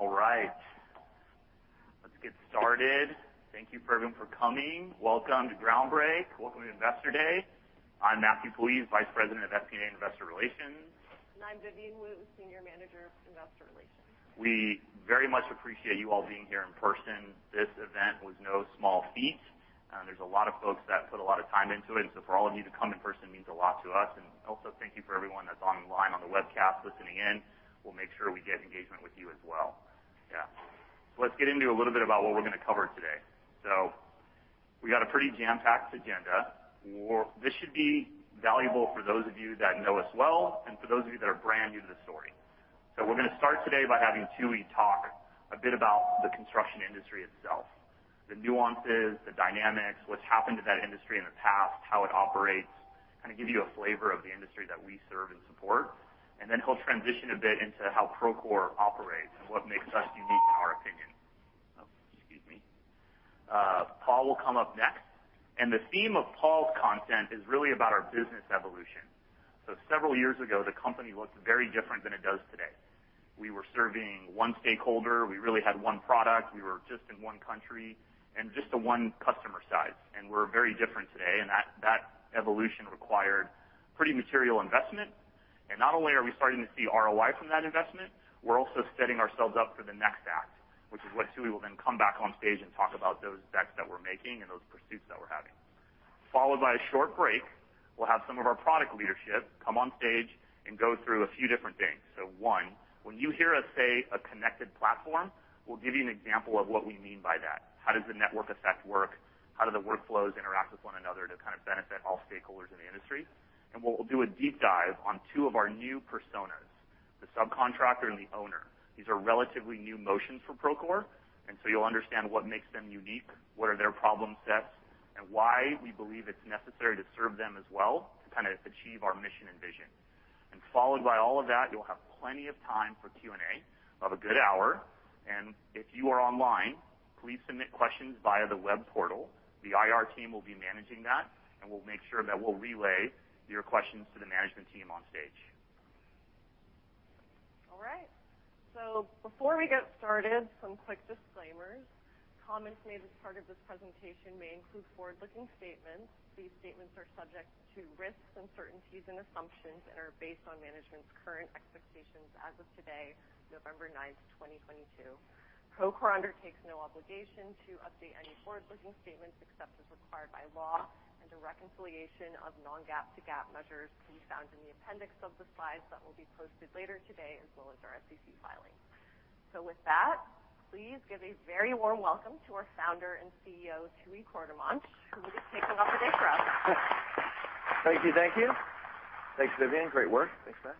All right, let's get started. Thank you everyone for coming. Welcome to Groundbreak. Welcome to Investor Day. I'm Matthew Puljiz, Vice President of Investor Relations. I'm Vivian Wu, Senior Manager of Investor Relations. We very much appreciate you all being here in person. This event was no small feat. There's a lot of folks that put a lot of time into it. For all of you to come in person means a lot to us. Also thank you for everyone that's online on the webcast listening in. We'll make sure we get engagement with you as well. Yeah. Let's get into a little bit about what we're gonna cover today. We got a pretty jam-packed agenda. This should be valuable for those of you that know us well and for those of you that are brand new to the story. We're gonna start today by having Tooey talk a bit about the construction industry itself, the nuances, the dynamics, what's happened to that industry in the past, how it operates. Kind of give you a flavor of the industry that we serve and support. Then he'll transition a bit into how Procore operates and what makes us unique in our opinion. Paul will come up next. The theme of Paul's content is really about our business evolution. Several years ago, the company looked very different than it does today. We were serving one stakeholder. We really had one product. We were just in one country and just to one customer size, and we're very different today. That evolution required pretty material investment. Not only are we starting to see ROI from that investment, we're also setting ourselves up for the next act, which is what Tooey will then come back on stage and talk about those bets that we're making and those pursuits that we're having. Followed by a short break, we'll have some of our product leadership come on stage and go through a few different things. One, when you hear us say a connected platform, we'll give you an example of what we mean by that. How does the network effect work? How do the workflows interact with one another to kind of benefit all stakeholders in the industry? We'll do a deep dive on two of our new personas, the subcontractor and the owner. These are relatively new motions for Procore, and so you'll understand what makes them unique, what are their problem sets, and why we believe it's necessary to serve them as well to kinda achieve our mission and vision. Followed by all of that, you'll have plenty of time for Q&A of a good hour. If you are online, please submit questions via the web portal. The IR team will be managing that, and we'll make sure that we'll relay your questions to the management team on stage. All right. Before we get started, some quick disclaimers. Comments made as part of this presentation may include forward-looking statements. These statements are subject to risks, uncertainties, and assumptions and are based on management's current expectations as of today, November 9th, 2022. Procore undertakes no obligation to update any forward-looking statements except as required by law, and the reconciliation of non-GAAP to GAAP measures can be found in the appendix of the slides that will be posted later today, as well as our SEC filings. With that, please give a very warm welcome to our founder and CEO, Tooey Courtemanche, who is kicking off the day for us. Thank you. Thanks, Vivian. Great work. Thanks, man.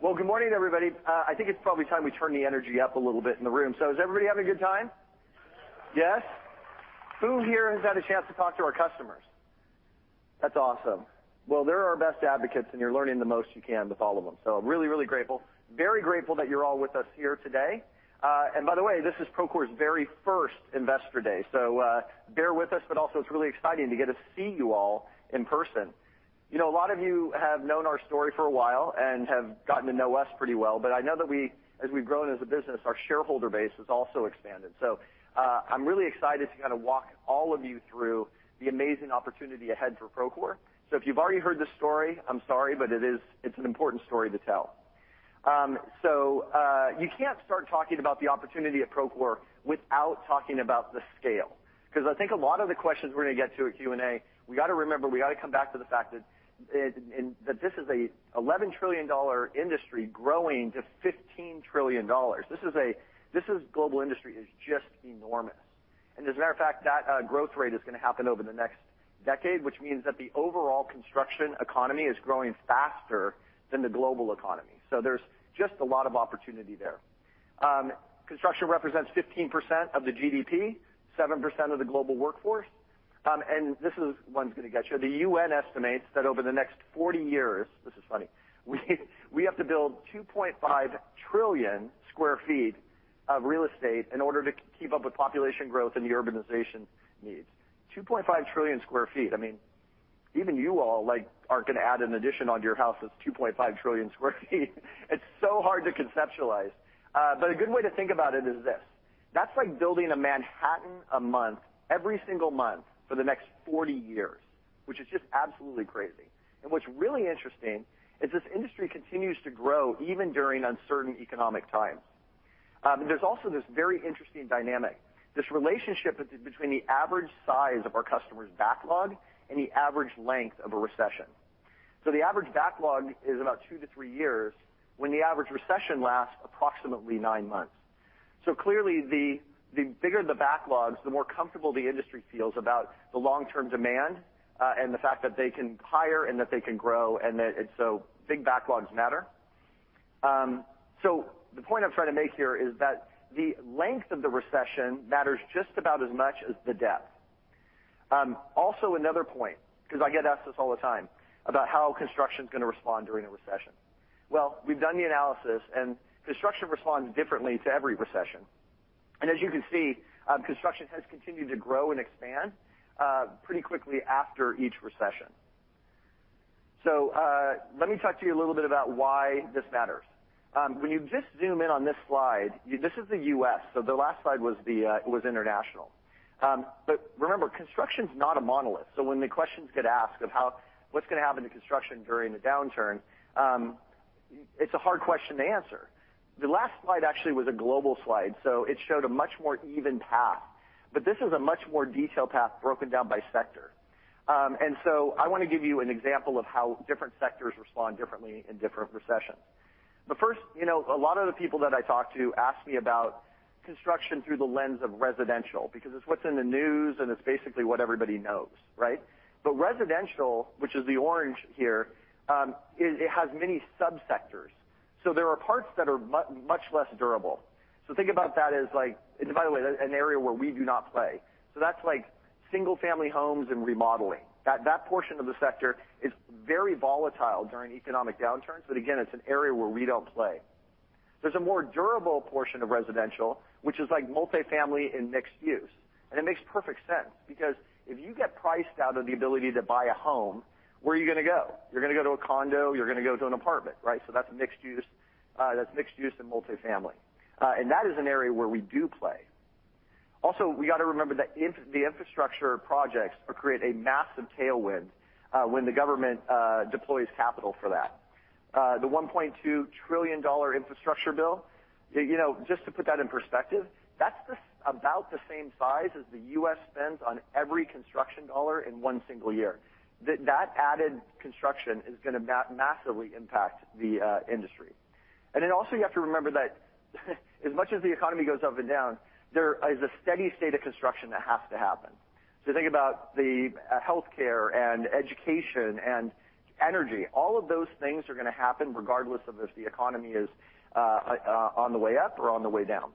Well, good morning, everybody. I think it's probably time we turn the energy up a little bit in the room. Is everybody having a good time? Yes. Yes? Who here has had a chance to talk to our customers? That's awesome. Well, they're our best advocates, and you're learning the most you can with all of them. I'm really, really grateful, very grateful that you're all with us here today. By the way, this is Procore's very first Investor Day, so bear with us, but also it's really exciting to get to see you all in person. You know, a lot of you have known our story for a while and have gotten to know us pretty well, but I know that we, as we've grown as a business, our shareholder base has also expanded. I'm really excited to kinda walk all of you through the amazing opportunity ahead for Procore. If you've already heard this story, I'm sorry, but it is, it's an important story to tell. You can't start talking about the opportunity at Procore without talking about the scale. 'Cause I think a lot of the questions we're gonna get to at Q&A, we gotta remember, we gotta come back to the fact that this is a $11 trillion industry growing to $15 trillion. This is a global industry, it's just enormous. As a matter of fact, that growth rate is gonna happen over the next decade, which means that the overall construction economy is growing faster than the global economy. There's just a lot of opportunity there. Construction represents 15% of the GDP, 7% of the global workforce. This is one's gonna get you. The UN estimates that over the next 40 years, this is funny, we have to build 2.5 trillion sq ft of real estate in order to keep up with population growth and the urbanization needs. 2.5 trillion sq ft. I mean, even you all, like, aren't gonna add an addition onto your house that's 2.5 trillion sq ft. It's so hard to conceptualize. A good way to think about it is this. That's like building a Manhattan a month, every single month for the next 40 years, which is just absolutely crazy. What's really interesting is this industry continues to grow even during uncertain economic times. There's also this very interesting dynamic, this relationship between the average size of our customer's backlog and the average length of a recession. The average backlog is about 2-3 years, when the average recession lasts approximately 9 months. Clearly, the bigger the backlogs, the more comfortable the industry feels about the long-term demand, and the fact that they can hire and that they can grow, and that it's so big backlogs matter. The point I'm trying to make here is that the length of the recession matters just about as much as the depth. Also another point, 'cause I get asked this all the time, about how construction's gonna respond during a recession. Well, we've done the analysis, and construction responds differently to every recession. As you can see, construction has continued to grow and expand pretty quickly after each recession. Let me talk to you a little bit about why this matters. When you just zoom in on this slide, this is the US, so the last slide was international. Remember, construction's not a monolith. When the questions get asked of how what's gonna happen to construction during the downturn, it's a hard question to answer. The last slide actually was a global slide, so it showed a much more even path. This is a much more detailed path broken down by sector. I wanna give you an example of how different sectors respond differently in different recessions. First, you know, a lot of the people that I talk to ask me about construction through the lens of residential because it's what's in the news, and it's basically what everybody knows, right? Residential, which is the orange here, is. It has many subsectors. There are parts that are much less durable. Think about that. By the way, an area where we do not play. That's single-family homes and remodeling. That portion of the sector is very volatile during economic downturns, but again, it's an area where we don't play. There's a more durable portion of residential, which is multifamily and mixed use. It makes perfect sense because if you get priced out of the ability to buy a home, where are you gonna go? You're gonna go to a condo, you're gonna go to an apartment, right? That's mixed use, that's mixed use and multifamily. That is an area where we do play. Also, we gotta remember that the infrastructure projects create a massive tailwind, when the government deploys capital for that. The $1.2 trillion infrastructure bill, you know, just to put that in perspective, that's just about the same size as the U.S. spends on every construction dollar in one single year. That added construction is gonna massively impact the industry. You have to remember that as much as the economy goes up and down, there is a steady state of construction that has to happen. Think about the healthcare and education and energy. All of those things are gonna happen regardless of if the economy is on the way up or on the way down.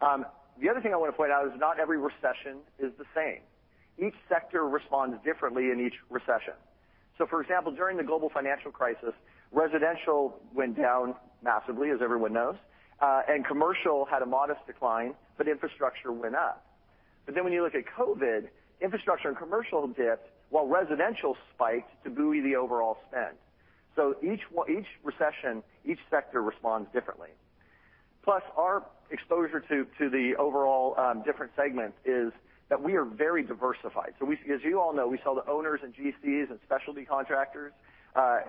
The other thing I wanna point out is not every recession is the same. Each sector responds differently in each recession. For example, during the global financial crisis, residential went down massively, as everyone knows, and commercial had a modest decline, but infrastructure went up. Then when you look at COVID, infrastructure and commercial dipped, while residential spiked to buoy the overall spend. Each recession, each sector responds differently. Plus, our exposure to the overall different segments is that we are very diversified. As you all know, we sell to owners and GCs and specialty contractors,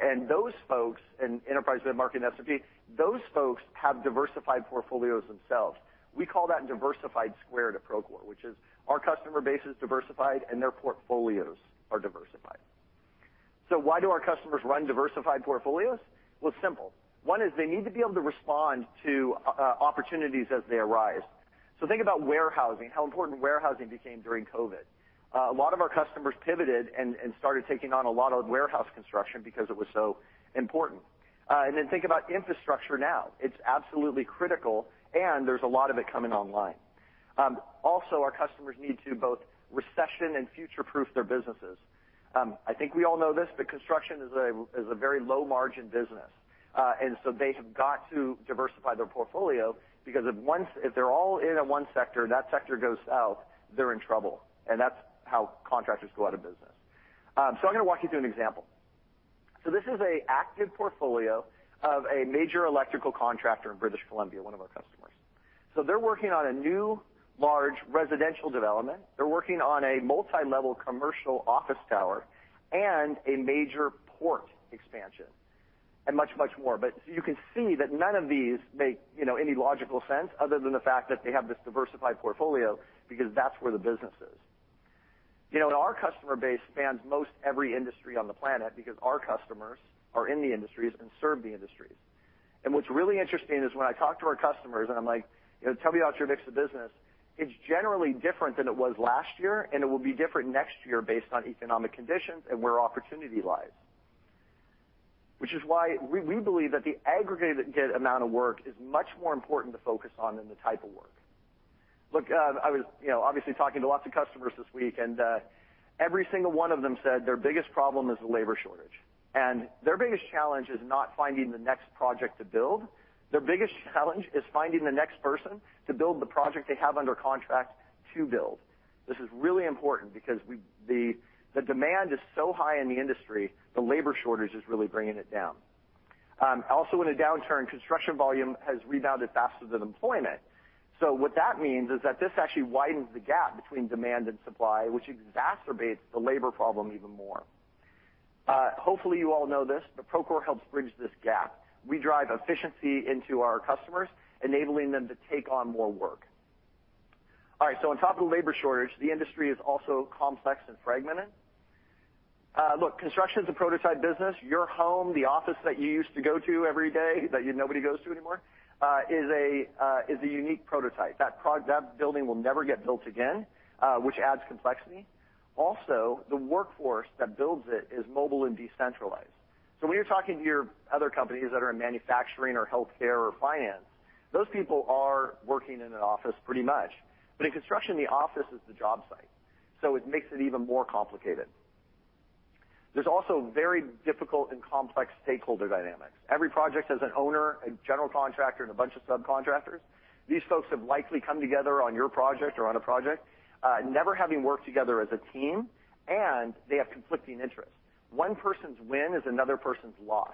and those folks, and enterprise, mid-market and SMB, those folks have diversified portfolios themselves. We call that diversified squared at Procore, which is our customer base is diversified and their portfolios are diversified. Why do our customers run diversified portfolios? Well, simple. One is they need to be able to respond to opportunities as they arise. Think about warehousing, how important warehousing became during COVID. A lot of our customers pivoted and started taking on a lot of warehouse construction because it was so important. Think about infrastructure now. It's absolutely critical, and there's a lot of it coming online. Also, our customers need to both recession- and future-proof their businesses. I think we all know this, but construction is a very low-margin business. They have got to diversify their portfolio because if they're all in at one sector and that sector goes south, they're in trouble, and that's how contractors go out of business. I'm gonna walk you through an example. This is an active portfolio of a major electrical contractor in British Columbia, one of our customers. They're working on a new large residential development. They're working on a multi-level commercial office tower and a major port expansion and much, much more. You can see that none of these make, you know, any logical sense other than the fact that they have this diversified portfolio because that's where the business is. You know, our customer base spans most every industry on the planet because our customers are in the industries and serve the industries. What's really interesting is when I talk to our customers and I'm like, "Tell me about your mix of business," it's generally different than it was last year, and it will be different next year based on economic conditions and where opportunity lies. Which is why we believe that the aggregated amount of work is much more important to focus on than the type of work. Look, I was, you know, obviously talking to lots of customers this week, and every single one of them said their biggest problem is the labor shortage. Their biggest challenge is not finding the next project to build. Their biggest challenge is finding the next person to build the project they have under contract to build. This is really important because the demand is so high in the industry, the labor shortage is really bringing it down. Also in a downturn, construction volume has rebounded faster than employment. What that means is that this actually widens the gap between demand and supply, which exacerbates the labor problem even more. Hopefully, you all know this, but Procore helps bridge this gap. We drive efficiency into our customers, enabling them to take on more work. All right. On top of the labor shortage, the industry is also complex and fragmented. Look, construction's a prototype business. Your home, the office that you used to go to every day that nobody goes to anymore, is a unique prototype. That building will never get built again, which adds complexity. Also, the workforce that builds it is mobile and decentralized. When you're talking to your other companies that are in manufacturing or healthcare or finance, those people are working in an office pretty much. In construction, the office is the job site, so it makes it even more complicated. There's also very difficult and complex stakeholder dynamics. Every project has an owner, a general contractor, and a bunch of subcontractors. These folks have likely come together on your project or on a project, never having worked together as a team, and they have conflicting interests. One person's win is another person's loss.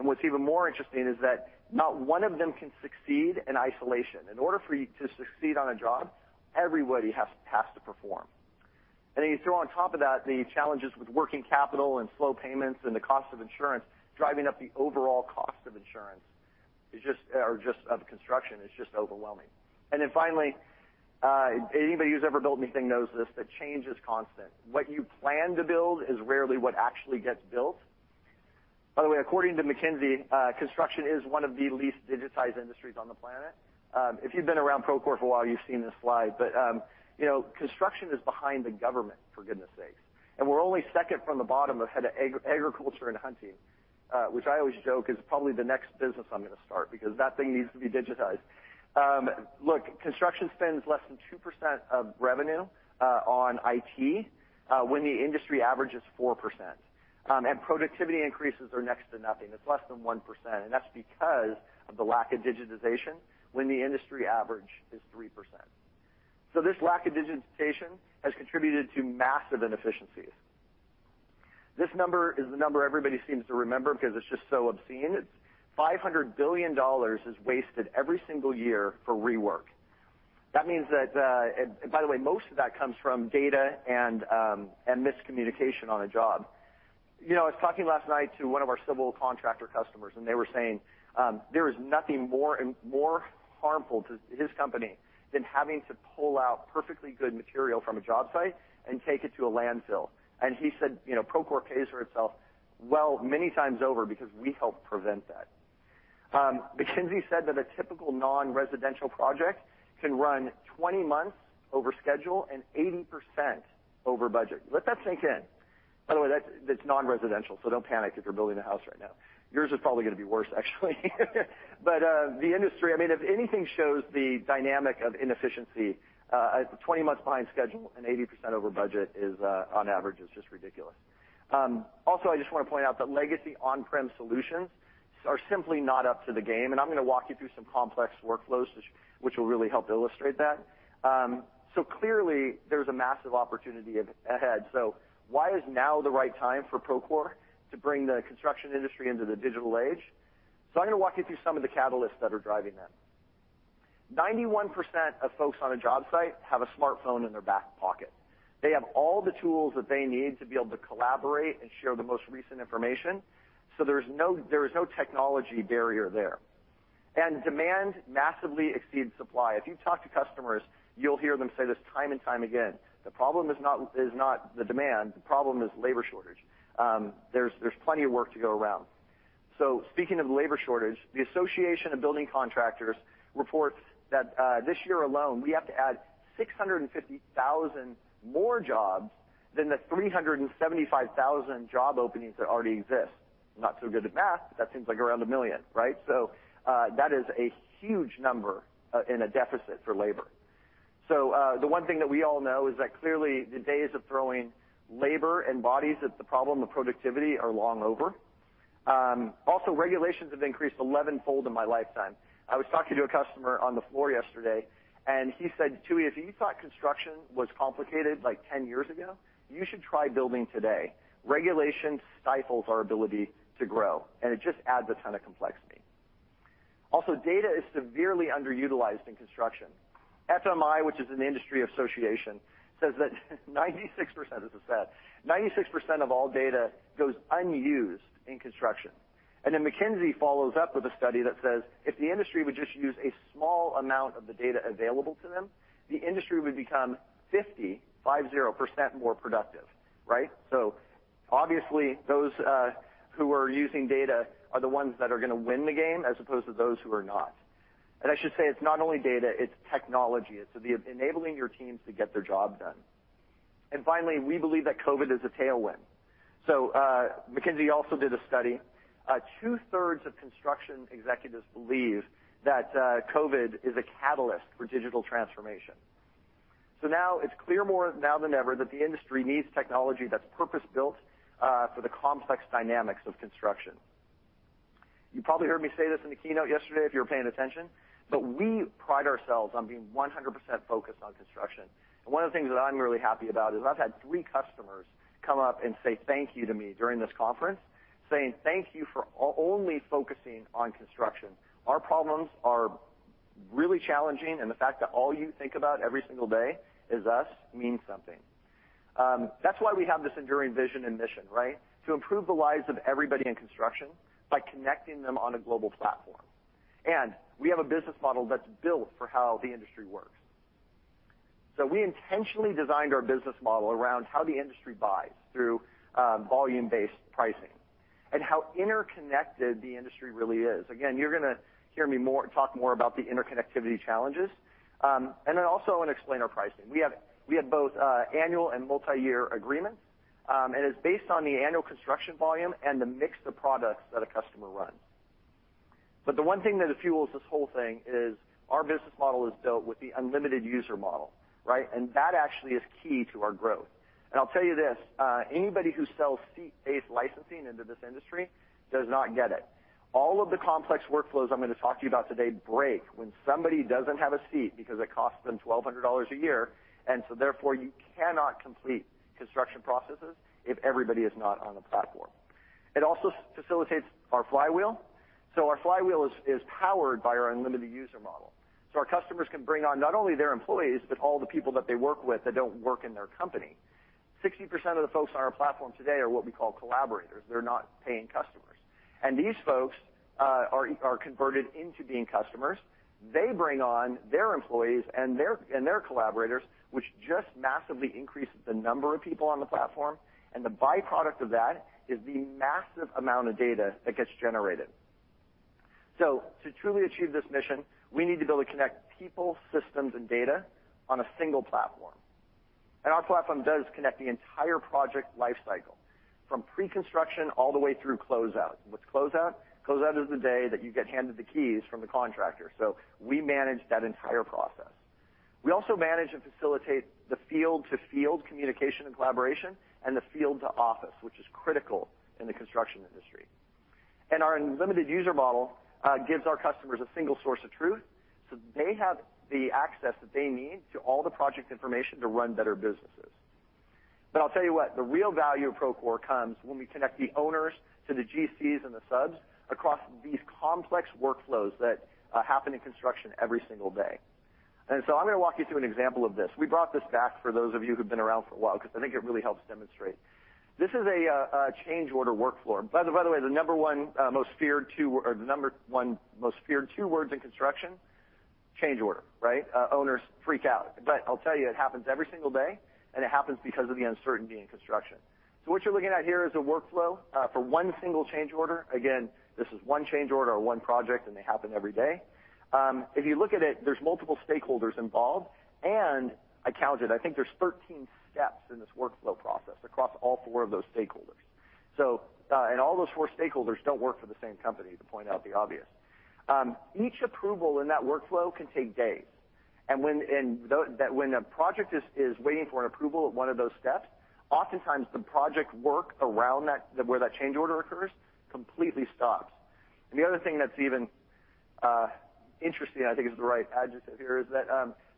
What's even more interesting is that not one of them can succeed in isolation. In order for you to succeed on a job, everybody has to perform. Then you throw on top of that the challenges with working capital and slow payments and the cost of insurance driving up the overall cost of construction is just overwhelming. Then finally, anybody who's ever built anything knows this, that change is constant. What you plan to build is rarely what actually gets built. By the way, according to McKinsey, construction is one of the least digitized industries on the planet. If you've been around Procore for a while, you've seen this slide, but you know, construction is behind the government, for goodness sakes. We're only second from the bottom ahead of agriculture and hunting, which I always joke is probably the next business I'm gonna start because that thing needs to be digitized. Look, construction spends less than 2% of revenue on IT when the industry average is 4%. Productivity increases are next to nothing. It's less than 1%, and that's because of the lack of digitization when the industry average is 3%. This lack of digitization has contributed to massive inefficiencies. This number is the number everybody seems to remember because it's just so obscene. $500 billion is wasted every single year for rework. That means that. By the way, most of that comes from data and miscommunication on a job. You know, I was talking last night to one of our civil contractor customers, and they were saying there is nothing more harmful to his company than having to pull out perfectly good material from a job site and take it to a landfill. He said, you know, Procore pays for itself, well, many times over because we help prevent that. McKinsey said that a typical non-residential project can run 20 months over schedule and 80% over budget. Let that sink in. By the way, that's non-residential, so don't panic if you're building a house right now. Yours is probably gonna be worse, actually. The industry, I mean, if anything shows the dynamic of inefficiency, 20 months behind schedule and 80% over budget is, on average, just ridiculous. Also, I just wanna point out that legacy on-prem solutions are simply not up to the game, and I'm gonna walk you through some complex workflows which will really help illustrate that. Clearly there's a massive opportunity ahead. Why is now the right time for Procore to bring the construction industry into the digital age? I'm gonna walk you through some of the catalysts that are driving that. 91% of folks on a job site have a smartphone in their back pocket. They have all the tools that they need to be able to collaborate and share the most recent information, so there is no technology barrier there. Demand massively exceeds supply. If you talk to customers, you'll hear them say this time and time again. The problem is not the demand, the problem is labor shortage. There's plenty of work to go around. Speaking of labor shortage, the Associated Builders and Contractors reports that this year alone, we have to add 650,000 more jobs than the 375,000 job openings that already exist. I'm not so good at math, but that seems like around a million, right? That is a huge number in a deficit for labor. The one thing that we all know is that clearly the days of throwing labor and bodies at the problem of productivity are long over. Also, regulations have increased elevenfold in my lifetime. I was talking to a customer on the floor yesterday, and he said, "Tooey, if you thought construction was complicated like 10 years ago, you should try building today. Regulation stifles our ability to grow, and it just adds a ton of complexity." Also, data is severely underutilized in construction. FMI, which is an industry association, says that 96%, this is sad, 96% of all data goes unused in construction. Then McKinsey follows up with a study that says, if the industry would just use a small amount of the data available to them, the industry would become 50% more productive, right? Obviously those who are using data are the ones that are gonna win the game as opposed to those who are not. I should say it's not only data, it's technology. It's the enabling your teams to get their job done. Finally, we believe that COVID is a tailwind. McKinsey also did a study. Two-thirds of construction executives believe that COVID is a catalyst for digital transformation. Now it's clear more now than ever that the industry needs technology that's purpose-built for the complex dynamics of construction. You probably heard me say this in the keynote yesterday if you were paying attention, but we pride ourselves on being 100% focused on construction. One of the things that I'm really happy about is I've had three customers come up and say thank you to me during this conference, saying, "Thank you for only focusing on construction. Our problems are really challenging, and the fact that all you think about every single day is us means something." That's why we have this enduring vision and mission, right? To improve the lives of everybody in construction by connecting them on a global platform. We have a business model that's built for how the industry works. We intentionally designed our business model around how the industry buys through volume-based pricing and how interconnected the industry really is. Again, you're gonna hear me talk more about the interconnectivity challenges. I wanna explain our pricing. We have both annual and multiyear agreements, and it's based on the annual construction volume and the mix of products that a customer runs. The one thing that fuels this whole thing is our business model built with the unlimited user model, right? That actually is key to our growth. I'll tell you this, anybody who sells seat-based licensing into this industry does not get it. All of the complex workflows I'm gonna talk to you about today break when somebody doesn't have a seat because it costs them $1,200 a year, and so therefore, you cannot complete construction processes if everybody is not on the platform. It also facilitates our flywheel. Our flywheel is powered by our unlimited user model. Our customers can bring on not only their employees, but all the people that they work with that don't work in their company. 60% of the folks on our platform today are what we call collaborators. They're not paying customers. These folks are converted into being customers. They bring on their employees and their collaborators, which just massively increases the number of people on the platform. The byproduct of that is the massive amount of data that gets generated. To truly achieve this mission, we need to be able to connect people, systems, and data on a single platform. Our platform does connect the entire project life cycle from pre-construction all the way through closeout. What's closeout? Closeout is the day that you get handed the keys from the contractor. We manage that entire process. We also manage and facilitate the field-to-field communication and collaboration and the field to office, which is critical in the construction industry. Our unlimited user model gives our customers a single source of truth, so they have the access that they need to all the project information to run better businesses. I'll tell you what, the real value of Procore comes when we connect the owners to the GCs and the subs across these complex workflows that happen in construction every single day. I'm gonna walk you through an example of this. We brought this back for those of you who've been around for a while because I think it really helps demonstrate. This is a change order workflow. By the way, the number one most feared two words in construction, change order, right? Owners freak out. I'll tell you, it happens every single day, and it happens because of the uncertainty in construction. What you're looking at here is a workflow for one single change order. Again, this is one change order or one project, and they happen every day. If you look at it, there's multiple stakeholders involved, and I counted, I think there's 13 steps in this workflow process across all four of those stakeholders. All those four stakeholders don't work for the same company, to point out the obvious. Each approval in that workflow can take days. When a project is waiting for an approval at one of those steps, oftentimes the project work around that, where that change order occurs, completely stops. The other thing that's even interesting, I think is the right adjective here, is that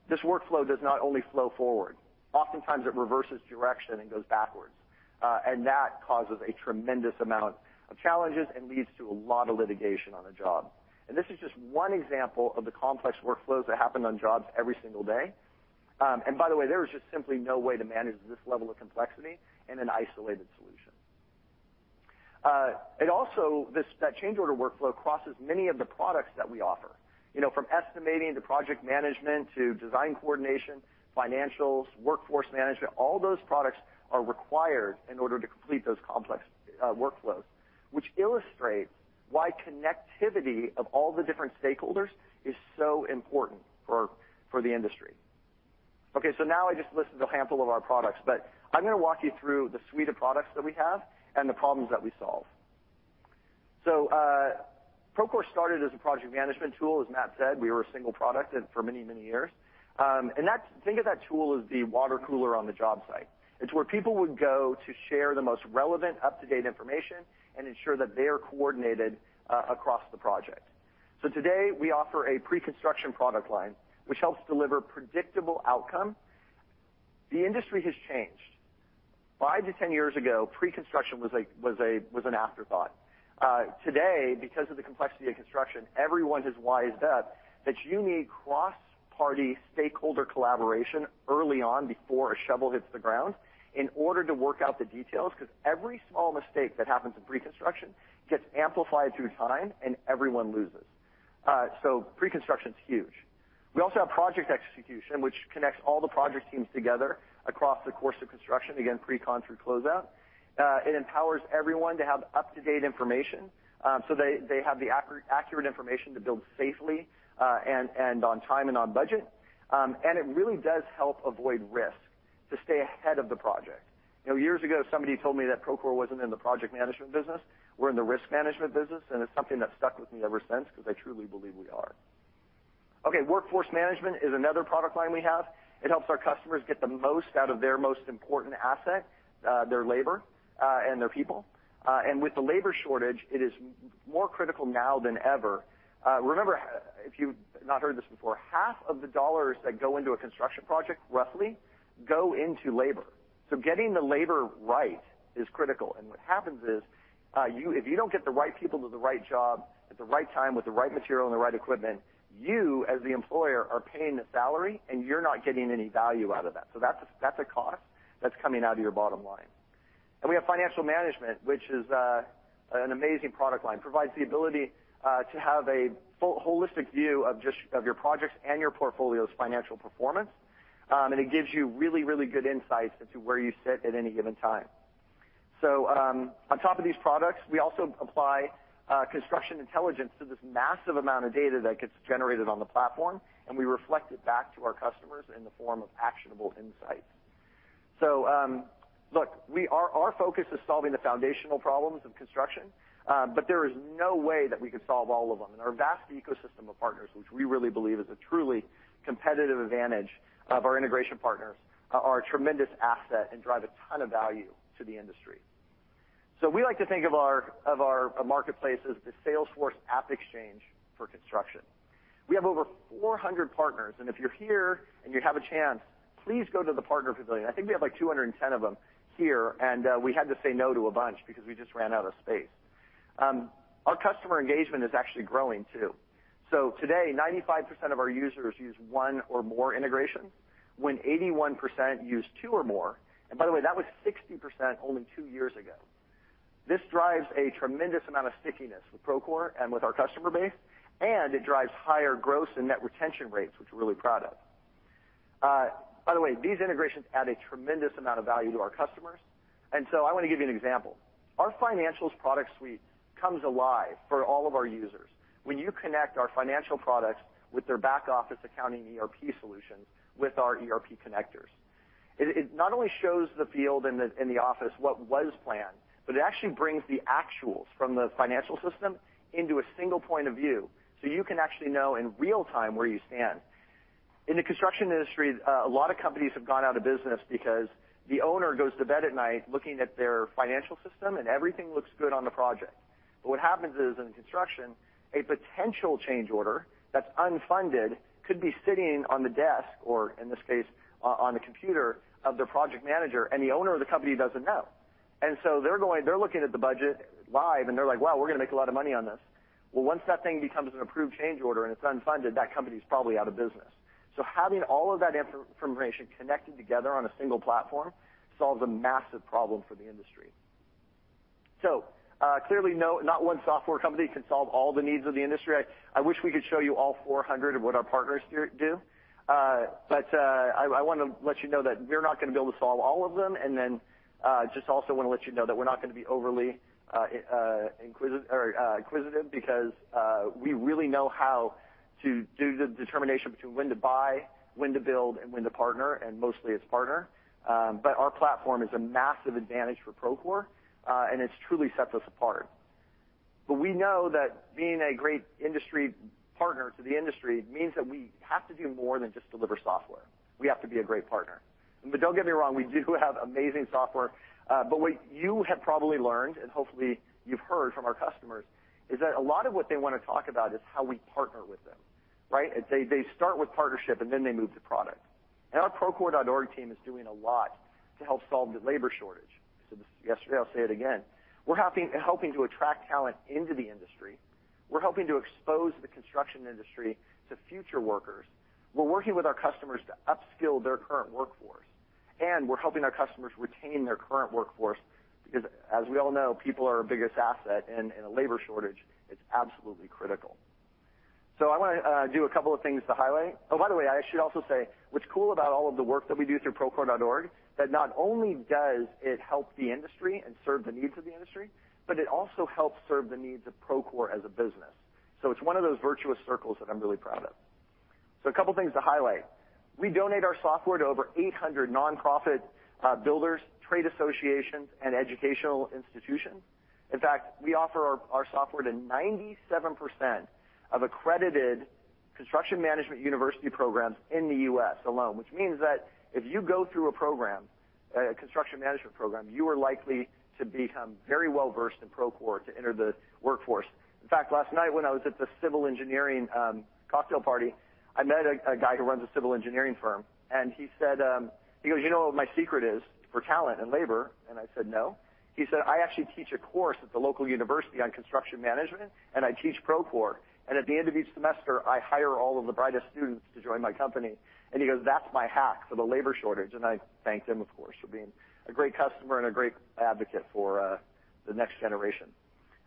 this workflow does not only flow forward. Oftentimes it reverses direction and goes backwards, and that causes a tremendous amount of challenges and leads to a lot of litigation on a job. This is just one example of the complex workflows that happen on jobs every single day. By the way, there is just simply no way to manage this level of complexity in an isolated solution. It also, that change order workflow crosses many of the products that we offer. You know, from estimating to project management to design coordination, financials, workforce management, all those products are required in order to complete those complex workflows, which illustrates why connectivity of all the different stakeholders is so important for the industry. Okay, now I just listed a handful of our products, but I'm gonna walk you through the suite of products that we have and the problems that we solve. Procore started as a project management tool. As Matt said, we were a single product and for many, many years. Think of that tool as the water cooler on the job site. It's where people would go to share the most relevant up-to-date information and ensure that they are coordinated across the project. Today, we offer a pre-construction product line, which helps deliver predictable outcome. The industry has changed. 5-10 years ago, pre-construction was an afterthought. Today, because of the complexity of construction, everyone has wised up that you need cross-party stakeholder collaboration early on before a shovel hits the ground in order to work out the details, because every small mistake that happens in pre-construction gets amplified through time and everyone loses. Pre-construction is huge. We also have project execution, which connects all the project teams together across the course of construction, again, pre-con through closeout. It empowers everyone to have up-to-date information, so they have the accurate information to build safely, and on time and on budget. It really does help avoid risk to stay ahead of the project. You know, years ago, somebody told me that Procore wasn't in the project management business. We're in the risk management business, and it's something that stuck with me ever since because I truly believe we are. Okay. Workforce management is another product line we have. It helps our customers get the most out of their most important asset, their labor, and their people. With the labor shortage, it is more critical now than ever. Remember, if you've not heard this before, half of the dollars that go into a construction project, roughly, go into labor. Getting the labor right is critical. What happens is, if you don't get the right people to the right job at the right time with the right material and the right equipment, you, as the employer, are paying the salary and you're not getting any value out of that. That's a cost that's coming out of your bottom line. We have financial management, which is an amazing product line, provides the ability to have a holistic view of your projects and your portfolio's financial performance. It gives you really good insights into where you sit at any given time. On top of these products, we also apply construction intelligence to this massive amount of data that gets generated on the platform, and we reflect it back to our customers in the form of actionable insights. Our focus is solving the foundational problems of construction, but there is no way that we could solve all of them. Our vast ecosystem of partners, which we really believe is a truly competitive advantage of our integration partners, are a tremendous asset and drive a ton of value to the industry. We like to think of our marketplace as the Salesforce AppExchange for construction. We have over 400 partners, and if you're here and you have a chance, please go to the partner pavilion. I think we have, like, 210 of them here, and we had to say no to a bunch because we just ran out of space. Our customer engagement is actually growing, too. Today, 95% of our users use one or more integration when 81% use two or more. By the way, that was 60% only two years ago. This drives a tremendous amount of stickiness with Procore and with our customer base, and it drives higher gross and net retention rates, which we're really proud of. By the way, these integrations add a tremendous amount of value to our customers, and so I want to give you an example. Our financials product suite comes alive for all of our users. When you connect our financial products with their back-office accounting ERP solutions with our ERP connectors, it not only shows the field and the office what was planned, but it actually brings the actuals from the financial system into a single point of view, so you can actually know in real time where you stand. In the construction industry, a lot of companies have gone out of business because the owner goes to bed at night looking at their financial system, and everything looks good on the project. What happens is, in construction, a potential change order that's unfunded could be sitting on the desk or, in this case, on the computer of their project manager, and the owner of the company doesn't know. They're looking at the budget live, and they're like, "Wow, we're gonna make a lot of money on this." Well, once that thing becomes an approved change order and it's unfunded, that company's probably out of business. Having all of that information connected together on a single platform solves a massive problem for the industry. Clearly, not one software company can solve all the needs of the industry. I wish we could show you all 400 of what our partners here do. But I want to let you know that we're not gonna be able to solve all of them. Just also want to let you know that we're not gonna be overly inquisitive because we really know how to do the determination between when to buy, when to build, and when to partner, and mostly it's partner. Our platform is a massive advantage for Procore, and it truly sets us apart. We know that being a great industry partner to the industry means that we have to do more than just deliver software. We have to be a great partner. Don't get me wrong, we do have amazing software. What you have probably learned, and hopefully you've heard from our customers, is that a lot of what they wanna talk about is how we partner with them, right? They start with partnership, and then they move to product. Our Procore.org team is doing a lot to help solve the labor shortage. I said this yesterday, I'll say it again. We're helping to attract talent into the industry. We're helping to expose the construction industry to future workers. We're working with our customers to upskill their current workforce, and we're helping our customers retain their current workforce, because as we all know, people are our biggest asset, and in a labor shortage, it's absolutely critical. I wanna do a couple of things to highlight. Oh, by the way, I should also say what's cool about all of the work that we do through Procore.org, that not only does it help the industry and serve the needs of the industry, but it also helps serve the needs of Procore as a business. It's one of those virtuous circles that I'm really proud of. A couple things to highlight. We donate our software to over 800 nonprofit builders, trade associations, and educational institutions. In fact, we offer our software to 97% of accredited construction management university programs in the U.S. alone, which means that if you go through a program, a construction management program, you are likely to become very well-versed in Procore to enter the workforce. In fact, last night, when I was at the civil engineering cocktail party, I met a guy who runs a civil engineering firm, and he said, he goes, "You know what my secret is for talent and labor?" And I said, "No." He said, "I actually teach a course at the local university on construction management, and I teach Procore. At the end of each semester, I hire all of the brightest students to join my company." He goes, "That's my hack for the labor shortage." I thanked him, of course, for being a great customer and a great advocate for the next generation.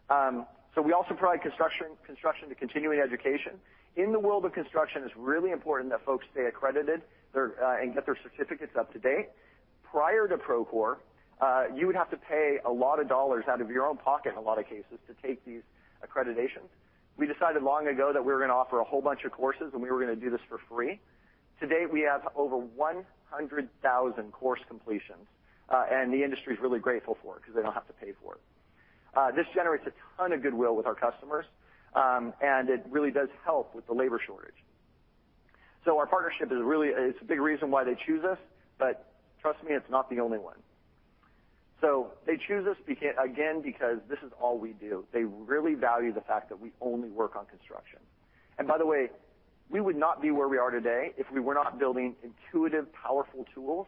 We also provide construction to continuing education. In the world of construction, it's really important that folks stay accredited and get their certificates up to date. Prior to Procore, you would have to pay a lot of dollars out of your own pocket in a lot of cases to take these accreditations. We decided long ago that we were gonna offer a whole bunch of courses, and we were gonna do this for free. To date, we have over 100,000 course completions, and the industry is really grateful for it because they don't have to pay for it. This generates a ton of goodwill with our customers, and it really does help with the labor shortage. Our partnership is really a big reason why they choose us, but trust me, it's not the only one. They choose us again, because this is all we do. They really value the fact that we only work on construction. By the way, we would not be where we are today if we were not building intuitive, powerful tools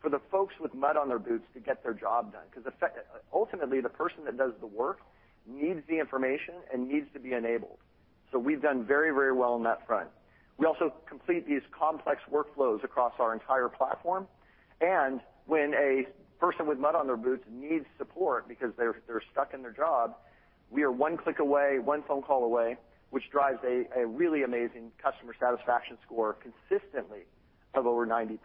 for the folks with mud on their boots to get their job done. Ultimately, the person that does the work needs the information and needs to be enabled. We've done very, very well on that front. We also complete these complex workflows across our entire platform. When a person with mud on their boots needs support because they're stuck in their job, we are one click away, one phone call away, which drives a really amazing customer satisfaction score consistently of over 90%.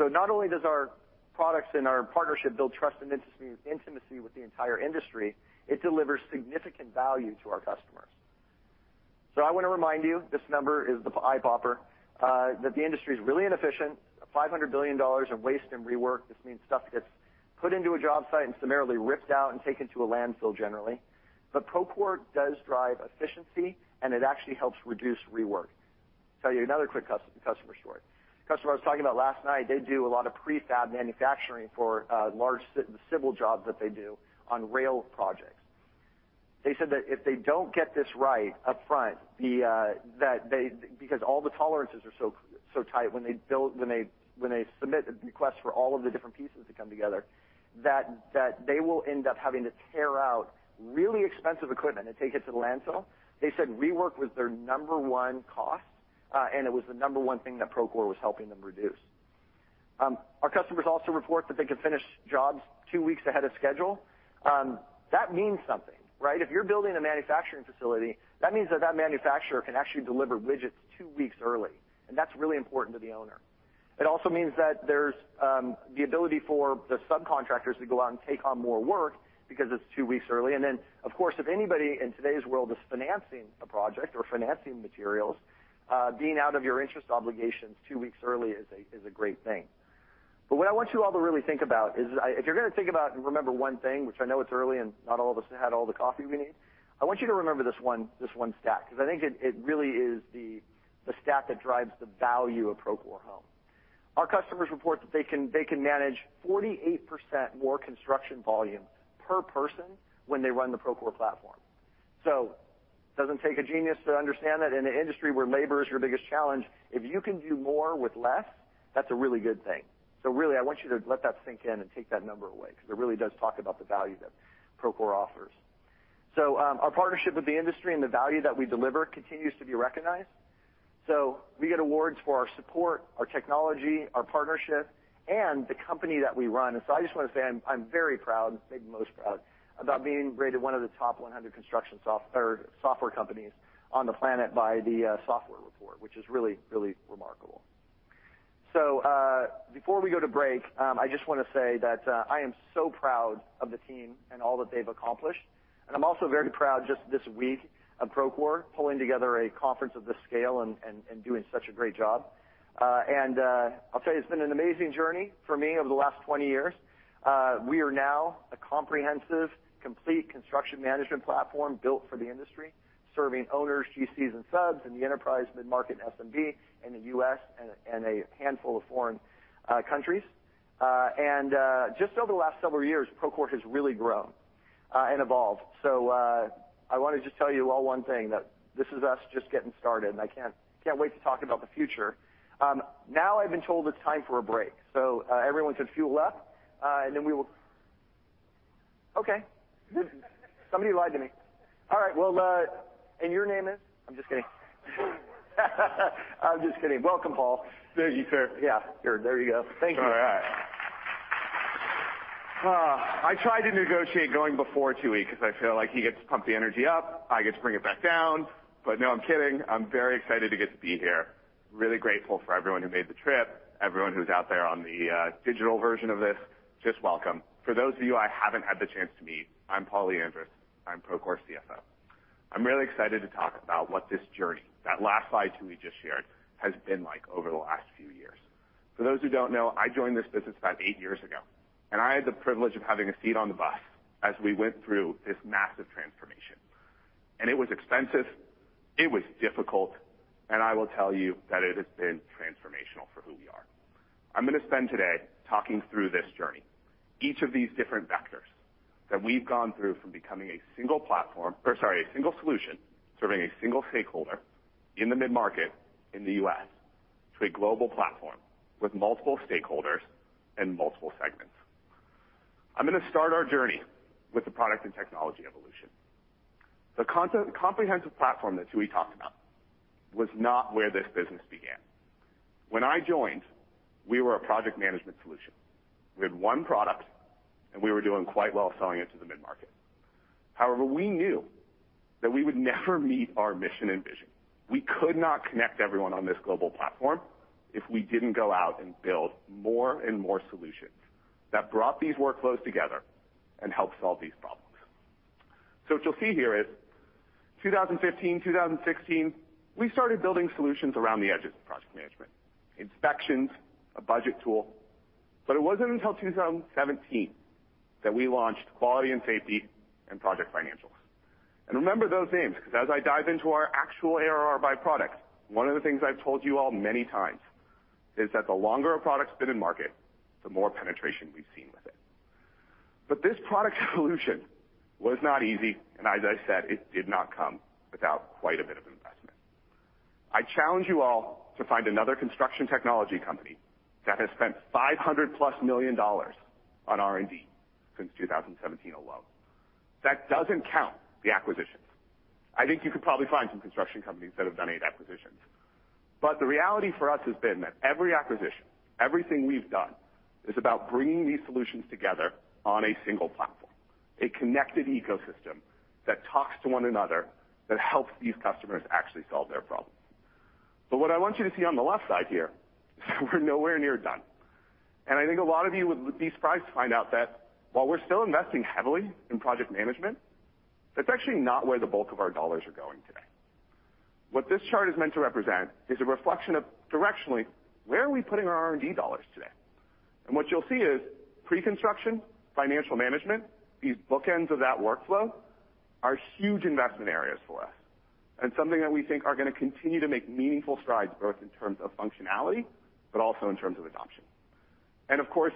Not only does our products and our partnership build trust and intimacy with the entire industry, it delivers significant value to our customers. I want to remind you, this number is the eye-popper, that the industry is really inefficient, $500 billion in waste and rework. This means stuff gets put into a job site and summarily ripped out and taken to a landfill generally. Procore does drive efficiency, and it actually helps reduce rework. Tell you another quick customer story. Customer I was talking about last night, they do a lot of prefab manufacturing for large civil jobs that they do on rail projects. They said that if they don't get this right upfront, because all the tolerances are so tight when they submit a request for all of the different pieces to come together, that they will end up having to tear out really expensive equipment and take it to the landfill. They said rework was their number one cost, and it was the number one thing that Procore was helping them reduce. Our customers also report that they can finish jobs two weeks ahead of schedule. That means something, right? If you're building a manufacturing facility, that means that manufacturer can actually deliver widgets two weeks early, and that's really important to the owner. It also means that there's the ability for the subcontractors to go out and take on more work because it's two weeks early. Of course, if anybody in today's world is financing a project or financing materials, being out of your interest obligations two weeks early is a great thing. What I want you all to really think about is if you're gonna think about and remember one thing, which I know it's early and not all of us have had all the coffee we need, I want you to remember this one stat, because I think it really is the stat that drives the value of Procore Home. Our customers report that they can manage 48% more construction volume per person when they run the Procore platform. It doesn't take a genius to understand that in an industry where labor is your biggest challenge, if you can do more with less, that's a really good thing. Really, I want you to let that sink in and take that number away because it really does talk about the value that Procore offers. Our partnership with the industry and the value that we deliver continues to be recognized. We get awards for our support, our technology, our partnership, and the company that we run. I just want to say I'm very proud, maybe most proud about being rated one of the top 100 construction software companies on the planet by the Software Report, which is really, really remarkable. Before we go to break, I just want to say that I am so proud of the team and all that they've accomplished. I'm also very proud just this week of Procore pulling together a conference of this scale and doing such a great job. I'll tell you, it's been an amazing journey for me over the last 20 years. We are now a comprehensive, complete construction management platform built for the industry, serving owners, GCs, and subs in the enterprise, mid-market, and SMB in the US and a handful of foreign countries. Just over the last several years, Procore has really grown and evolved. I wanna just tell you all one thing, that this is us just getting started, and I can't wait to talk about the future. Now I've been told it's time for a break, everyone can fuel up, and then we will. Okay. Somebody lied to me. All right. Well, your name is? I'm just kidding. Welcome, Paul. There you go, sir. Yeah, here. There you go. Thank you. All right. I tried to negotiate going before Tui because I feel like he gets to pump the energy up, I get to bring it back down. No, I'm kidding. I'm very excited to get to be here. Really grateful for everyone who made the trip, everyone who's out there on the digital version of this. Just welcome. For those of you I haven't had the chance to meet, I'm Paul Lyandres. I'm Procore's CFO. I'm really excited to talk about what this journey, that last slide Tui just shared, has been like over the last few years. For those who don't know, I joined this business about eight years ago, and I had the privilege of having a seat on the bus as we went through this massive transformation. It was expensive, it was difficult, and I will tell you that it has been transformational for who we are. I'm gonna spend today talking through this journey, each of these different vectors that we've gone through from becoming a single solution, serving a single stakeholder in the mid-market in the US, to a global platform with multiple stakeholders and multiple segments. I'm gonna start our journey with the product and technology evolution. The comprehensive platform that Tooey talked about was not where this business began. When I joined, we were a project management solution. We had one product, and we were doing quite well selling it to the mid-market. However, we knew that we would never meet our mission and vision. We could not connect everyone on this global platform if we didn't go out and build more and more solutions that brought these workflows together and helped solve these problems. What you'll see here is 2015, 2016, we started building solutions around the edges of project management. Inspections, a budget tool. It wasn't until 2017 that we launched quality and safety and project financials. Remember those names, 'cause as I dive into our actual ARR by products, one of the things I've told you all many times is that the longer a product's been in market, the more penetration we've seen with it. This product solution was not easy, and as I said, it did not come without quite a bit of investment. I challenge you all to find another construction technology company that has spent $500+ million on R&D since 2017 alone. That doesn't count the acquisitions. I think you could probably find some construction companies that have done eight acquisitions. The reality for us has been that every acquisition, everything we've done, is about bringing these solutions together on a single platform, a connected ecosystem that talks to one another, that helps these customers actually solve their problems. What I want you to see on the left side here is we're nowhere near done. I think a lot of you would be surprised to find out that while we're still investing heavily in project management, that's actually not where the bulk of our dollars are going today. What this chart is meant to represent is a reflection, directionally, of where we are putting our R&D dollars today? What you'll see is pre-construction, financial management, these bookends of that workflow are huge investment areas for us and something that we think are gonna continue to make meaningful strides, both in terms of functionality, but also in terms of adoption. Of course,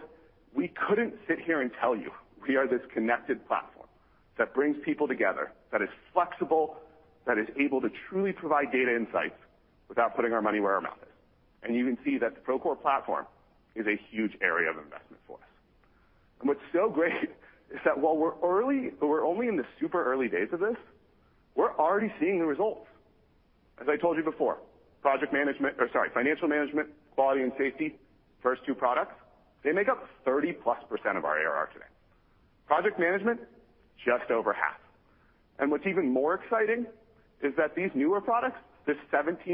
we couldn't sit here and tell you we are this connected platform that brings people together, that is flexible, that is able to truly provide data insights without putting our money where our mouth is. You can see that the Procore platform is a huge area of investment for us. What's so great is that while we're early, we're only in the super early days of this, we're already seeing the results. As I told you before, financial management, quality, and safety, first two products, they make up 30+% of our ARR today. Project management, just over half. What's even more exciting is that these newer products, this 17%,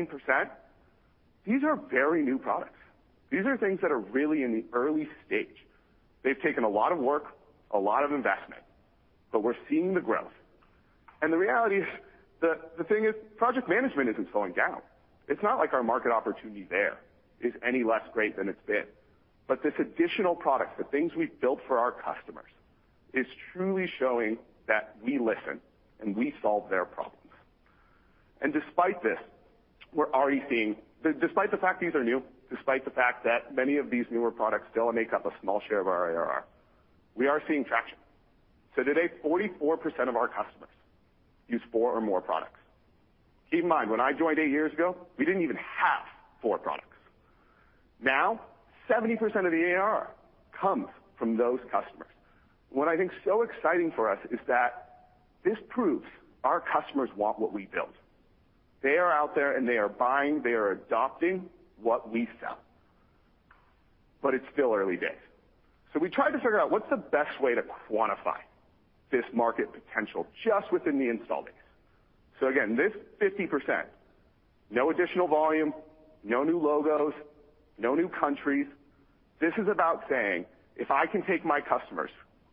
these are very new products. These are things that are really in the early stage. They've taken a lot of work, a lot of investment, but we're seeing the growth. The reality is, the thing is, project management isn't slowing down. It's not like our market opportunity there is any less great than it's been. This additional products, the things we've built for our custmers, is truly showing that we listen and we solve their problems. Despite this, we're already seeing. Despite the fact these are new, despite the fact that many of these newer products still make up a small share of our ARR, we are seeing traction. Today, 44% of our customers use four or more products. Keep in mind, when I joined eight years ago, we didn't even have four products. Now, 70% of the ARR comes from those customers. What I think is so exciting for us is that this proves our customers want what we built. They are out there, and they are buying, they are adopting what we sell. It's still early days. We tried to figure out what's the best way to quantify this market potential just within the install base. Again, this 50%, no additional volume, no new logos, no new countries. This is about saying, if I can take my customers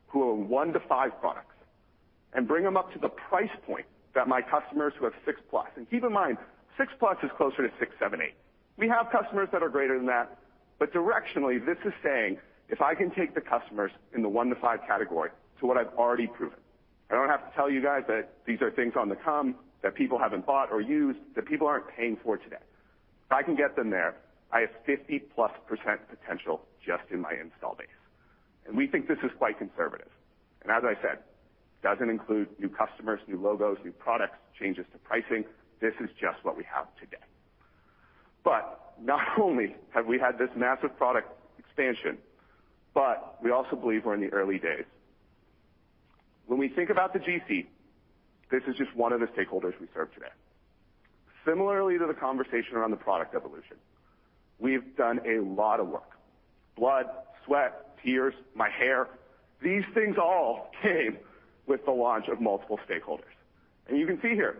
who own 1-5 products and bring them up to the price point that my customers who have 6+. Keep in mind, 6+ is closer to six seven eight. We have customers that are greater than that. Directionally, this is saying, if I can take the customers in the 1-5 category to what I've already proven. I don't have to tell you guys that these are things on the come, that people haven't bought or used, that people aren't paying for today. If I can get them there, I have 50%+ potential just in my installed base. We think this is quite conservative. As I said, doesn't include new customers, new logos, new products, changes to pricing. This is just what we have today. Not only have we had this massive product expansion, but we also believe we're in the early days. When we think about the GC, this is just one of the stakeholders we serve today. Similarly to the conversation around the product evolution, we've done a lot of work. Blood, sweat, tears, my hair, these things all came with the launch of multiple stakeholders. You can see here,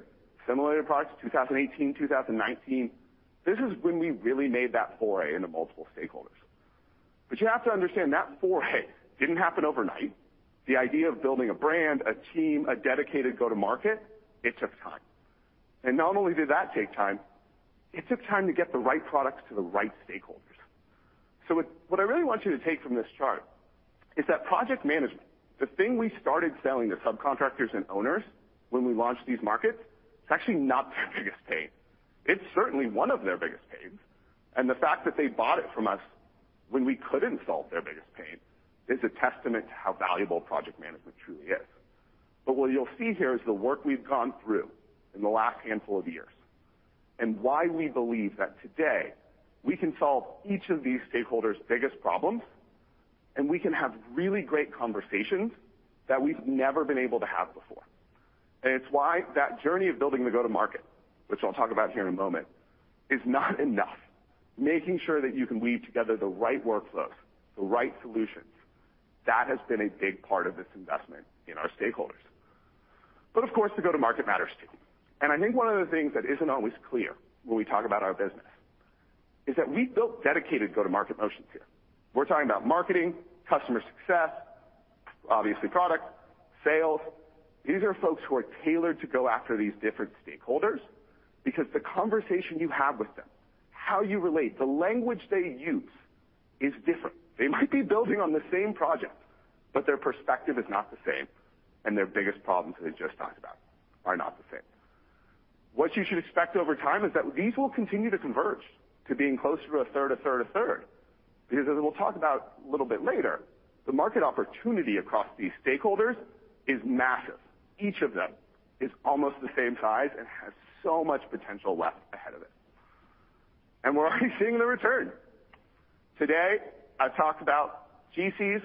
similar products, 2018, 2019, this is when we really made that foray into multiple stakeholders. You have to understand that foray didn't happen overnight. The idea of building a brand, a team, a dedicated go-to-market, it took time. Not only did that take time, it took time to get the right products to the right stakeholders. What I really want you to take from this chart is that project management, the thing we started selling to subcontractors and owners when we launched these markets, it's actually not their biggest pain. It's certainly one of their biggest pains, and the fact that they bought it from us when we couldn't solve their biggest pain is a testament to how valuable project management truly is. What you'll see here is the work we've gone through in the last handful of years and why we believe that today we can solve each of these stakeholders' biggest problems, and we can have really great conversations that we've never been able to have before. It's why that journey of building the go-to-market, which I'll talk about here in a moment, is not enough. Making sure that you can weave together the right workflows, the right solutions, that has been a big part of this investment in our stakeholders. Of course, the go-to-market matters, too. I think one of the things that isn't always clear when we talk about our business is that we built dedicated go-to-market motions here. We're talking about marketing, customer success, obviously product, sales. These are folks who are tailored to go after these different stakeholders because the conversation you have with them, how you relate, the language they use is different. They might be building on the same project, but their perspective is not the same, and their biggest problems, as I just talked about, are not the same. What you should expect over time is that these will continue to converge to being closer to a third, a third, a third. Because as we'll talk about a little bit later, the market opportunity across these stakeholders is massive. Each of them is almost the same size and has so much potential left ahead of it. We're already seeing the return. Today, I've talked about GCs,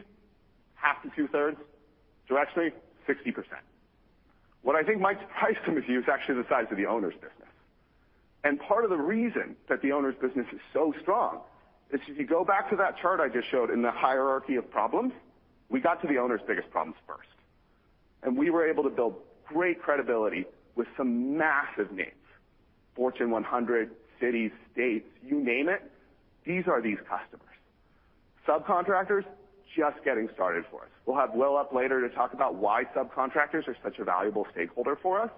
half to two-thirds, directionally 60%. What I think might surprise some of you is actually the size of the owners' business. Part of the reason that the owners' business is so strong is if you go back to that chart I just showed in the hierarchy of problems, we got to the owners' biggest problems first, and we were able to build great credibility with some massive names, Fortune 100, cities, states, you name it. These are the customers. Subcontractors, just getting started for us. We'll have Will up later to talk about why subcontractors are such a valuable stakeholder for us.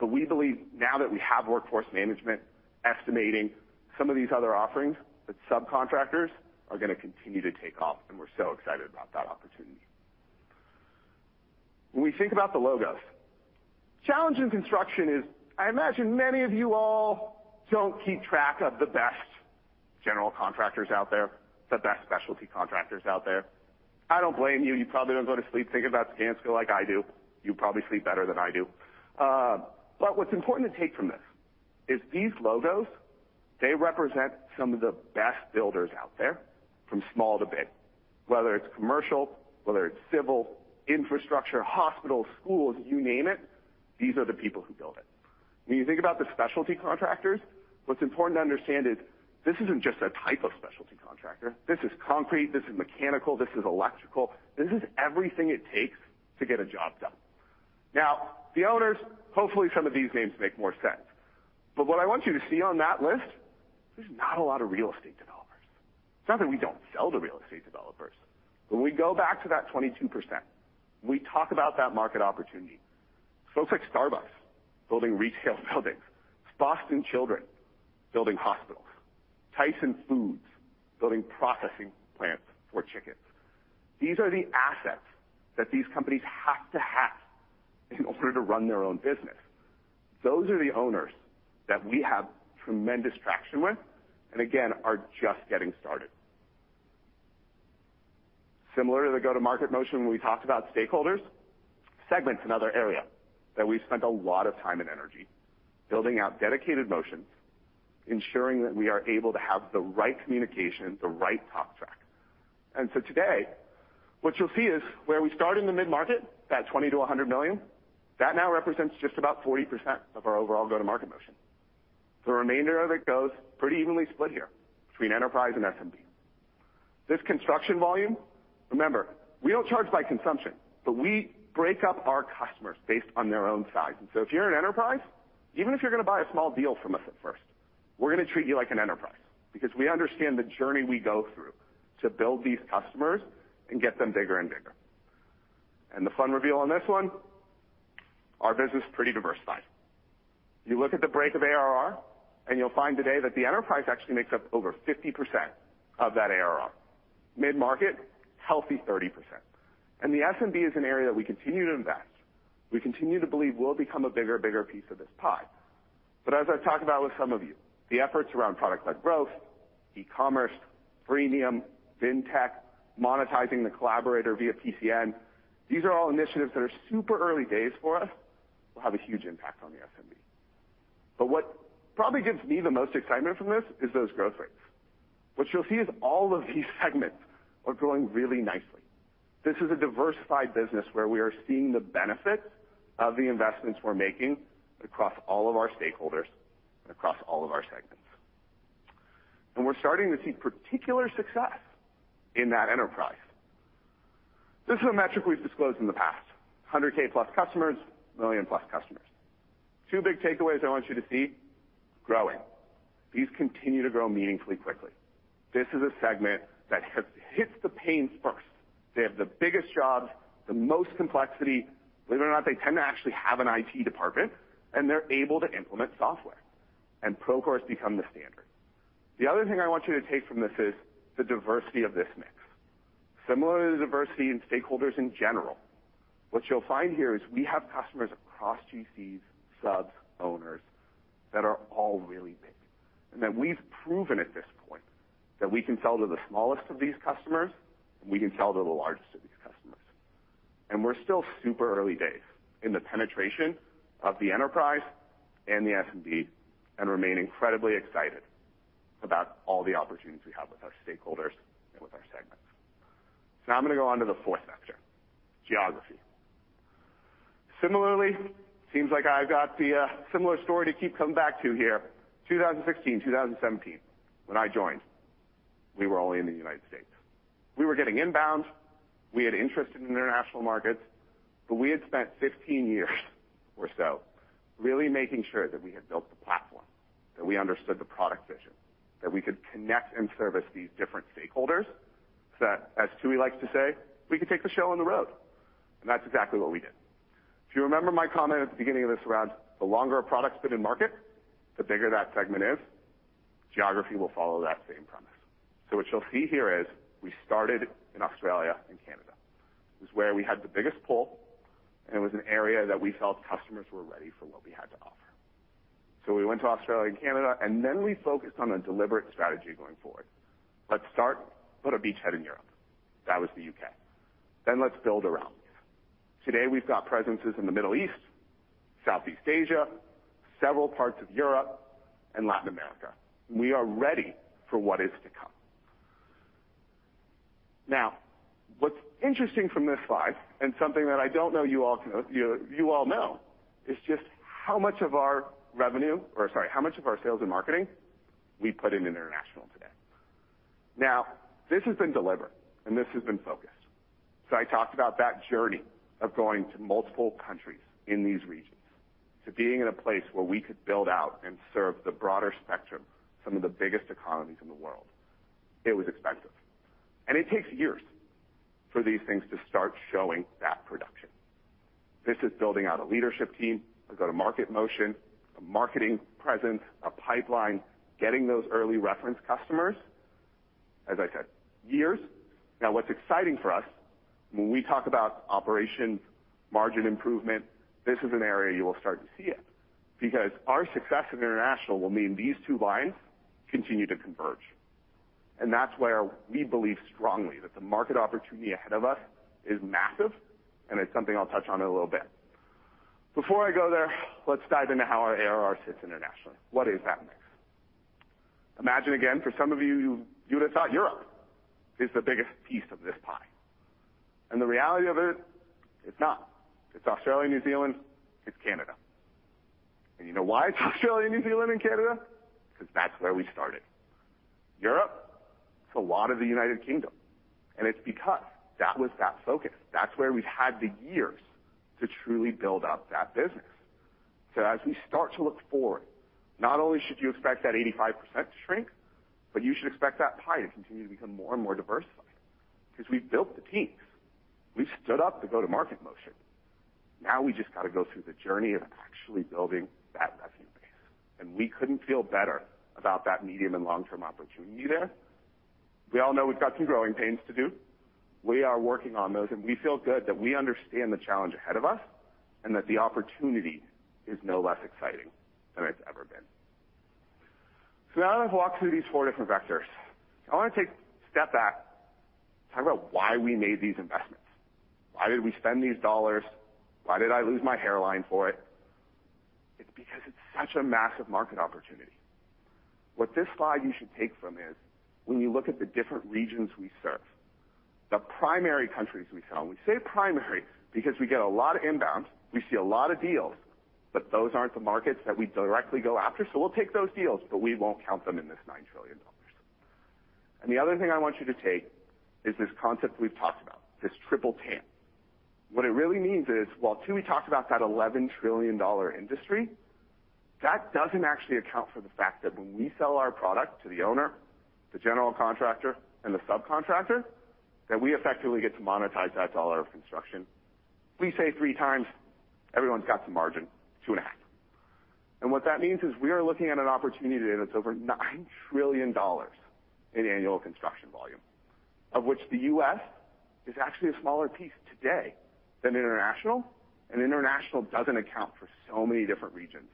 We believe now that we have workforce management estimating some of these other offerings that subcontractors are gonna continue to take off, and we're so excited about that opportunity. When we think about the logos, challenge in construction is, I imagine many of you all don't keep track of the best general contractors out there, the best specialty contractors out there. I don't blame you. You probably don't go to sleep thinking about Skanska like I do. You probably sleep better than I do. What's important to take from this is these logos, they represent some of the best builders out there from small to big, whether it's commercial, whether it's civil, infrastructure, hospitals, schools, you name it, these are the people who build it. When you think about the specialty contractors, what's important to understand is this isn't just a type of specialty contractor. This is concrete, this is mechanical, this is electrical. This is everything it takes to get a job done. Now, the owners, hopefully, some of these names make more sense. But what I want you to see on that list, there's not a lot of real estate developers. It's not that we don't sell to real estate developers, but when we go back to that 22%, we talk about that market opportunity. Folks like Starbucks building retail buildings, Boston Children's Hospital building hospitals, Tyson Foods building processing plants for chickens. These are the assets that these companies have to have in order to run their own business. Those are the owners that we have tremendous traction with, and again, are just getting started. Similar to the go-to-market motion when we talked about stakeholders, segment's another area that we've spent a lot of time and energy building out dedicated motions, ensuring that we are able to have the right communication, the right talk track. Today, what you'll see is where we start in the mid-market, that $20-$100 million, that now represents just about 40% of our overall go-to-market motion. The remainder of it goes pretty evenly split here between enterprise and SMB. This construction volume, remember, we don't charge by consumption, but we break up our customers based on their own size. If you're an enterprise, even if you're gonna buy a small deal from us at first, we're gonna treat you like an enterprise because we understand the journey we go through to build these customers and get them bigger and bigger. The fun reveal on this one, our business is pretty diversified. You look at the break of ARR, and you'll find today that the enterprise actually makes up over 50% of that ARR. Mid-market, healthy 30%. The SMB is an area that we continue to invest. We continue to believe will become a bigger and bigger piece of this pie. As I've talked about with some of you, the efforts around product-led growth, e-commerce, freemium, fintech, monetizing the collaborator via PCN, these are all initiatives that are super early days for us, will have a huge impact on the SMB. What probably gives me the most excitement from this is those growth rates. What you'll see is all of these segments are growing really nicely. This is a diversified business where we are seeing the benefits of the investments we're making across all of our stakeholders and across all of our segments. We're starting to see particular success in that enterprise. This is a metric we've disclosed in the past. 100K plus customers, 1 million plus customers. Two big takeaways I want you to see, growing. These continue to grow meaningfully quickly. This is a segment that has hit the pains first. They have the biggest jobs, the most complexity. Believe it or not, they tend to actually have an IT department, and they're able to implement software, and Procore has become the standard. The other thing I want you to take from this is the diversity of this mix. Similar to the diversity in stakeholders in general, what you'll find here is we have customers across GCs, subs, owners that are all really big, and that we've proven at this point that we can sell to the smallest of these customers, and we can sell to the largest of these customers. We're still super early days in the penetration of the enterprise and the SMB, and remain incredibly excited about all the opportunities we have with our stakeholders and with our segments. Now I'm gonna go on to the fourth sector, geography. Similarly, seems like I've got a similar story to keep coming back to here. 2016, 2017, when I joined, we were only in the United States. We were getting inbound, we had interest in international markets, but we had spent 15 years or so really making sure that we had built the platform, that we understood the product vision, that we could connect and service these different stakeholders, so that as Tooey likes to say, "We could take the show on the road." That's exactly what we did. If you remember my comment at the beginning of this around the longer a product's been in market, the bigger that segment is, geography will follow that same premise. What you'll see here is we started in Australia and Canada. It's where we had the biggest pull, and it was an area that we felt customers were ready for what we had to offer. We went to Australia and Canada, and then we focused on a deliberate strategy going forward. Let's start, put a beachhead in Europe. That was the UK. Then let's build around. Today, we've got presences in the Middle East, Southeast Asia, several parts of Europe, and Latin America. We are ready for what is to come. Now, what's interesting from this slide and something that I don't know you all know, is just how much of our revenue or, sorry, how much of our sales and marketing we put in international today. Now, this has been deliberate, and this has been focused. I talked about that journey of going to multiple countries in these regions, to being in a place where we could build out and serve the broader spectrum, some of the biggest economies in the world. It was expensive, and it takes years for these things to start showing that traction. This is building out a leadership team. We've got a market motion, a marketing presence, a pipeline, getting those early reference customers. As I said, years. Now, what's exciting for us when we talk about operations, margin improvement? This is an area you will start to see it, because our success in international will mean these two lines continue to converge. That's where we believe strongly that the market opportunity ahead of us is massive, and it's something I'll touch on in a little bit. Before I go there, let's dive into how our ARR sits internationally. What is that mix? Imagine, again, for some of you would have thought Europe is the biggest piece of this pie. The reality of it's not. It's Australia, New Zealand, it's Canada. You know why it's Australia, New Zealand and Canada? Because that's where we started. Europe, it's a lot of the United Kingdom, and it's because that was that focus. That's where we've had the years to truly build up that business. As we start to look forward, not only should you expect that 85% to shrink, but you should expect that pie to continue to become more and more diversified. 'Cause we've built the teams. We've stood up the go-to-market motion. Now we just got to go through the journey of actually building that revenue base. We couldn't feel better about that medium and long-term opportunity there. We all know we've got some growing pains to do. We are working on those, and we feel good that we understand the challenge ahead of us, and that the opportunity is no less exciting than it's ever been. Now that I've walked through these four different vectors, I want to take a step back, talk about why we made these investments. Why did we spend these dollars? Why did I lose my hairline for it? It's because it's such a massive market opportunity. What this slide you should take from is when you look at the different regions we serve, the primary countries we sell, and we say primary because we get a lot of inbound. We see a lot of deals, but those aren't the markets that we directly go after. We'll take those deals, but we won't count them in this $9 trillion. The other thing I want you to take is this concept we've talked about, this triple TAM. What it really means is, while, too, we talked about that $11 trillion industry, that doesn't actually account for the fact that when we sell our product to the owner, the general contractor, and the subcontractor, that we effectively get to monetize that dollar of construction. We say three times everyone's got some margin, 2.5. What that means is we are looking at an opportunity today that's over $9 trillion in annual construction volume, of which the U.S. is actually a smaller piece today than international. International doesn't account for so many different regions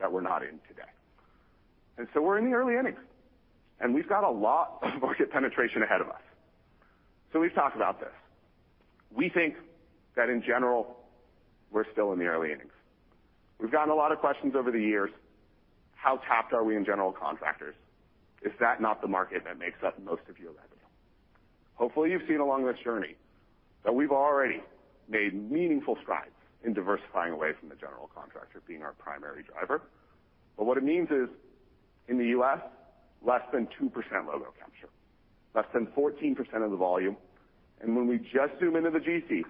that we're not in today. We're in the early innings, and we've got a lot of market penetration ahead of us. We've talked about this. We think that in general, we're still in the early innings. We've gotten a lot of questions over the years. How tapped are we in general contractors? Is that not the market that makes up most of your revenue? Hopefully, you've seen along this journey that we've already made meaningful strides in diversifying away from the general contractor being our primary driver. What it means is, in the U.S., less than 2% logo capture, less than 14% of the volume. When we just zoom into the GC,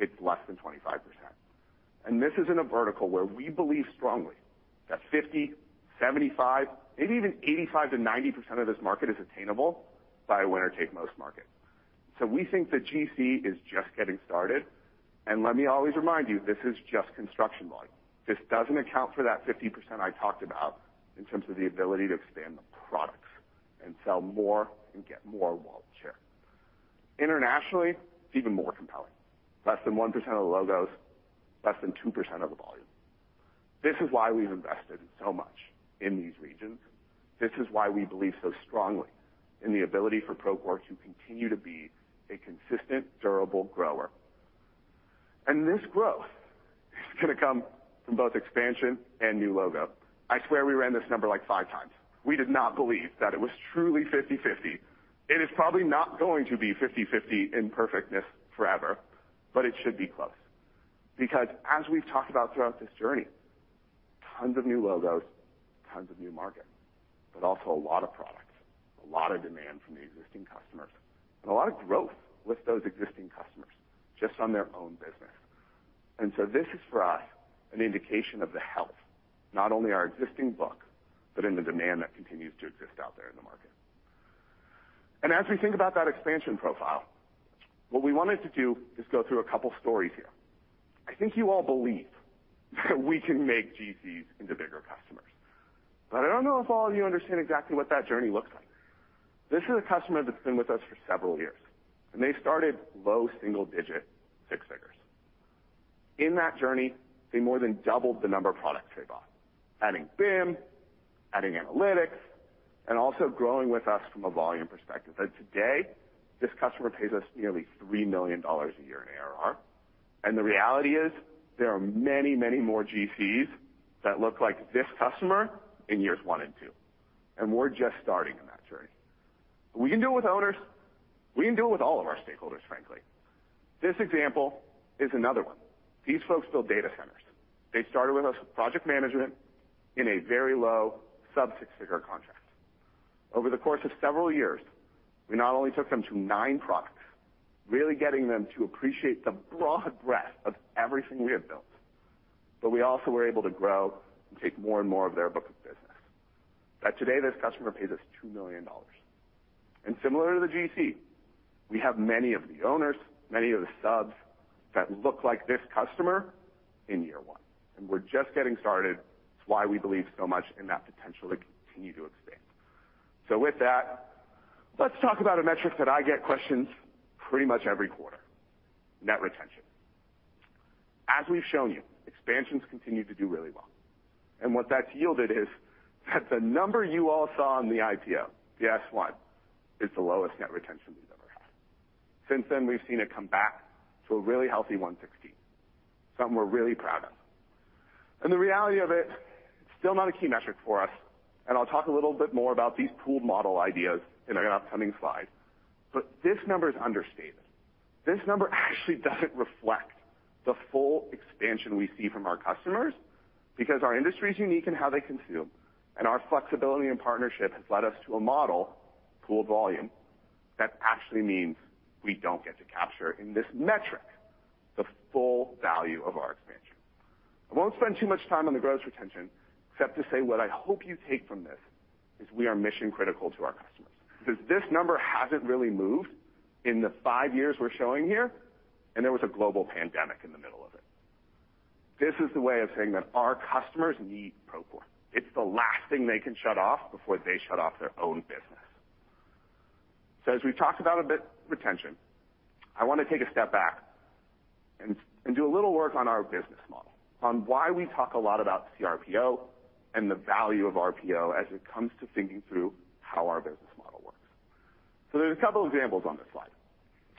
it's less than 25%. This is in a vertical where we believe strongly that 50, 75, maybe even 85%-90% of this market is attainable by a winner-take-most market. We think the GC is just getting started. Let me always remind you, this is just construction volume. This doesn't account for that 50% I talked about in terms of the ability to expand the products and sell more and get more wallet share. Internationally, it's even more compelling. Less than 1% of the logos, less than 2% of the volume. This is why we've invested so much in these regions. This is why we believe so strongly in the ability for Procore to continue to be a consistent, durable grower. This growth is gonna come from both expansion and new logo. I swear we ran this number like five times. We did not believe that it was truly 50/50. It is probably not going to be 50/50 in perfectness forever, but it should be close. Because as we've talked about throughout this journey, tons of new logos, tons of new markets, but also a lot of products, a lot of demand from the existing customers, and a lot of growth with those existing customers just on their own business. This is, for us, an indication of the health, not only our existing book, but in the demand that continues to exist out there in the market. As we think about that expansion profile, what we wanted to do is go through a couple stories here. I think you all believe that we can make GCs into bigger customers, but I don't know if all of you understand exactly what that journey looks like. This is a customer that's been with us for several years, and they started low single-digit six figures. In that journey, they more than doubled the number of products they bought. Adding BIM, adding analytics, and also growing with us from a volume perspective, that today this customer pays us nearly $3 million a year in ARR. The reality is there are many, many more GCs that look like this customer in years 1 and 2, and we're just starting in that journey. We can do it with owners. We can do it with all of our stakeholders, frankly. This example is another one. These folks build data centers. They started with us with project management in a very low sub-six-figure contract. Over the course of several years, we not only took them to nine products, really getting them to appreciate the broad breadth of everything we have built, but we also were able to grow and take more and more of their book of business. Today, this customer pays us $2 million. Similar to the GC, we have many of the owners, many of the subs that look like this customer in year one, and we're just getting started. It's why we believe so much in that potential to continue to expand. With that, let's talk about a metric that I get questions pretty much every quarter: net retention. As we've shown you, expansions continue to do really well. What that's yielded is that the number you all saw in the IPO, the S-1, is the lowest net retention we've ever had. Since then, we've seen it come back to a really healthy one-sixteenth, something we're really proud of. The reality of it, still not a key metric for us. I'll talk a little bit more about these pooled model ideas in an upcoming slide, but this number is understated. This number actually doesn't reflect the full expansion we see from our customers because our industry is unique in how they consume, and our flexibility and partnership has led us to a model, pooled volume, that actually means we don't get to capture in this metric the full value of our expansion. I won't spend too much time on the gross retention, except to say what I hope you take from this is we are mission-critical to our customers. Because this number hasn't really moved in the five years we're showing here, and there was a global pandemic in the middle of it. This is the way of saying that our customers need Procore. It's the last thing they can shut off before they shut off their own business. As we've talked about net retention, I wanna take a step back and do a little work on our business model, on why we talk a lot about CRPO and the value of RPO as it comes to thinking through how our business model works. There's a couple examples on this slide,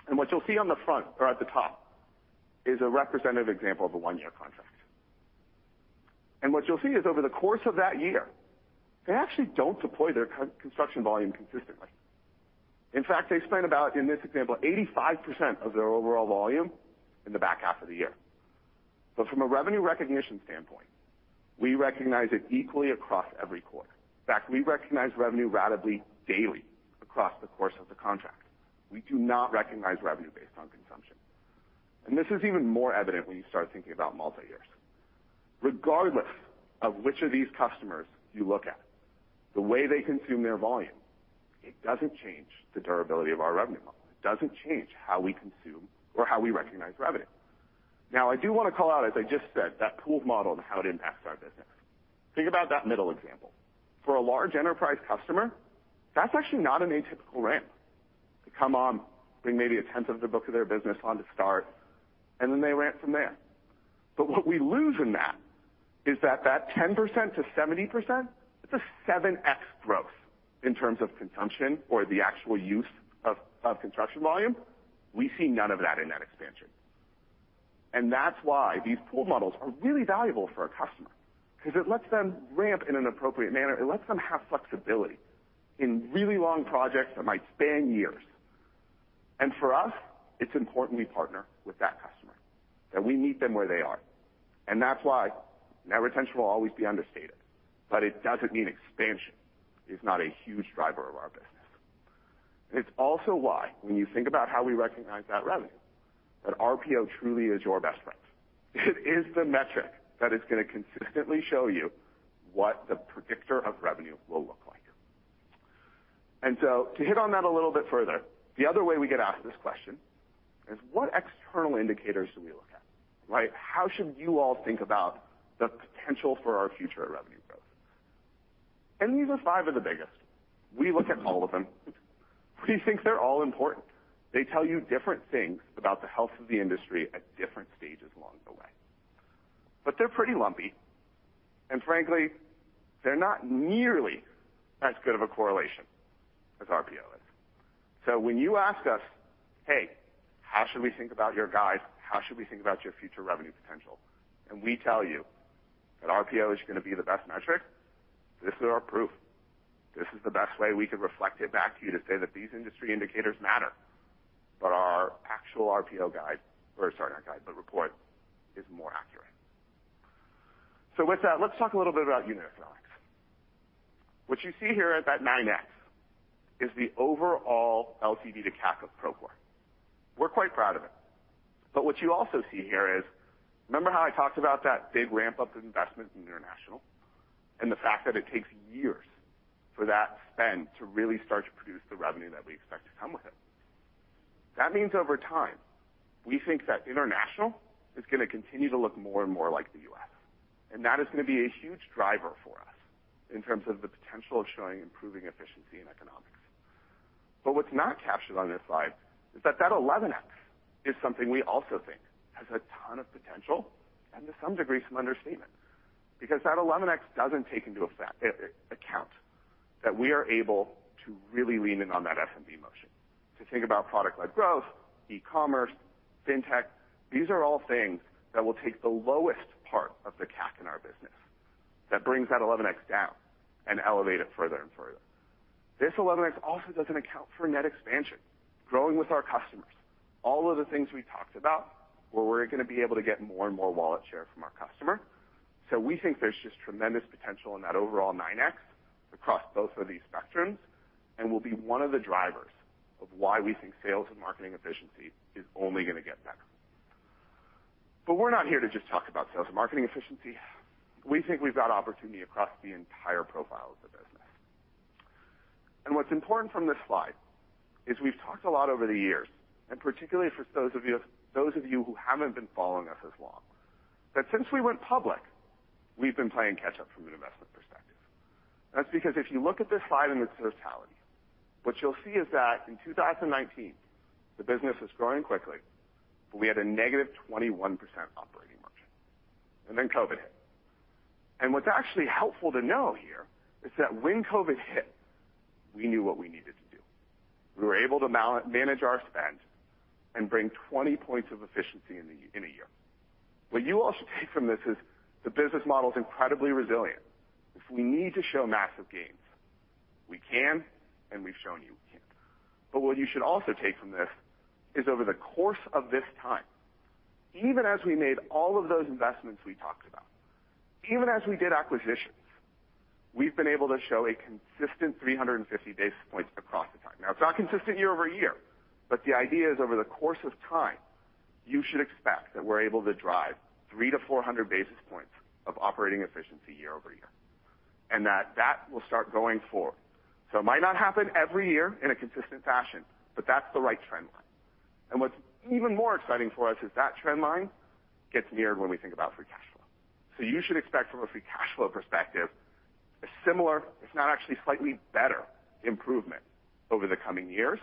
and what you'll see on the front or at the top is a representative example of a one-year contract. What you'll see is over the course of that year, they actually don't deploy their construction volume consistently. In fact, they spend about, in this example, 85% of their overall volume in the back half of the year. From a revenue recognition standpoint, we recognize it equally across every quarter. In fact, we recognize revenue ratably daily across the course of the contract. We do not recognize revenue based on consumption. This is even more evident when you start thinking about multi-years. Regardless of which of these customers you look at, the way they consume their volume, it doesn't change the durability of our revenue model. It doesn't change how we consume or how we recognize revenue. Now, I do wanna call out, as I just said, that pooled model and how it impacts our business. Think about that middle example. For a large enterprise customer, that's actually not an atypical ramp. They come on, bring maybe a tenth of the book of their business on to start, and then they ramp from there. What we lose in that is that ten percent to seventy percent, it's a 7x growth in terms of consumption or the actual use of construction volume. We see none of that in that expansion. That's why these pool models are really valuable for our customer 'cause it lets them ramp in an appropriate manner. It lets them have flexibility in really long projects that might span years. For us, it's important we partner with that customer, that we meet them where they are. That's why net retention will always be understated. It doesn't mean expansion is not a huge driver of our business. It's also why, when you think about how we recognize that revenue, that RPO truly is your best friend. It is the metric that is gonna consistently show you what the predictor of revenue will look like. To hit on that a little bit further, the other way we get asked this question is what external indicators should we look at, right? How should you all think about the potential for our future revenue growth? These are five of the biggest. We look at all of them. We think they're all important. They tell you different things about the health of the industry at different stages along the way. They're pretty lumpy, and frankly, they're not nearly as good of a correlation as RPO is. When you ask us, "Hey, how should we think about your guides? How should we think about your future revenue potential?" We tell you that RPO is gonna be the best metric, this is our proof. This is the best way we could reflect it back to you to say that these industry indicators matter, but our actual RPO report is more accurate. With that, let's talk a little bit about unit economics. What you see here at that 9x is the overall LTV to CAC of Procore. We're quite proud of it. What you also see here is, remember how I talked about that big ramp-up investment in international, and the fact that it takes years for that spend to really start to produce the revenue that we expect to come with it. That means over time, we think that international is gonna continue to look more and more like the U.S., and that is gonna be a huge driver for us in terms of the potential of showing improving efficiency and economics. What's not captured on this slide is that that 11x is something we also think has a ton of potential and to some degree some understatement, because that 11x doesn't take into account that we are able to really lean in on that SMB motion to think about product-led growth, e-commerce, fintech. These are all things that will take the lowest part of the CAC in our business, that brings that 11x down and elevate it further and further. This 11x also doesn't account for net expansion, growing with our customers, all of the things we talked about, where we're gonna be able to get more and more wallet share from our customer. We think there's just tremendous potential in that overall 9x across both of these spectrums and will be one of the drivers of why we think sales and marketing efficiency is only gonna get better. We're not here to just talk about sales and marketing efficiency. We think we've got opportunity across the entire profile of the business. What's important from this slide is we've talked a lot over the years, and particularly for those of you who haven't been following us as long, that since we went public, we've been playing catch up from an investment perspective. That's because if you look at this slide in its totality, what you'll see is that in 2019, the business was growing quickly, but we had a negative 21% operating margin, and then COVID hit. What's actually helpful to know here is that when COVID hit, we knew what we needed to do. We were able to man-manage our spend and bring 20 points of efficiency in a year. What you all should take from this is the business model is incredibly resilient. If we need to show massive gains, we can, and we've shown you we can. what you should also take from this is over the course of this time, even as we made all of those investments we talked about, even as we did acquisitions, we've been able to show a consistent 350 basis points across the time. Now, it's not consistent year-over-year, but the idea is over the course of time, you should expect that we're able to drive 300-400 basis points of operating efficiency year-over-year, and that that will start going forward. it might not happen every year in a consistent fashion, but that's the right trend line. what's even more exciting for us is that trend line gets mirrored when we think about free cash flow. You should expect from a free cash flow perspective, a similar, if not actually slightly better improvement over the coming years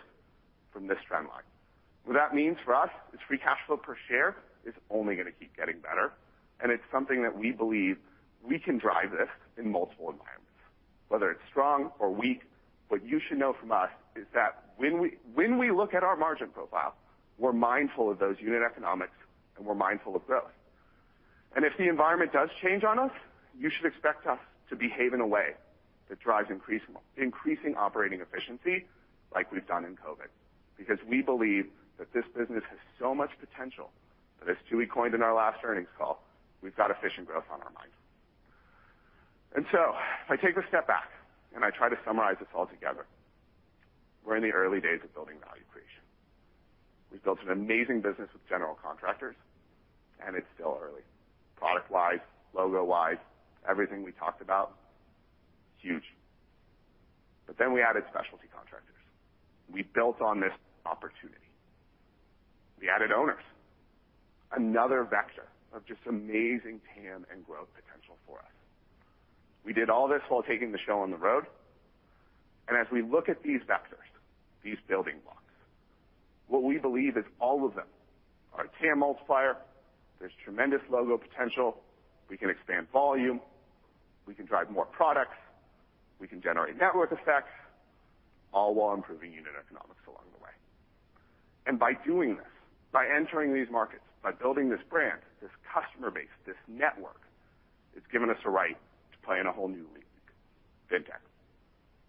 from this trend line. What that means for us is free cash flow per share is only gonna keep getting better, and it's something that we believe we can drive this in multiple environments. Whether it's strong or weak, what you should know from us is that when we look at our margin profile, we're mindful of those unit economics, and we're mindful of growth. If the environment does change on us, you should expect us to behave in a way that drives increasing operating efficiency like we've done in COVID. Because we believe that this business has so much potential that as Tooey coined in our last earnings call, we've got efficient growth on our minds. If I take a step back and I try to summarize this all together, we're in the early days of building value creation. We've built an amazing business with general contractors, and it's still early. Product-wise, logo-wise, everything we talked about, huge. We added specialty contractors. We built on this opportunity. We added owners, another vector of just amazing TAM and growth potential for us. We did all this while taking the show on the road. As we look at these vectors, these building blocks, what we believe is all of them are a TAM multiplier. There's tremendous logo potential. We can expand volume, we can drive more products, we can generate network effects, all while improving unit economics along the way. By doing this, by entering these markets, by building this brand, this customer base, this network, it's given us a right to play in a whole new league, fintech.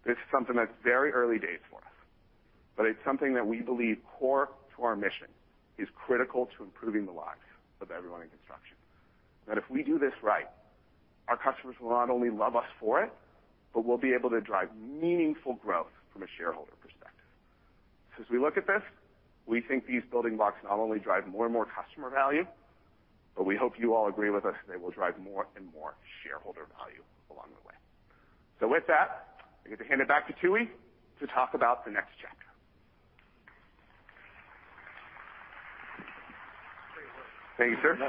This is something that's very early days for us, but it's something that we believe core to our mission, is critical to improving the lives of everyone in construction. That if we do this right, our customers will not only love us for it, but we'll be able to drive meaningful growth from a shareholder perspective. As we look at this, we think these building blocks not only drive more and more customer value, but we hope you all agree with us they will drive more and more shareholder value along the way. With that, I get to hand it back to Tooey to talk about the next chapter. Thank you, sir. You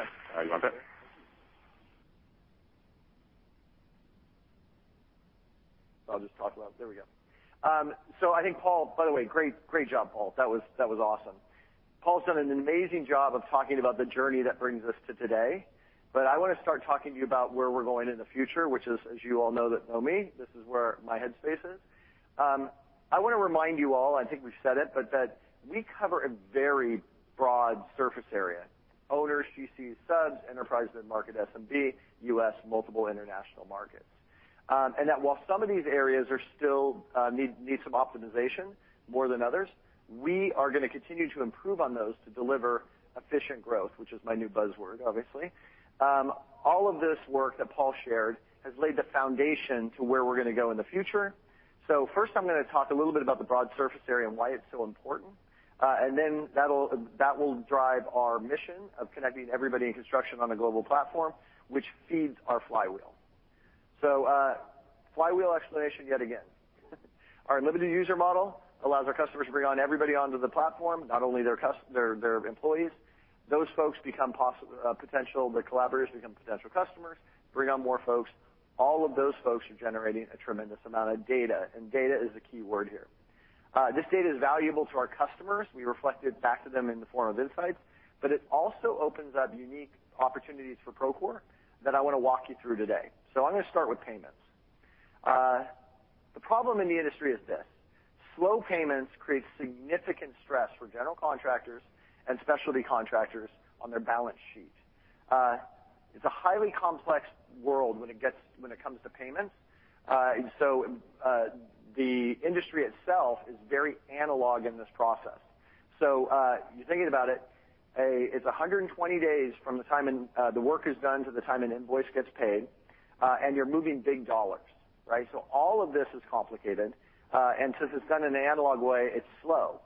want that? Thank you. Paul, by the way, great job, Paul. That was awesome. Paul's done an amazing job of talking about the journey that brings us to today. I wanna start talking to you about where we're going in the future, which is, as you all know that know me, this is where my head space is. I wanna remind you all, I think we've said it, but that we cover a very broad surface area. Owners, GCs, subs, enterprise, mid-market, SMB, US, multiple international markets. While some of these areas are still need some optimization more than others, we are gonna continue to improve on those to deliver efficient growth, which is my new buzzword, obviously. All of this work that Paul shared has laid the foundation to where we're gonna go in the future. First, I'm gonna talk a little bit about the broad surface area and why it's so important. That will drive our mission of connecting everybody in construction on a global platform, which feeds our flywheel. Flywheel explanation yet again. Our unlimited user model allows our customers to bring on everybody onto the platform, not only their employees. Those folks, the collaborators, become potential customers, bring on more folks. All of those folks are generating a tremendous amount of data, and data is the key word here. This data is valuable to our customers. We reflect it back to them in the form of insights, but it also opens up unique opportunities for Procore that I wanna walk you through today. I'm gonna start with payments. The problem in the industry is this: slow payments create significant stress for general contractors and specialty contractors on their balance sheet. It's a highly complex world when it comes to payments. The industry itself is very analog in this process. You're thinking about it's 120 days from the time the work is done to the time an invoice gets paid. You're moving big dollars, right? All of this is complicated, and since it's done in an analog way, it's slow.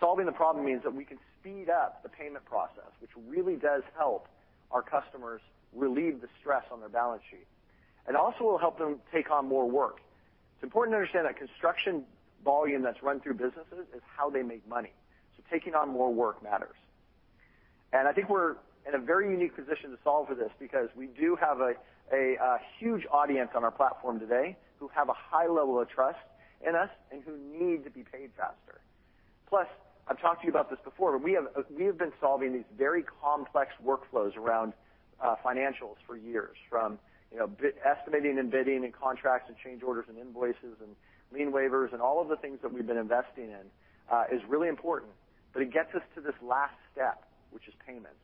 Solving the problem means that we can speed up the payment process, which really does help our customers relieve the stress on their balance sheet, and also will help them take on more work. It's important to understand that construction volume that's run through businesses is how they make money. Taking on more work matters. I think we're in a very unique position to solve for this because we do have a huge audience on our platform today who have a high level of trust in us and who need to be paid faster. Plus, I've talked to you about this before, but we have been solving these very complex workflows around financials for years from, you know, estimating and bidding and contracts and change orders and invoices and lien waivers, and all of the things that we've been investing in is really important. But it gets us to this last step, which is payments.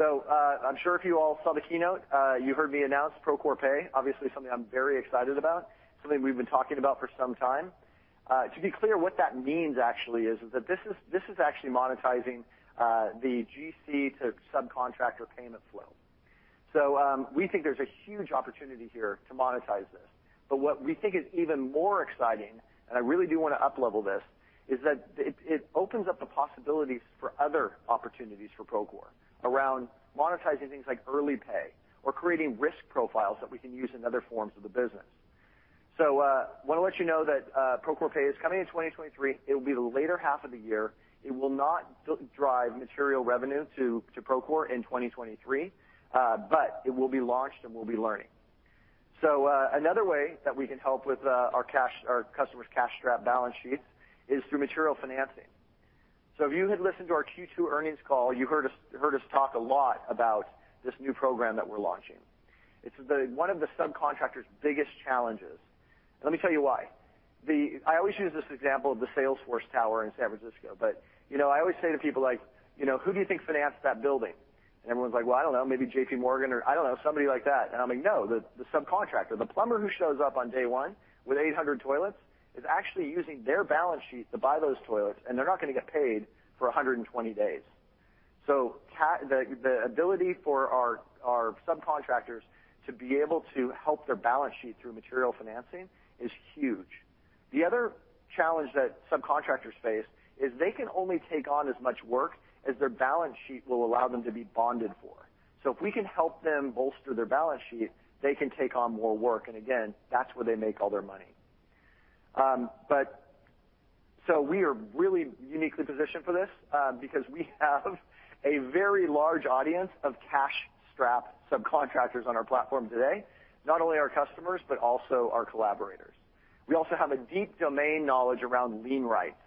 I'm sure if you all saw the keynote, you heard me announce Procore Pay, obviously something I'm very excited about, something we've been talking about for some time. To be clear, what that means actually is that this is actually monetizing the GC to subcontractor payment flow. We think there's a huge opportunity here to monetize this. What we think is even more exciting, and I really do wanna uplevel this, is that it opens up the possibilities for other opportunities for Procore around monetizing things like early pay or creating risk profiles that we can use in other forms of the business. I wanna let you know that Procore Pay is coming in 2023. It'll be the later half of the year. It will not drive material revenue to Procore in 2023, but it will be launched, and we'll be learning. Another way that we can help with our customers' cash-strapped balance sheets is through material financing. If you had listened to our Q2 earnings call, you heard us talk a lot about this new program that we're launching. It's one of the subcontractors' biggest challenges. Let me tell you why. I always use this example of the Salesforce Tower in San Francisco. You know, I always say to people like, you know, "Who do you think financed that building?" Everyone's like, "Well, I don't know, maybe JP Morgan or I don't know, somebody like that." I'm like, "No, the subcontractor, the plumber who shows up on day one with 800 toilets, is actually using their balance sheet to buy those toilets, and they're not gonna get paid for 120 days." The ability for our subcontractors to be able to help their balance sheet through material financing is huge. The other challenge that subcontractors face is they can only take on as much work as their balance sheet will allow them to be bonded for. If we can help them bolster their balance sheet, they can take on more work. Again, that's where they make all their money. We are really uniquely positioned for this, because we have a very large audience of cash-strapped subcontractors on our platform today, not only our customers, but also our collaborators. We also have a deep domain knowledge around lien rights.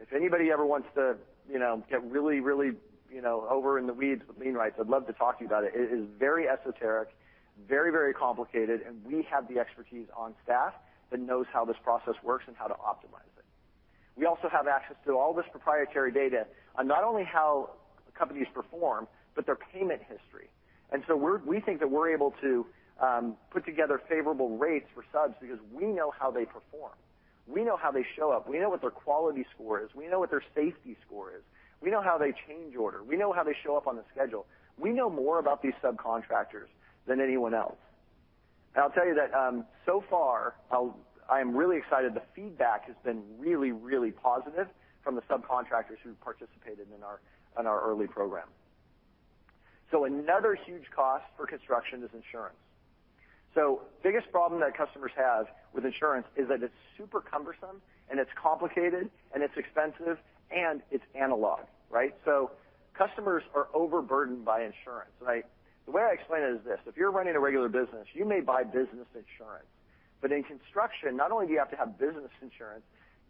If anybody ever wants to, you know, get really, you know, over in the weeds with lien rights, I'd love to talk to you about it. It is very esoteric, very complicated, and we have the expertise on staff that knows how this process works and how to optimize it. We also have access to all this proprietary data on not only how companies perform, but their payment history. We think that we're able to put together favorable rates for subs because we know how they perform. We know how they show up. We know what their quality score is. We know what their safety score is. We know how they change order. We know how they show up on the schedule. We know more about these subcontractors than anyone else. I'll tell you that, so far, I am really excited. The feedback has been really, really positive from the subcontractors who participated in our early program. Another huge cost for construction is insurance. Biggest problem that customers have with insurance is that it's super cumbersome, and it's complicated, and it's expensive, and it's analog, right? Customers are overburdened by insurance, right? The way I explain it is this: If you're running a regular business, you may buy business insurance. In construction, not only do you have to have business insurance,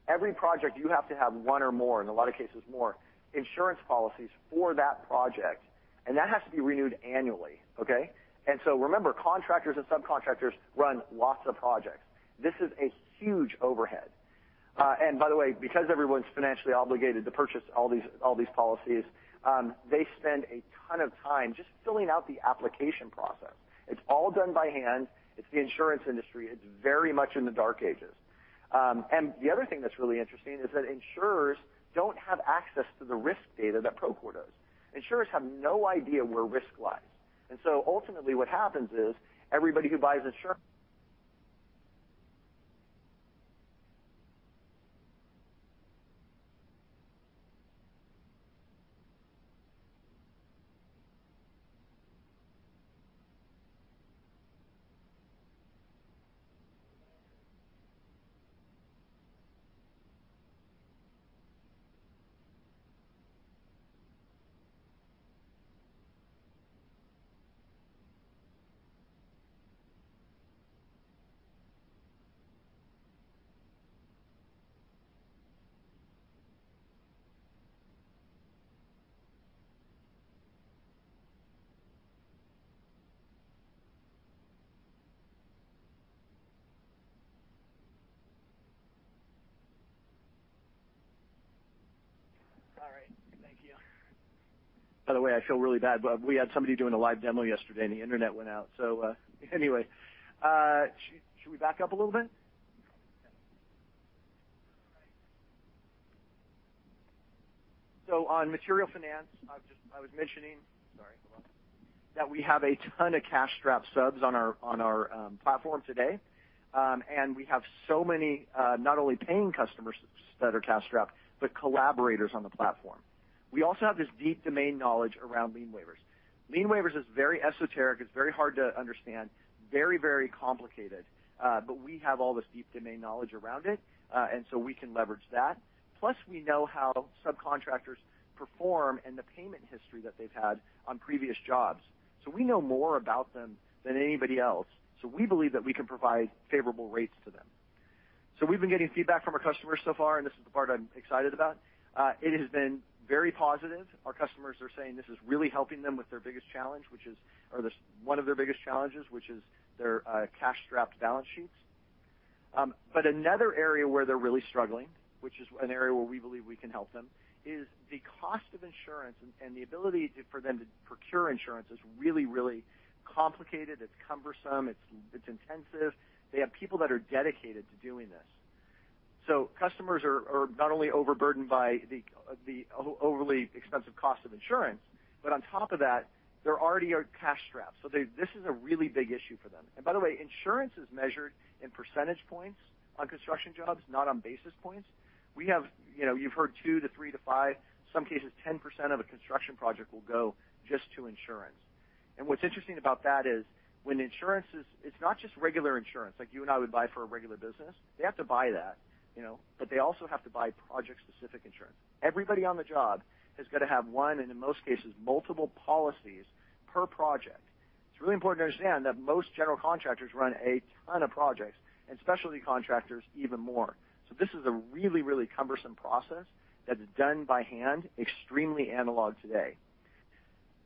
every project, you have to have one or more, in a lot of cases more, insurance policies for that project, and that has to be renewed annually, okay? Remember, contractors and subcontractors run lots of projects. This is a huge overhead. By the way, because everyone's financially obligated to purchase all these policies, they spend a ton of time just filling out the application process. It's all done by hand. It's the insurance industry. It's very much in the dark ages. The other thing that's really interesting is that insurers don't have access to the risk data that Procore does. Insurers have no idea where risk lies. Thank you. By the way, I feel really bad, but we had somebody doing a live demo yesterday, and the internet went out. Anyway, should we back up a little bit? On material finance, I was mentioning that we have a ton of cash-strapped subs on our platform today. We have so many not only paying customers that are cash-strapped, but collaborators on the platform. We also have this deep domain knowledge around lien waivers. Lien waivers is very esoteric. It's very hard to understand. Very, very complicated. We have all this deep domain knowledge around it. We can leverage that. Plus, we know how subcontractors perform and the payment history that they've had on previous jobs, so we know more about them than anybody else. We believe that we can provide favorable rates to them. We've been getting feedback from our customers so far, and this is the part I'm excited about. It has been very positive. Our customers are saying this is really helping them with their biggest challenge, which is one of their biggest challenges, which is their cash-strapped balance sheets. Another area where they're really struggling, which is an area where we believe we can help them, is the cost of insurance and the ability to, for them to procure insurance is really complicated. It's cumbersome. It's intensive. They have people that are dedicated to doing this. Customers are not only overburdened by the overly expensive cost of insurance, but on top of that, they already are cash-strapped. This is a really big issue for them. By the way, insurance is measured in percentage points on construction jobs, not on basis points. We have, you know, you've heard 2-3 to 5, some cases 10% of a construction project will go just to insurance. What's interesting about that is when insurance is. It's not just regular insurance like you and I would buy for a regular business. They have to buy that, you know. They also have to buy project-specific insurance. Everybody on the job has gotta have one, and in most cases, multiple policies per project. It's really important to understand that most general contractors run a ton of projects, and specialty contractors even more. This is a really, really cumbersome process that is done by hand, extremely analog today.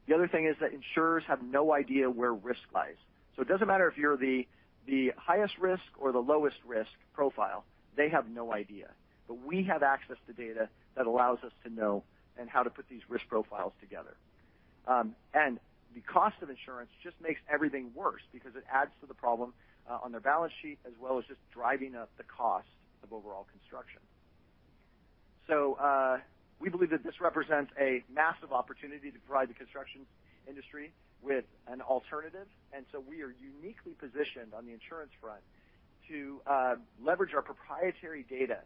The other thing is that insurers have no idea where risk lies. It doesn't matter if you're the highest risk or the lowest risk profile, they have no idea. We have access to data that allows us to know and how to put these risk profiles together. The cost of insurance just makes everything worse because it adds to the problem on their balance sheet as well as just driving up the cost of overall construction. We believe that this represents a massive opportunity to provide the construction industry with an alternative. We are uniquely positioned on the insurance front to leverage our proprietary data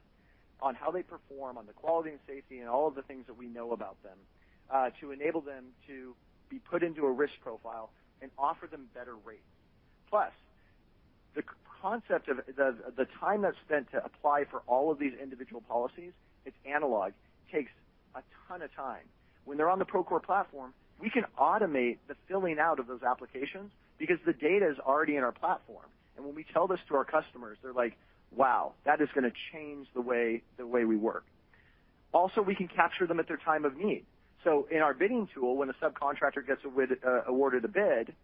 on how they perform on the quality and safety and all of the things that we know about them to enable them to be put into a risk profile and offer them better rates. Plus, the concept of the time that's spent to apply for all of these individual policies, it's analog, takes a ton of time. When they're on the Procore platform, we can automate the filling out of those applications because the data is already in our platform. When we tell this to our customers, they're like, "Wow, that is gonna change the way we work." Also, we can capture them at their time of need. In our bidding tool, when a subcontractor gets awarded a bid,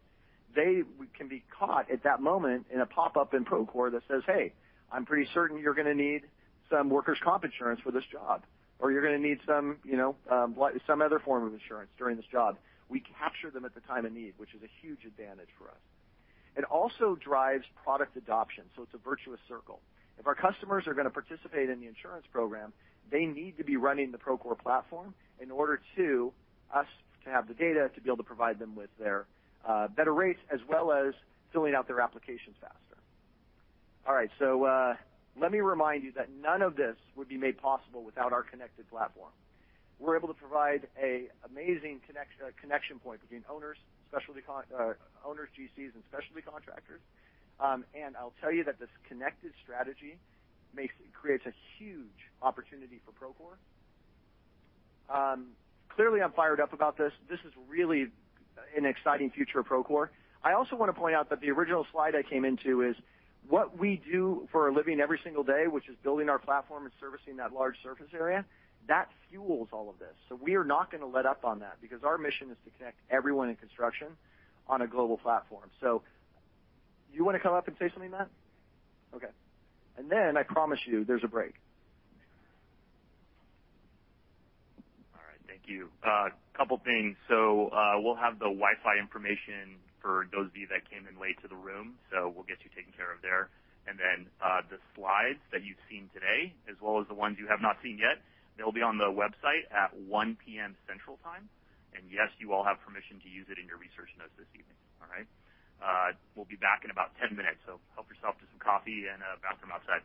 they can be caught at that moment in a pop-up in Procore that says, "Hey, I'm pretty certain you're gonna need some workers' comp insurance for this job, or you're gonna need some, you know, some other form of insurance during this job." We capture them at the time of need, which is a huge advantage for us. It also drives product adoption, so it's a virtuous circle. If our customers are gonna participate in the insurance program, they need to be running the Procore platform in order to us to have the data to be able to provide them with their better rates as well as filling out their applications faster. All right, let me remind you that none of this would be made possible without our connected platform. We're able to provide an amazing connection point between owners, specialty contractors, GCs, and specialty contractors. I'll tell you that this connected strategy creates a huge opportunity for Procore. Clearly I'm fired up about this. This is really an exciting future of Procore. I also wanna point out that the original slide I came into is what we do for a living every single day, which is building our platform and servicing that large surface area, that fuels all of this. We are not gonna let up on that because our mission is to connect everyone in construction on a global platform. You wanna come up and say something, Matt? Okay. Then I promise you there's a break. All right. Thank you. Couple things. We'll have the Wi-Fi information for those of you that came in late to the room. We'll get you taken care of there. The slides that you've seen today, as well as the ones you have not seen yet, they'll be on the website at 1 P.M. Central Time. Yes, you all have permission to use it in your research notes this evening. All right? We'll be back in about 10 minutes, so help yourself to some coffee and bathroom outside.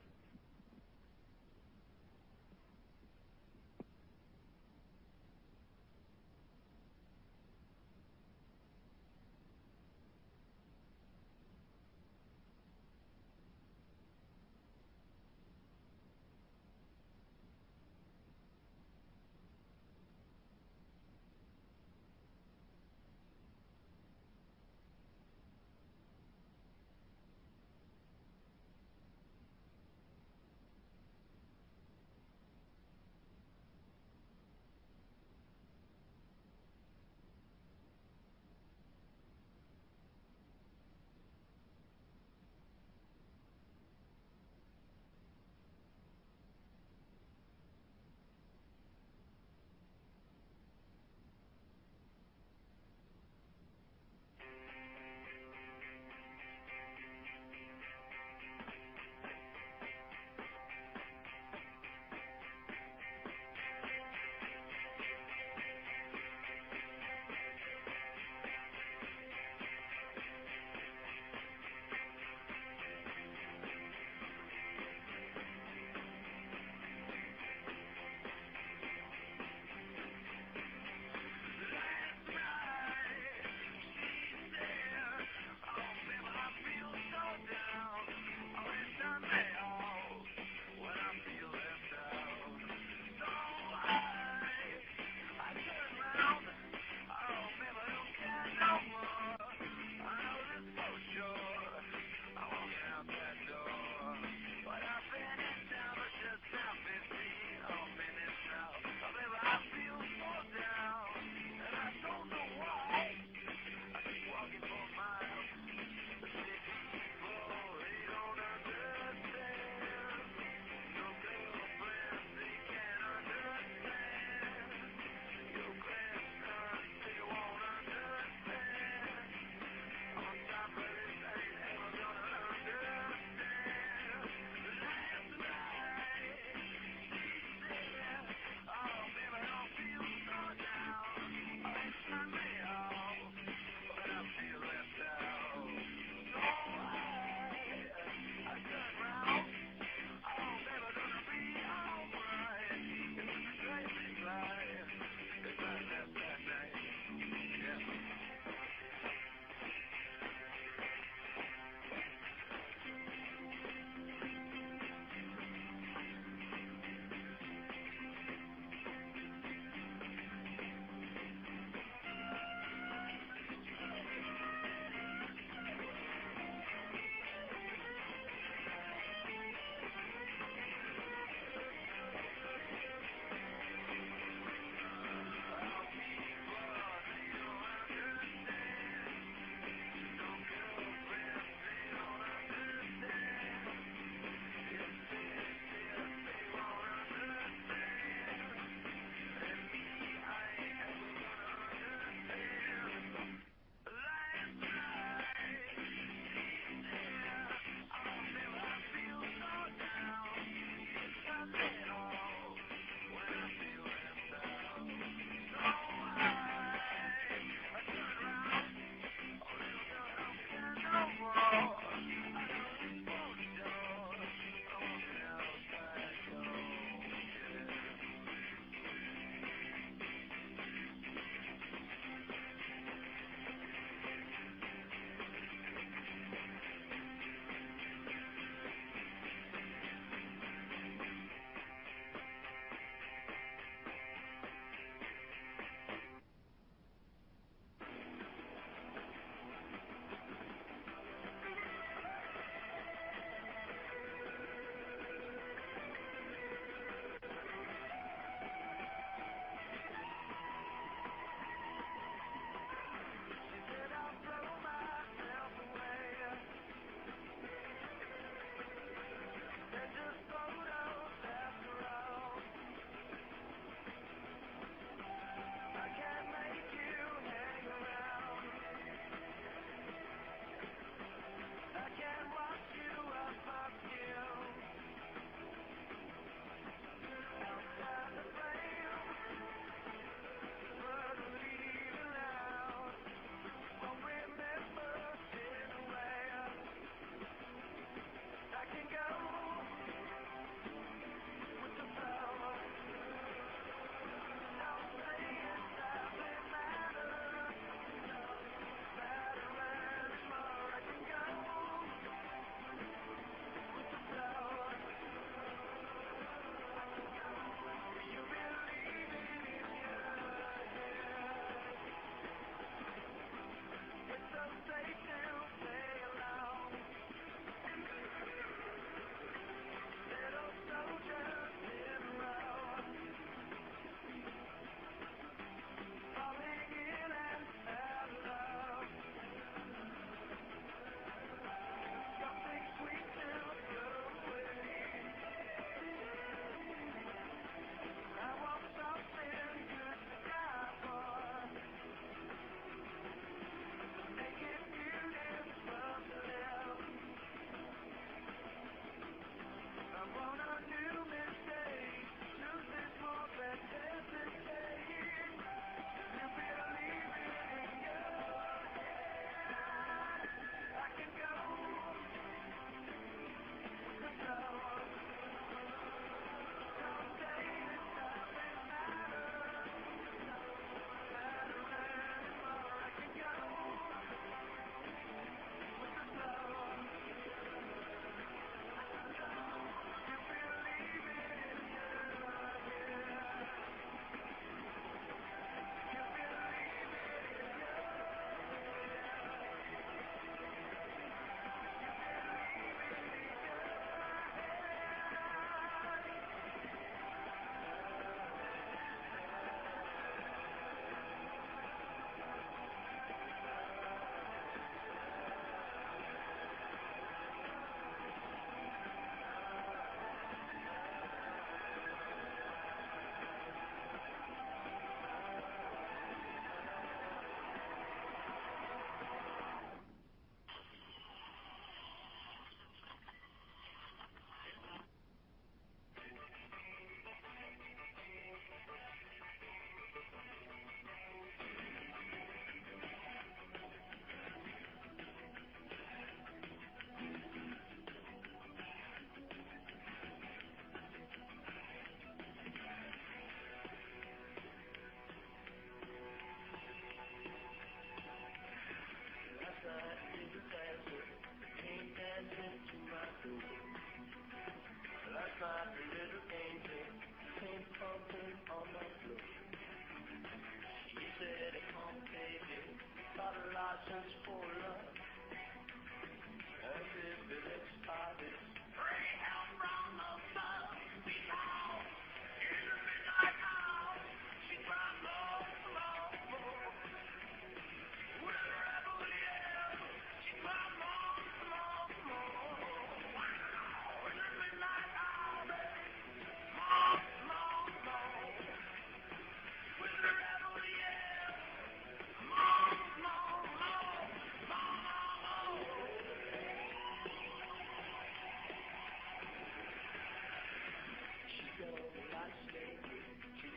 she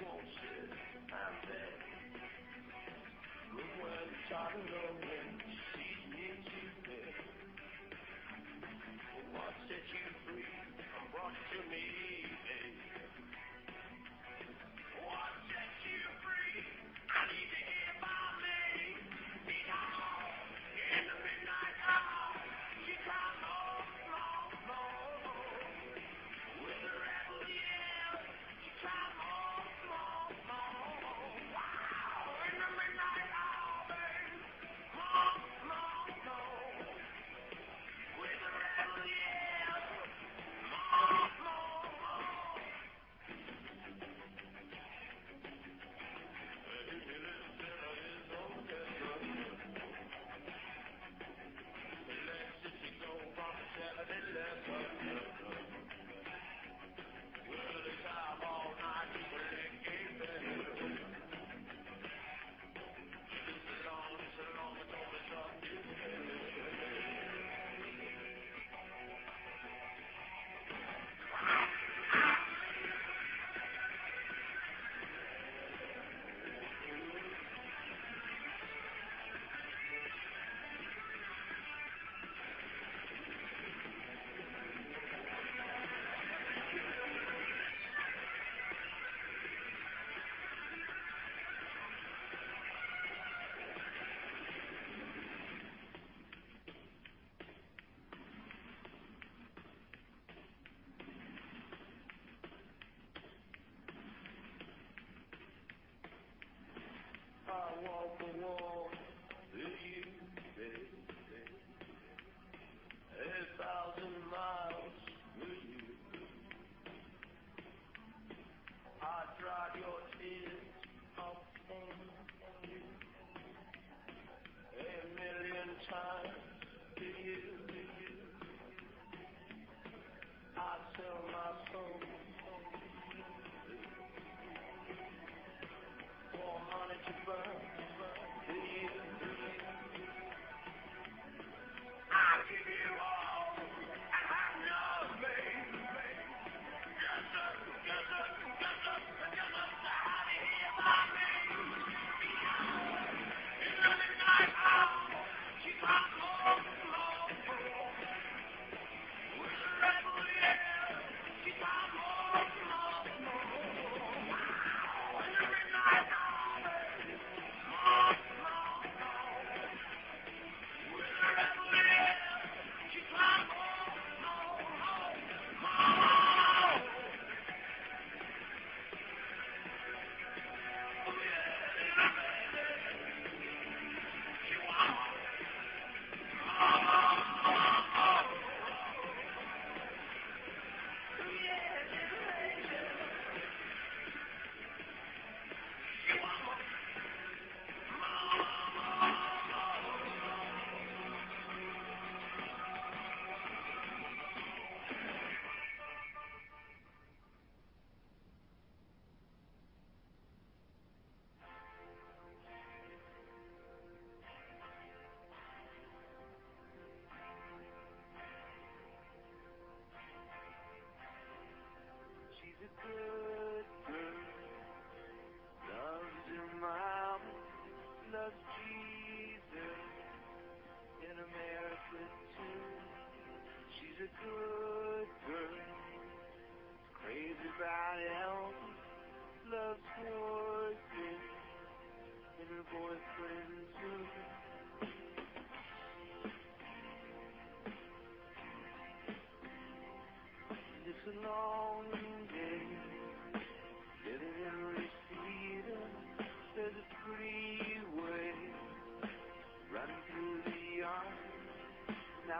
won't shake my hand. When the time is lonely she sees me to the end. What sets you free will walk to me,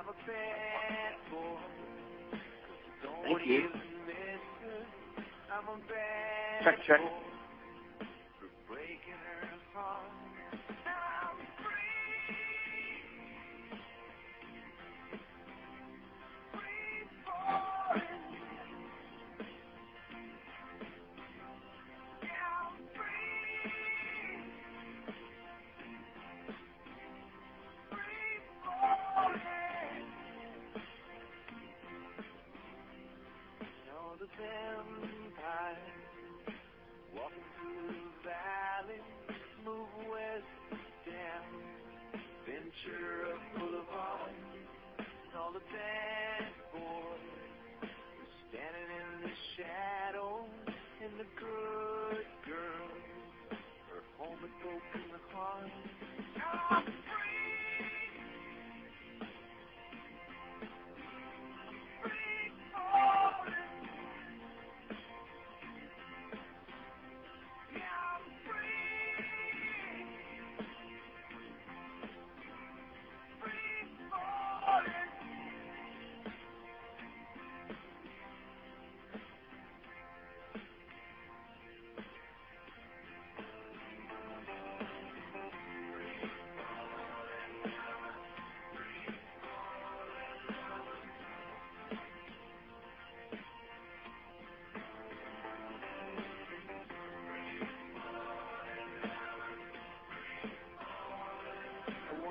day living in Reseda. There's a freeway running through the yard. I'm a bad boy 'cause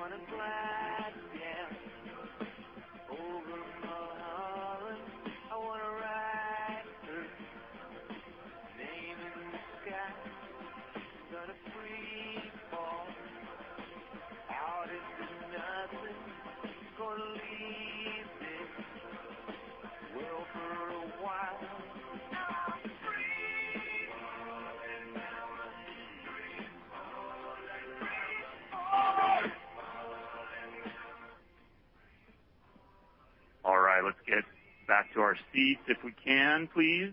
I don't even miss her. I'm a bad boy for breaking her heart. Now I'm free. All the vampires walking through the valley move west down Ventura Boulevard. All the bad boys are standing in the shadows and the good girls are home with broken hearts. Now I'm free falling. Now I'm free falling. Free falling now, I'm free falling now. I'm free falling now, I'm free falling. I wanna glide down over Mulholland. I wanna write her name in the sky. Gonna free fall out into nothing. Gonna leave this world for a while. Now I'm free falling. All right, let's get back to our seats if we can, please.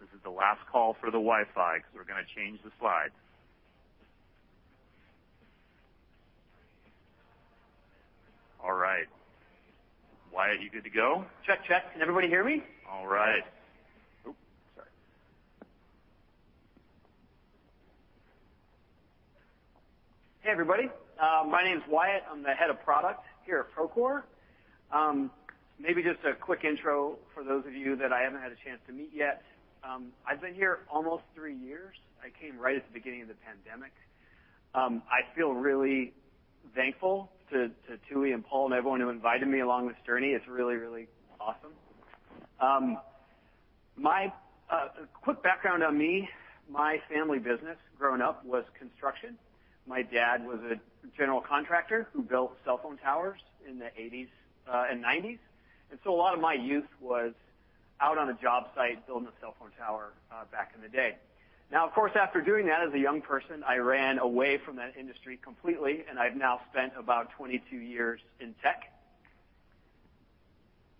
This is the last call for the Wi-Fi 'cause we're gonna change the slides. All right. Wyatt, you good to go? Check, check. Can everybody hear me? All right. Oops, sorry. Hey, everybody. My name is Wyatt. I'm the head of product here at Procore. Maybe just a quick intro for those of you that I haven't had a chance to meet yet. I've been here almost three years. I came right at the beginning of the pandemic. I feel really thankful to Tui and Paul and everyone who invited me along this journey. It's really, really awesome. Quick background on me. My family business growing up was construction. My dad was a general contractor who built cell phone towers in the 1980s and 1990s. A lot of my youth was out on a job site building a cell phone tower back in the day. Now, of course, after doing that as a young person, I ran away from that industry completely, and I've now spent about 22 years in tech.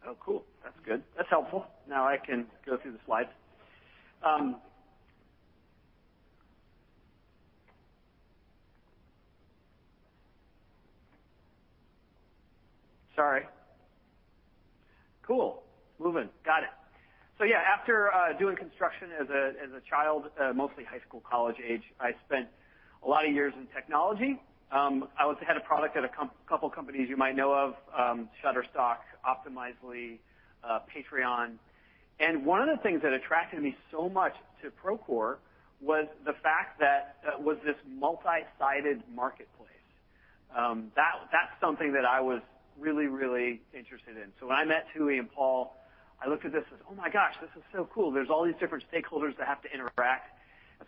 Oh, cool. That's good. That's helpful. Now I can go through the slides. Sorry. Cool. Moving. Got it. Yeah, after doing construction as a child, mostly high school, college age, I spent a lot of years in technology. I was the head of product at a couple companies you might know of, Shutterstock, Optimizely, Patreon. One of the things that attracted me so much to Procore was the fact that this was a multi-sided marketplace. That's something that I was really, really interested in. When I met Tooey and Paul, I looked at this and said, "Oh my gosh, this is so cool. There's all these different stakeholders that have to interact.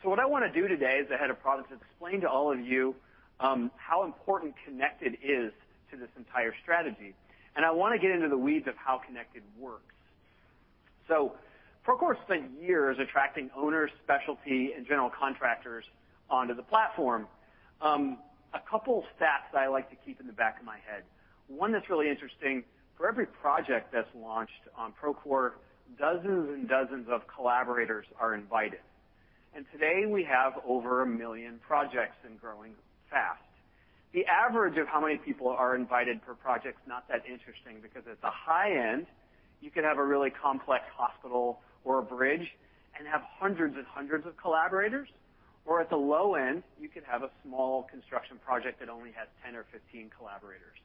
What I wanna do today as the head of product is explain to all of you how important Connected is to this entire strategy. I wanna get into the weeds of how Connected works. Procore spent years attracting owners, specialty, and general contractors onto the platform. A couple stats that I like to keep in the back of my head. One that's really interesting, for every project that's launched on Procore, dozens and dozens of collaborators are invited. Today, we have over 1 million projects and growing fast. The average of how many people are invited per project is not that interesting because at the high end, you could have a really complex hospital or a bridge and have hundreds and hundreds of collaborators or at the low end, you could have a small construction project that only has 10 or 15 collaborators.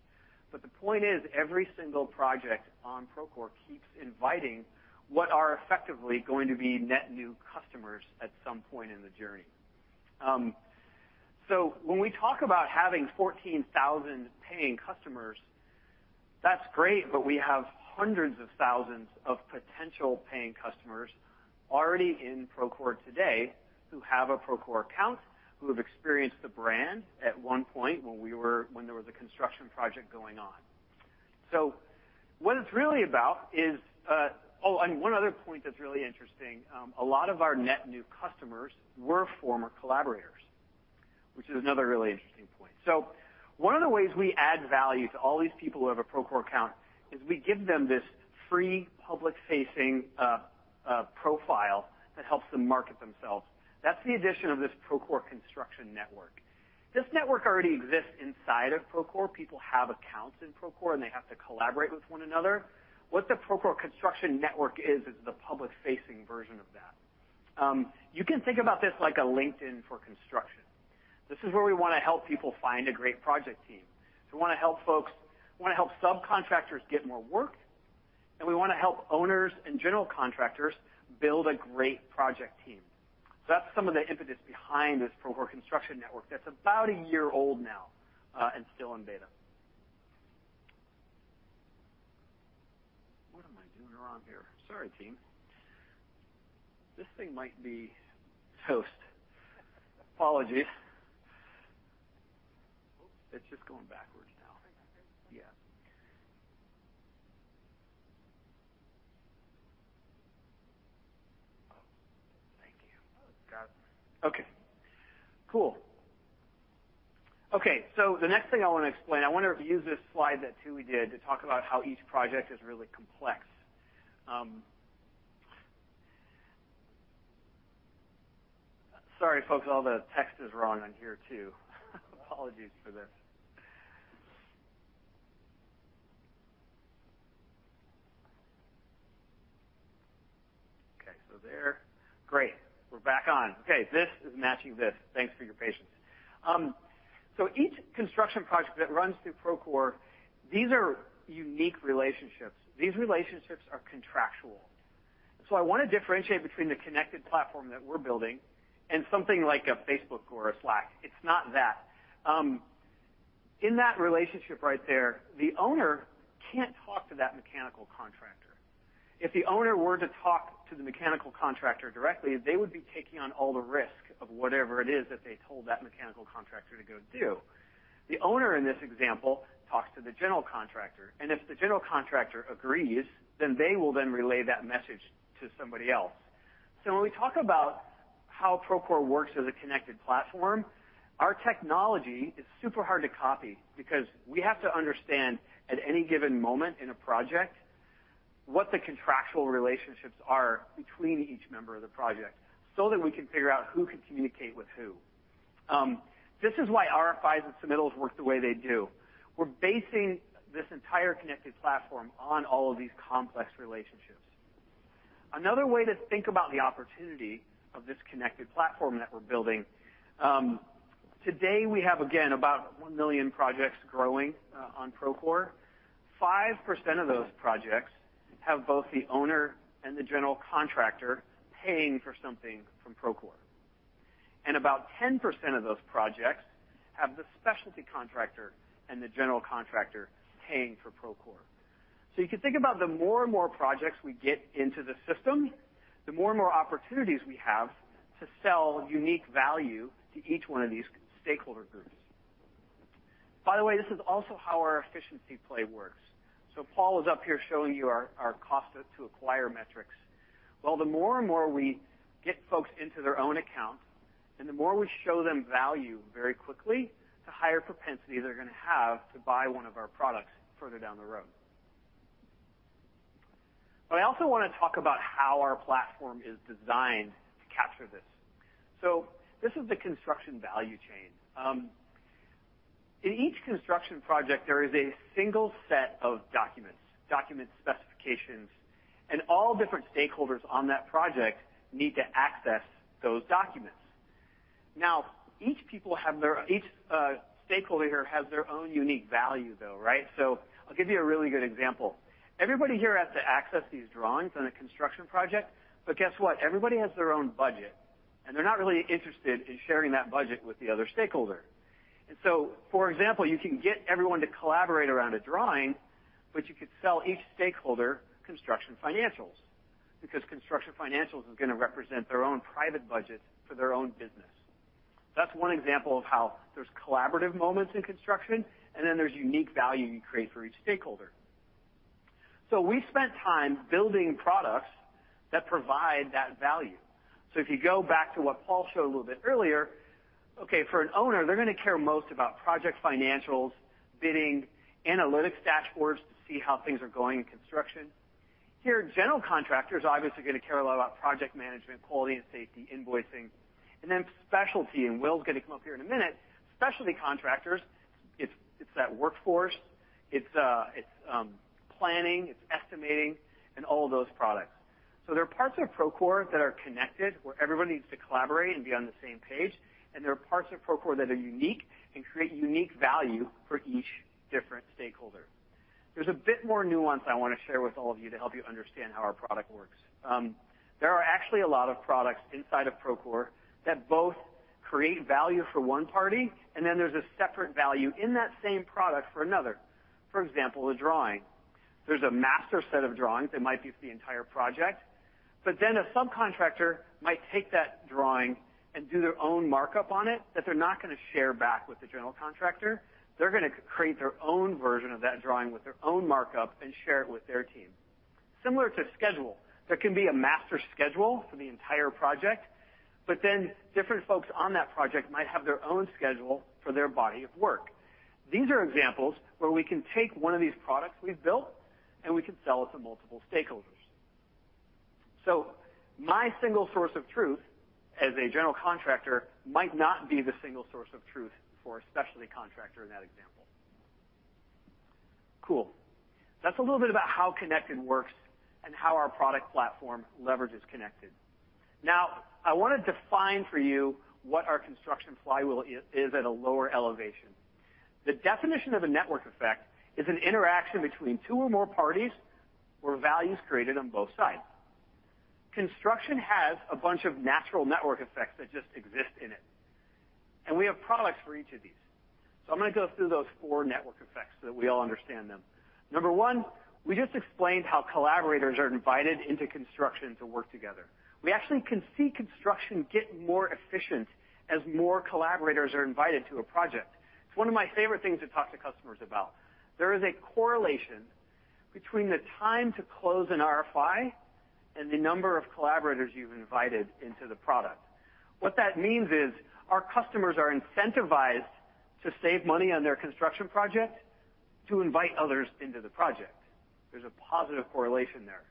The point is every single project on Procore keeps inviting what are effectively going to be net new customers at some point in the journey. When we talk about having 14,000 paying customers, that's great, but we have hundreds of thousands of potential paying customers already in Procore today who have a Procore account, who have experienced the brand at one point when there was a construction project going on. What it's really about is, One other point that's really interesting, a lot of our net new customers were former collaborators, which is another really interesting point. One of the ways we add value to all these people who have a Procore account is we give them this free public-facing profile that helps them market themselves. That's the addition of this Procore Construction Network. This network already exists inside of Procore. People have accounts in Procore, and they have to collaborate with one another. What the Procore Construction Network is is the public-facing version of that. You can think about this like a LinkedIn for construction. This is where we wanna help people find a great project team. We wanna help subcontractors get more work, and we wanna help owners and general contractors build a great project team. That's some of the impetus behind this Procore Construction Network that's about a year old now, and still in beta. What am I doing wrong here? Sorry, team. This thing might be toast. Apologies. It's just going backwards now. Yeah. Thank you. Got it. Okay, cool. Okay, the next thing I wanna explain, I wanna use this slide that Tooey did to talk about how each project is really complex. Sorry, folks, all the text is wrong on here, too. Apologies for this. Okay, there. Great. We're back on. Okay, this is matching this. Thanks for your patience. Each construction project that runs through Procore, these are unique relationships. These relationships are contractual. I wanna differentiate between the connected platform that we're building and something like a Facebook or a Slack. It's not that. In that relationship right there, the owner can't talk to that mechanical contractor. If the owner were to talk to the mechanical contractor directly, they would be taking on all the risk of whatever it is that they told that mechanical contractor to go do. The owner in this example talks to the general contractor, and if the general contractor agrees, then they will relay that message to somebody else. When we talk about how Procore works as a connected platform, our technology is super hard to copy because we have to understand, at any given moment in a project, what the contractual relationships are between each member of the project so that we can figure out who can communicate with who. This is why RFIs and submittals work the way they do. We're basing this entire connected platform on all of these complex relationships. Another way to think about the opportunity of this connected platform that we're building, today we have, again, about 1 million projects growing on Procore. 5% of those projects have both the owner and the general contractor paying for something from Procore, and about 10% of those projects have the specialty contractor and the general contractor paying for Procore. You can think about the more and more projects we get into the system, the more and more opportunities we have to sell unique value to each one of these stakeholder groups. By the way, this is also how our efficiency play works. Paul was up here showing you our cost to acquire metrics. Well, the more and more we get folks into their own account, and the more we show them value very quickly, the higher propensity they're gonna have to buy one of our products further down the road. I also wanna talk about how our platform is designed to capture this. This is the construction value chain. In each construction project, there is a single set of documents, document specifications, and all different stakeholders on that project need to access those documents. Now, each stakeholder has their own unique value, though, right? I'll give you a really good example. Everybody here has to access these drawings on a construction project. Guess what? Everybody has their own budget, and they're not really interested in sharing that budget with the other stakeholder. For example, you can get everyone to collaborate around a drawing, but you could sell each stakeholder construction financials because construction financials is gonna represent their own private budget for their own business. That's one example of how there's collaborative moments in construction, and then there's unique value you create for each stakeholder. We spent time building products that provide that value. If you go back to what Paul showed a little bit earlier, okay, for an owner, they're gonna care most about project financials, bidding, analytics dashboards to see how things are going in construction. Here, general contractors obviously are gonna care a lot about project management, quality and safety, invoicing, and then specialty. Will's gonna come up here in a minute. Specialty contractors, it's that workforce, it's planning, it's estimating and all of those products. There are parts of Procore that are connected, where everybody needs to collaborate and be on the same page, and there are parts of Procore that are unique and create unique value for each different stakeholder. There's a bit more nuance I wanna share with all of you to help you understand how our product works. There are actually a lot of products inside of Procore that both create value for one party and then there's a separate value in that same product for another. For example, a drawing. There's a master set of drawings that might be for the entire project, but then a subcontractor might take that drawing and do their own markup on it that they're not gonna share back with the general contractor. They're gonna create their own version of that drawing with their own markup and share it with their team. Similar to schedule. There can be a master schedule for the entire project, but then different folks on that project might have their own schedule for their body of work. These are examples where we can take one of these products we've built, and we can sell it to multiple stakeholders. My single source of truth as a general contractor might not be the single source of truth for a specialty contractor in that example. Cool. That's a little bit about how Connect works and how our product platform leverages Connect. Now, I wanna define for you what our construction flywheel is at a lower elevation. The definition of a network effect is an interaction between two or more parties where value is created on both sides. Construction has a bunch of natural network effects that just exist in it, and we have products for each of these. I'm gonna go through those four network effects so that we all understand them. Number one, we just explained how collaborators are invited into construction to work together. We actually can see construction get more efficient as more collaborators are invited to a project. It's one of my favorite things to talk to customers about. There is a correlation between the time to close an RFI and the number of collaborators you've invited into the product. What that means is, our customers are incentivized to save money on their construction project to invite others into the project. There's a positive correlation there.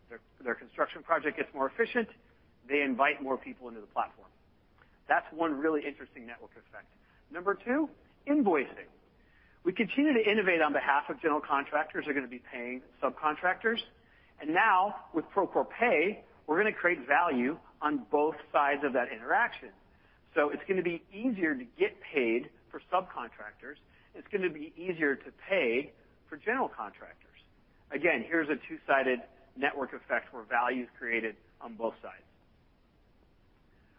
Their construction project gets more efficient, they invite more people into the platform. That's one really interesting network effect. Number two, invoicing. We continue to innovate on behalf of general contractors who are gonna be paying subcontractors, and now with Procore Pay, we're gonna create value on both sides of that interaction. It's gonna be easier to get paid for subcontractors, and it's gonna be easier to pay for general contractors. Again, here's a two-sided network effect where value is created on both sides.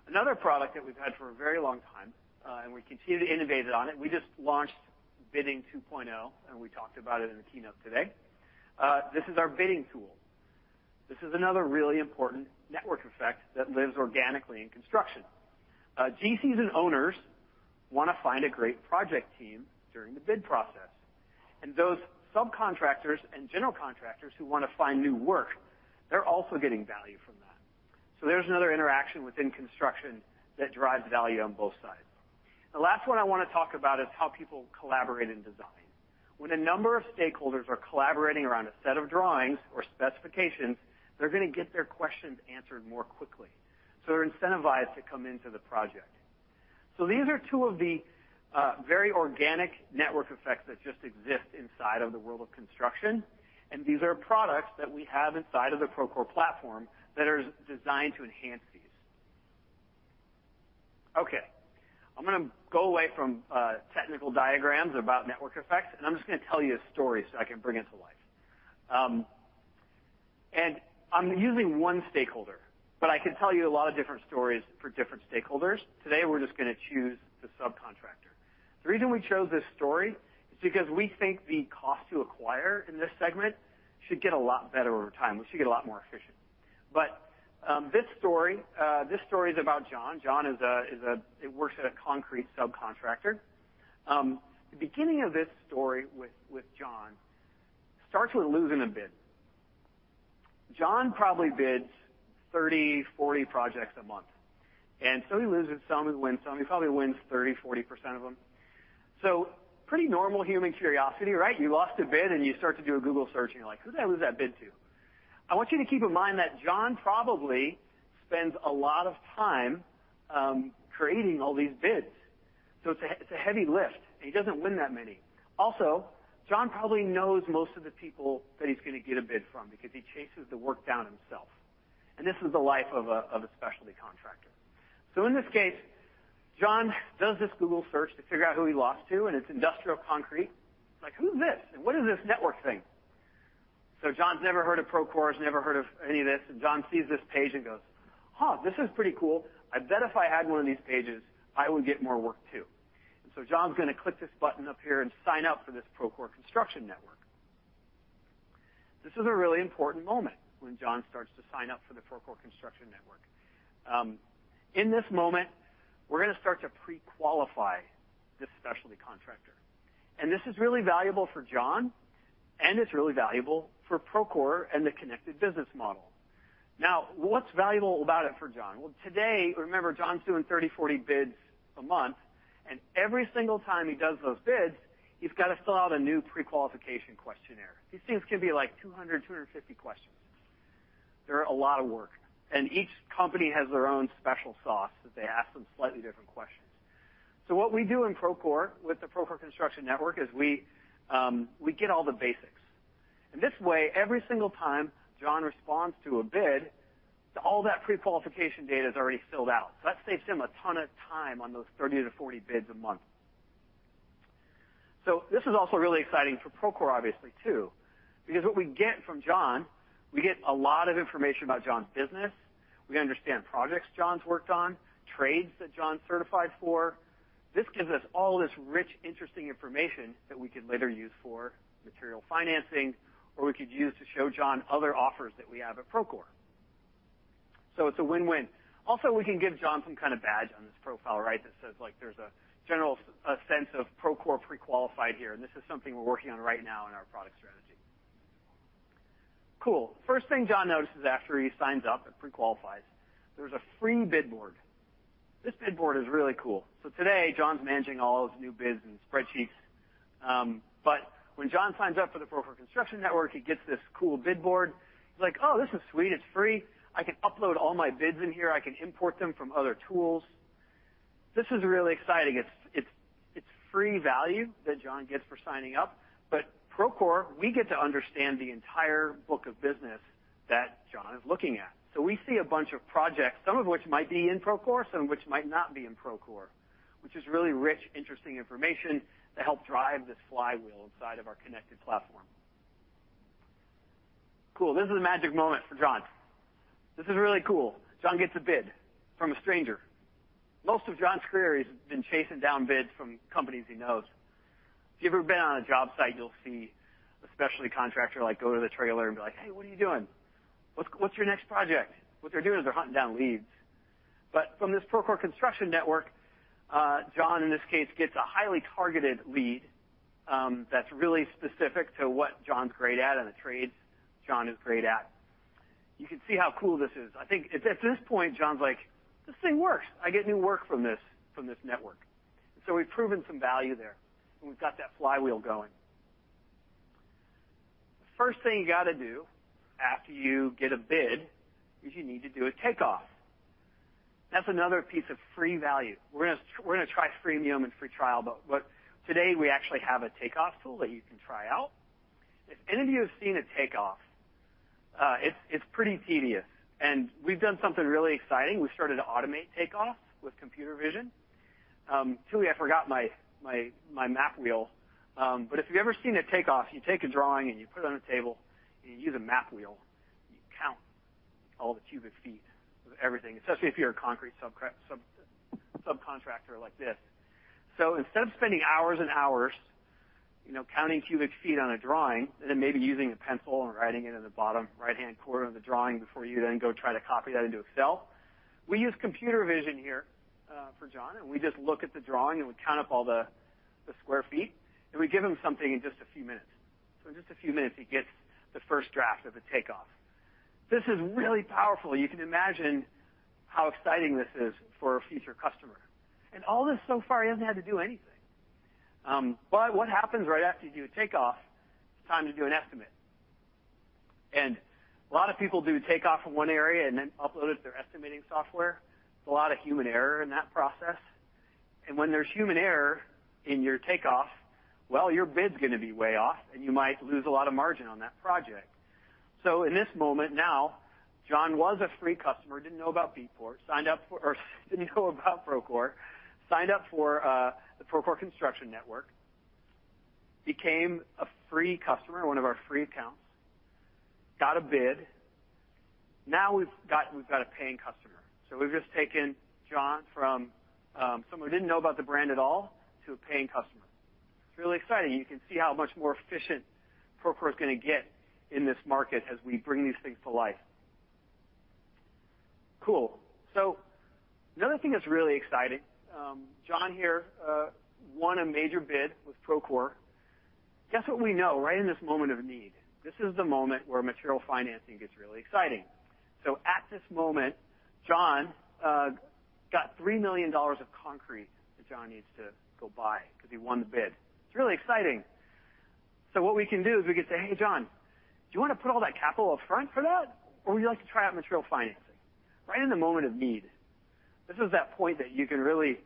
Another product that we've had for a very long time, and we continue to innovate on it. We just launched Bidding 2.0, and we talked about it in the keynote today. This is our bidding tool. This is another really important network effect that lives organically in construction. GCs and owners wanna find a great project team during the bid process. Those subcontractors and general contractors who wanna find new work, they're also getting value from that. There's another interaction within construction that drives value on both sides. The last one I wanna talk about is how people collaborate in design. When a number of stakeholders are collaborating around a set of drawings or specifications, they're gonna get their questions answered more quickly, so they're incentivized to come into the project. These are two of the very organic network effects that just exist inside of the world of construction, and these are products that we have inside of the Procore platform that are designed to enhance these. Okay, I'm gonna go away from technical diagrams about network effects, and I'm just gonna tell you a story so I can bring it to life. I'm using one stakeholder, but I could tell you a lot of different stories for different stakeholders. Today, we're just gonna choose the subcontractor. The reason we chose this story is because we think the cost to acquire in this segment should get a lot better over time. We should get a lot more efficient. This story is about John. John is a. He works at a concrete subcontractor. The beginning of this story with John starts with losing a bid. John probably bids 30, 40 projects a month, and he loses some, he wins some. He probably wins 30%-40% of them. Pretty normal human curiosity, right? You lost a bid, and you start to do a Google search, and you're like, "Who'd I lose that bid to?" I want you to keep in mind that John probably spends a lot of time creating all these bids. It's a heavy lift, and he doesn't win that many. Also, John probably knows most of the people that he's gonna get a bid from because he chases the work down himself. This is the life of a specialty contractor. In this case, John does this Google search to figure out who he lost to, and it's Industrial Concrete. Like, "Who's this? And what is this Network thing?" John's never heard of Procore, has never heard of any of this, and John sees this page and goes, "Huh, this is pretty cool. I bet if I had one of these pages, I would get more work too." John's gonna click this button up here and sign up for this Procore Construction Network. This is a really important moment when John starts to sign up for the Procore Construction Network. In this moment, we're gonna start to pre-qualify this specialty contractor. This is really valuable for John, and it's really valuable for Procore and the Connected business model. Now, what's valuable about it for John? Well, today, remember, John's doing 30, 40 bids a month, and every single time he does those bids, he's got to fill out a new pre-qualification questionnaire. These things can be like 200, 250 questions. They're a lot of work. Each company has their own special sauce, that they ask them slightly different questions. What we do in Procore with the Procore Construction Network is we get all the basics. This way, every single time John responds to a bid, all that pre-qualification data is already filled out. That saves him a ton of time on those 30-40 bids a month. This is also really exciting for Procore obviously too, because what we get from John, we get a lot of information about John's business, we understand projects John's worked on, trades that John's certified for. This gives us all this rich, interesting information that we could later use for material financing or we could use to show John other offers that we have at Procore. It's a win-win. Also, we can give John some kind of badge on this profile, right? That says like there's a general sense of Procore pre-qualified here, and this is something we're working on right now in our product strategy. Cool. First thing John notices after he signs up and pre-qualifies, there's a free bid board. This bid board is really cool. Today, John's managing all of his new bids in spreadsheets. But when John signs up for the Procore Construction Network, he gets this cool bid board. He's like, "Oh, this is sweet. It's free. I can upload all my bids in here. I can import them from other tools." This is really exciting. It's free value that John gets for signing up. Procore, we get to understand the entire book of business that John is looking at. We see a bunch of projects, some of which might be in Procore, some of which might not be in Procore, which is really rich, interesting information to help drive this flywheel inside of our connected platform. Cool. This is a magic moment for John. This is really cool. John gets a bid from a stranger. Most of John's career, he's been chasing down bids from companies he knows. If you've ever been on a job site, you'll see a specialty contractor, like, go to the trailer and be like, "Hey, what are you doing? What's your next project?" What they're doing is they're hunting down leads. From this Procore Construction Network, John, in this case, gets a highly targeted lead, that's really specific to what John's great at and the trades John is great at. You can see how cool this is. I think at this point, John's like, "This thing works. I get new work from this network." We've proven some value there, and we've got that flywheel going. The first thing you gotta do after you get a bid is you need to do a takeoff. That's another piece of free value. We're gonna try freemium and free trial, but today we actually have a takeoff tool that you can try out. If any of you have seen a takeoff, it's pretty tedious, and we've done something really exciting. We started to automate takeoff with computer vision. Truly, I forgot my map wheel. If you've ever seen a takeoff, you take a drawing, and you put it on a table, and you use a map wheel. You count all the cubic feet of everything, especially if you're a concrete subcontractor like this. Instead of spending hours and hours, you know, counting cubic feet on a drawing and then maybe using a pencil and writing it in the bottom right-hand corner of the drawing before you then go try to copy that into Excel, we use computer vision here for John, and we just look at the drawing, and we count up all the square feet, and we give him something in just a few minutes. In just a few minutes, he gets the first draft of the takeoff. This is really powerful. You can imagine how exciting this is for a future customer. All this so far, he hasn't had to do anything. What happens right after you do a takeoff, it's time to do an estimate. A lot of people do takeoff in one area and then upload it to their estimating software. There's a lot of human error in that process, and when there's human error in your takeoff, well, your bid's gonna be way off, and you might lose a lot of margin on that project. In this moment now, John was a free customer, didn't know about Procore, signed up for the Procore Construction Network, became a free customer, one of our free accounts, got a bid. Now we've got a paying customer. We've just taken John from someone who didn't know about the brand at all to a paying customer. It's really exciting. You can see how much more efficient Procore is gonna get in this market as we bring these things to life. Cool. Another thing that's really exciting, John here won a major bid with Procore. Guess what we know right in this moment of need? This is the moment where material financing gets really exciting. At this moment, John got $3 million of concrete that John needs to go buy because he won the bid. It's really exciting. What we can do is we can say, "Hey, John, do you wanna put all that capital up front for that, or would you like to try out material financing?" Right in the moment of need. This is that point that you can really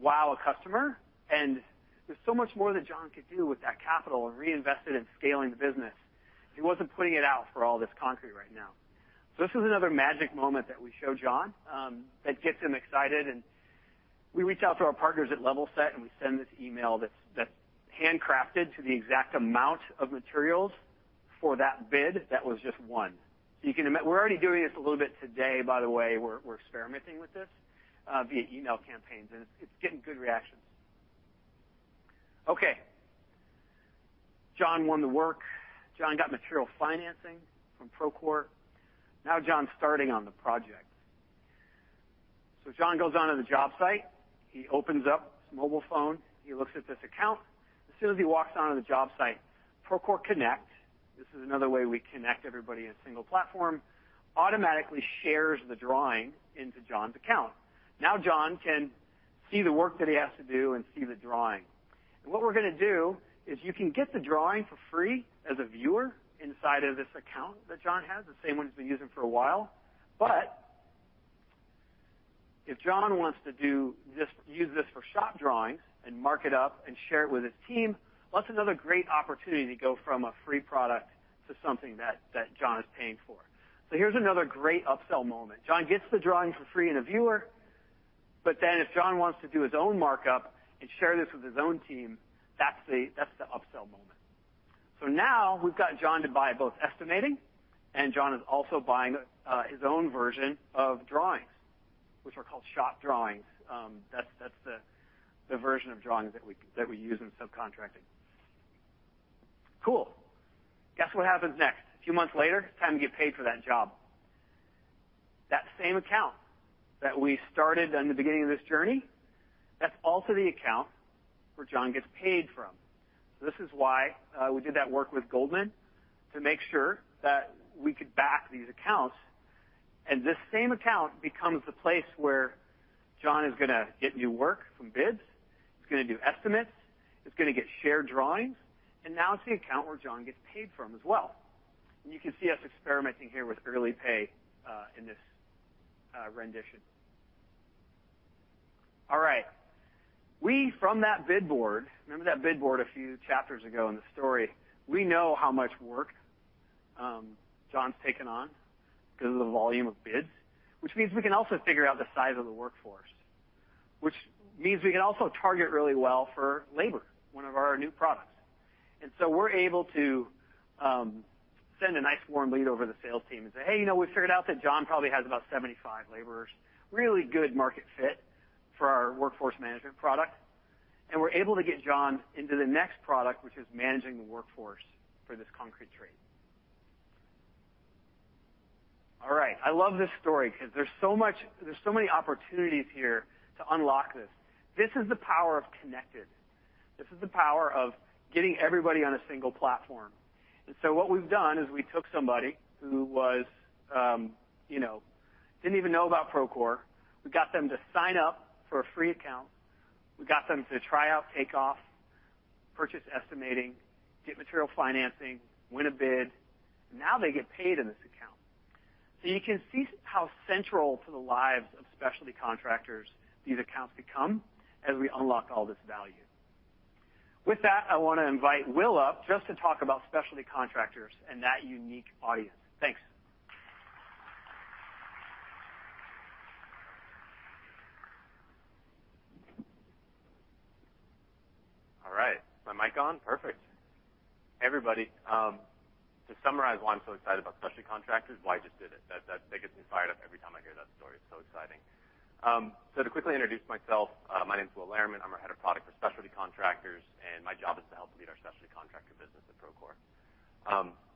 wow a customer, and there's so much more that John could do with that capital and reinvest it in scaling the business. He wasn't putting it out for all this concrete right now. This is another magic moment that we show John that gets him excited and we reach out to our partners at Levelset, and we send this email that's handcrafted to the exact amount of materials for that bid that was just won. We're already doing this a little bit today, by the way. We're experimenting with this via email campaigns, and it's getting good reactions. Okay. John won the work. John got material financing from Procore. Now, John's starting on the project. John goes onto the job site, he opens up his mobile phone, he looks at this account. As soon as he walks onto the job site, Procore Connect, this is another way we connect everybody in a single platform, automatically shares the drawing into John's account. Now, John can see the work that he has to do and see the drawing. What we're gonna do is you can get the drawing for free as a viewer inside of this account that John has, the same one he's been using for a while. If John wants to do this, use this for shop drawings and mark it up and share it with his team, well, that's another great opportunity to go from a free product to something that John is paying for. Here's another great upsell moment. John gets the drawing for free and a viewer, but then if John wants to do his own markup and share this with his own team, that's the upsell moment. Now we've got John to buy both estimating, and John is also buying his own version of drawings, which are called shop drawings. That's the version of drawings that we use in subcontracting. Cool. Guess what happens next? A few months later, it's time to get paid for that job. That same account that we started in the beginning of this journey, that's also the account where John gets paid from. This is why we did that work with Goldman to make sure that we could back these accounts, and this same account becomes the place where John is gonna get new work from bids. It's gonna do estimates, it's gonna get shared drawings, and now it's the account where John gets paid from as well. You can see us experimenting here with early pay in this rendition. All right. We, from that bid board, remember that bid board a few chapters ago in the story, we know how much work John's taken on 'cause of the volume of bids, which means we can also figure out the size of the workforce. Which means we can also target really well for labor, one of our new products. We're able to send a nice warm lead over to the sales team and say, "Hey, you know, we figured out that John probably has about 75 laborers." Really good market fit for our workforce management product. We're able to get John into the next product, which is managing the workforce for this concrete trade. All right. I love this story 'cause there's so much, there's so many opportunities here to unlock this. This is the power of connected. This is the power of getting everybody on a single platform. What we've done is we took somebody who was, you know, didn't even know about Procore. We got them to sign up for a free account. We got them to try out Takeoff, purchase estimating, get material financing, win a bid. Now they get paid in this account. You can see how central to the lives of specialty contractors these accounts become as we unlock all this value. With that, I wanna invite Will up just to talk about specialty contractors and that unique audience. Thanks. All right. Is my mic on? Perfect. Hey, everybody. To summarize why I'm so excited about specialty contractors, why I just did it. That gets me fired up every time I hear that story. It's so exciting. To quickly introduce myself, my name is Will Lehmann. I'm a head of product for specialty contractors, and my job is to help lead our specialty contractor business at Procore.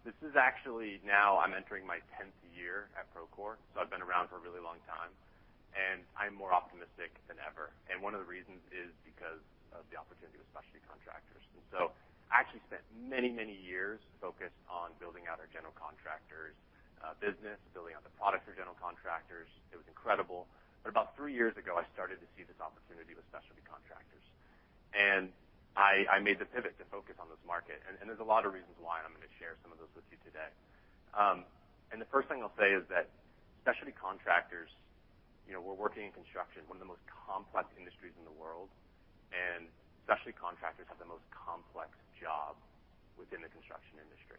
This is actually now I'm entering my tenth year at Procore, so I've been around for a really long time, and I'm more optimistic than ever. One of the reasons is because of the opportunity with specialty contractors. I actually spent many, many years focused on building out our general contractors business, building out the product for general contractors. It was incredible. About three years ago, I started to see this opportunity with specialty contractors. I made the pivot to focus on this market. There's a lot of reasons why, and I'm gonna share some of those with you today. The first thing I'll say is that specialty contractors, you know, we're working in construction, one of the most complex industries in the world, and specialty contractors have the most complex job within the construction industry.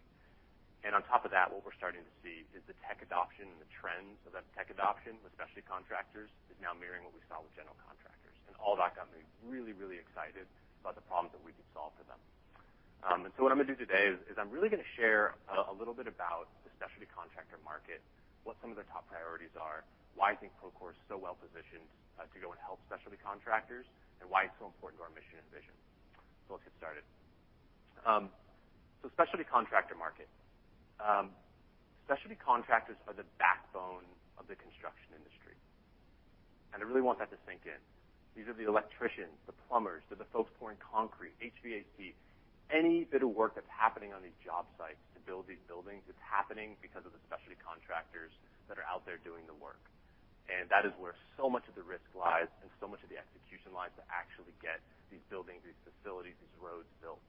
On top of that, what we're starting to see is the tech adoption and the trends of that tech adoption with specialty contractors is now mirroring what we saw with general contractors. All that got me really, really excited about the problems that we could solve for them. What I'm gonna do today is I'm really gonna share a little bit about the specialty contractor market, what some of their top priorities are, why I think Procore is so well-positioned to go and help specialty contractors, and why it's so important to our mission and vision. Let's get started. Specialty contractor market. Specialty contractors are the backbone of the construction industry, and I really want that to sink in. These are the electricians, the plumbers, they're the folks pouring concrete, HVAC. Any bit of work that's happening on these job sites to build these buildings, it's happening because of the specialty contractors that are out there doing the work. That is where so much of the risk lies and so much of the execution lies to actually get these buildings, these facilities, these roads built.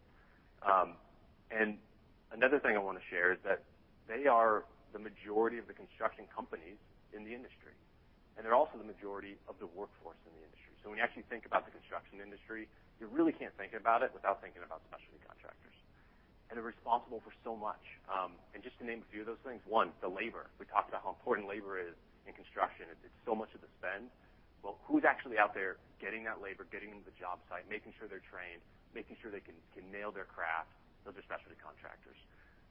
Another thing I wanna share is that they are the majority of the construction companies in the industry, and they're also the majority of the workforce in the industry. When you actually think about the construction industry, you really can't think about it without thinking about specialty contractors. They're responsible for so much. Just to name a few of those things. One, the labor. We talked about how important labor is in construction. It's so much of the spend. Well, who's actually out there getting that labor, getting them to the job site, making sure they're trained, making sure they can nail their craft? Those are specialty contractors.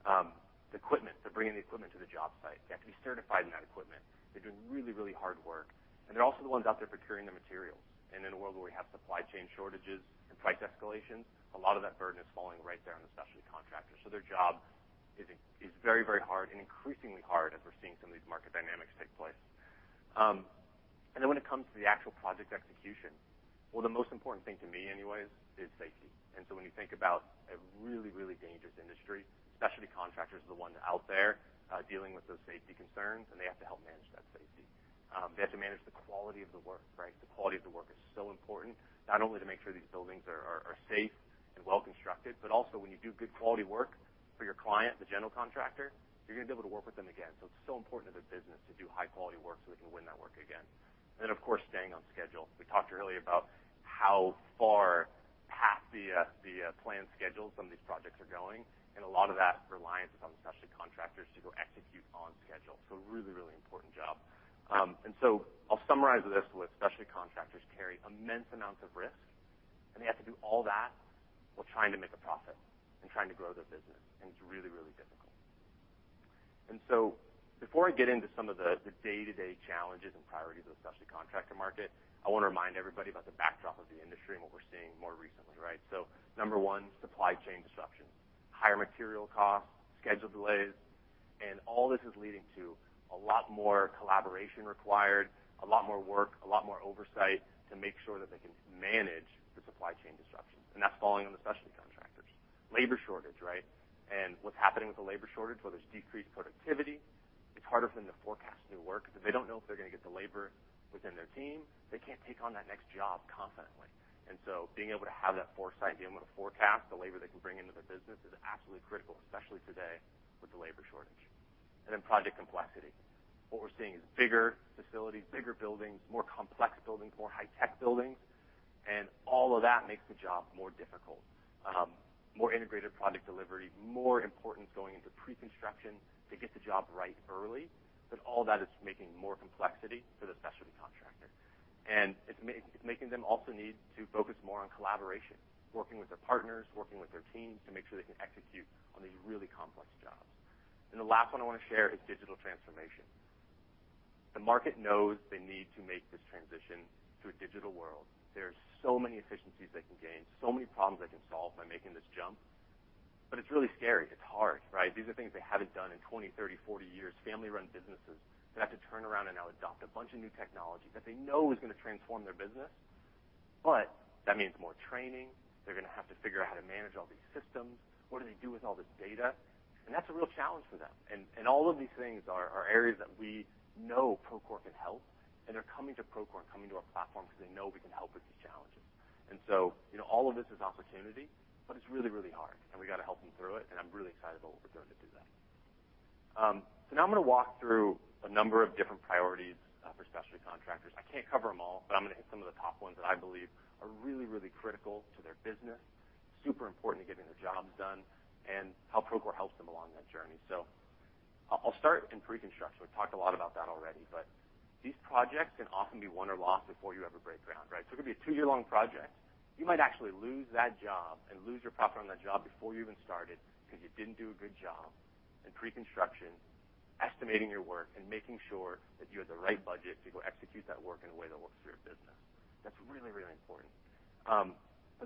The equipment. They're bringing the equipment to the job site. They have to be certified in that equipment. They're doing really, really hard work. They're also the ones out there procuring the materials. In a world where we have supply chain shortages and price escalation, a lot of that burden is falling right there on the specialty contractors. Their job is very, very hard and increasingly hard as we're seeing some of these market dynamics take place. When it comes to the actual project execution, well, the most important thing to me anyways is safety. When you think about a really, really dangerous industry, specialty contractors are the ones out there, dealing with those safety concerns, and they have to help manage that safety. They have to manage the quality of the work, right? The quality of the work is so important, not only to make sure these buildings are safe and well-constructed, but also when you do good quality work for your client, the general contractor, you're gonna be able to work with them again. It's so important to their business to do high quality work so they can win that work again. Of course, staying on schedule. We talked earlier about how far past the planned schedule some of these projects are going, and a lot of that reliance is on the specialty contractors to go execute on schedule. A really, really important job. I'll summarize this with specialty contractors carry immense amounts of risk, and they have to do all that while trying to make a profit and trying to grow their business, and it's really, really difficult. Before I get into some of the day-to-day challenges and priorities of the specialty contractor market, I wanna remind everybody about the backdrop of the industry and what we're seeing more recently, right? Number 1, supply chain disruptions, higher material costs, schedule delays, and all this is leading to a lot more collaboration required, a lot more work, a lot more oversight to make sure that they can manage the supply chain disruptions, and that's falling on the specialty contractors. Labor shortage, right? What's happening with the labor shortage? Well, there's decreased productivity. It's harder for them to forecast new work 'cause if they don't know if they're gonna get the labor within their team, they can't take on that next job confidently. Being able to have that foresight, being able to forecast the labor they can bring into their business is absolutely critical, especially today with the labor shortage. Project complexity. What we're seeing is bigger facilities, bigger buildings, more complex buildings, more high-tech buildings, and all of that makes the job more difficult. More integrated project delivery, more importance going into pre-construction to get the job right early, but all that is making more complexity for the specialty contractor. It's making them also need to focus more on collaboration, working with their partners, working with their teams to make sure they can execute on these really complex jobs. The last one I wanna share is digital transformation. The market knows they need to make this transition to a digital world. There are so many efficiencies they can gain, so many problems they can solve by making this jump, but it's really scary. It's hard, right? These are things they haven't done in 20, 30, 40 years. Family-run businesses that have to turn around and now adopt a bunch of new technology that they know is gonna transform their business, but that means more training. They're gonna have to figure out how to manage all these systems. What do they do with all this data? That's a real challenge for them. All of these things are areas that we know Procore can help, and they're coming to Procore and coming to our platform 'cause they know we can help with these challenges. You know, all of this is opportunity, but it's really, really hard, and we gotta help them through it, and I'm really excited about what we're doing to do that. Now I'm gonna walk through a number of different priorities for specialty contractors. I can't cover them all, but I'm gonna hit some of the top ones that I believe are really, really critical to their business, super important to getting their jobs done, and how Procore helps them along that journey. I'll start in pre-construction. We've talked a lot about that already. These projects can often be won or lost before you ever break ground, right? It could bet a two-year-long project. You might actually lose that job and lose your profit on that job before you even started 'cause you didn't do a good job in pre-construction, estimating your work, and making sure that you had the right budget to go execute that work in a way that works for your business. That's really, really important.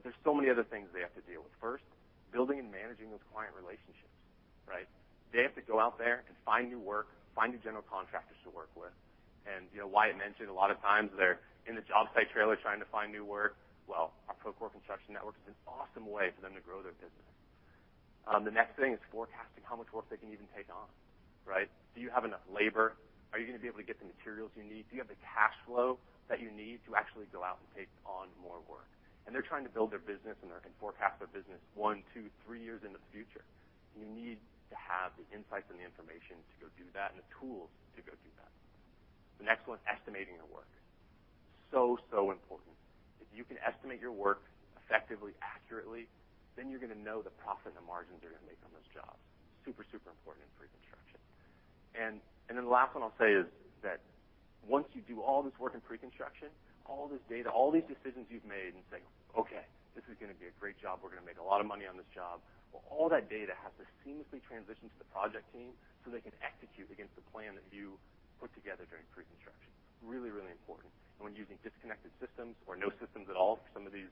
There's so many other things they have to deal with. First, building and managing those client relationships, right? They have to go out there and find new work, find new general contractors to work with. You know, Wyatt mentioned a lot of times they're in the job site trailer trying to find new work. Well, our Procore Construction Network is an awesome way for them to grow their business. The next thing is forecasting how much work they can even take on, right? Do you have enough labor? Are you gonna be able to get the materials you need? Do you have the cash flow that you need to actually go out and take on more work? They're trying to build their business, and they're trying to forecast their business one, two, three years into the future. You need to have the insights and the information to go do that and the tools to go do that. The next one, estimating your work. So important. If you can estimate your work effectively, accurately, then you're gonna know the profit and the margins you're gonna make on those jobs. Super important in pre-construction. Then the last one I'll say is that once you do all this work in pre-construction, all this data, all these decisions you've made and say, "Okay, this is gonna be a great job. We're gonna make a lot of money on this job." Well, all that data has to seamlessly transition to the project team so they can execute against the plan that you put together during pre-construction. Really, really important. When using disconnected systems or no systems at all for some of these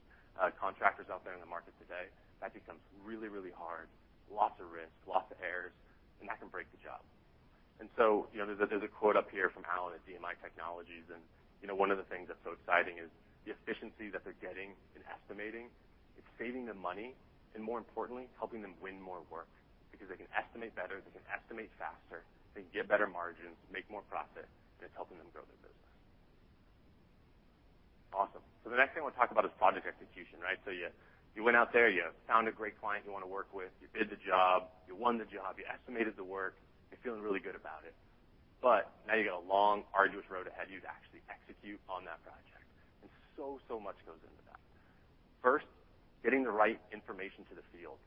contractors out there in the market today, that becomes really, really hard. Lots of risks, lots of errors, and that can break the job. You know, there's a quote up here from Alan at DMI Technologies, and you know, one of the things that's so exciting is the efficiency that they're getting in estimating. It's saving them money and, more importantly, helping them win more work because they can estimate better, they can estimate faster, they can get better margins, make more profit, and it's helping them grow their business. Awesome. The next thing I wanna talk about is project execution, right? You went out there, you found a great client you wanna work with. You bid the job. You won the job. You estimated the work. You're feeling really good about it. Now you got a long, arduous road ahead of you to actually execute on that project, and so much goes into that. First, getting the right information to the field.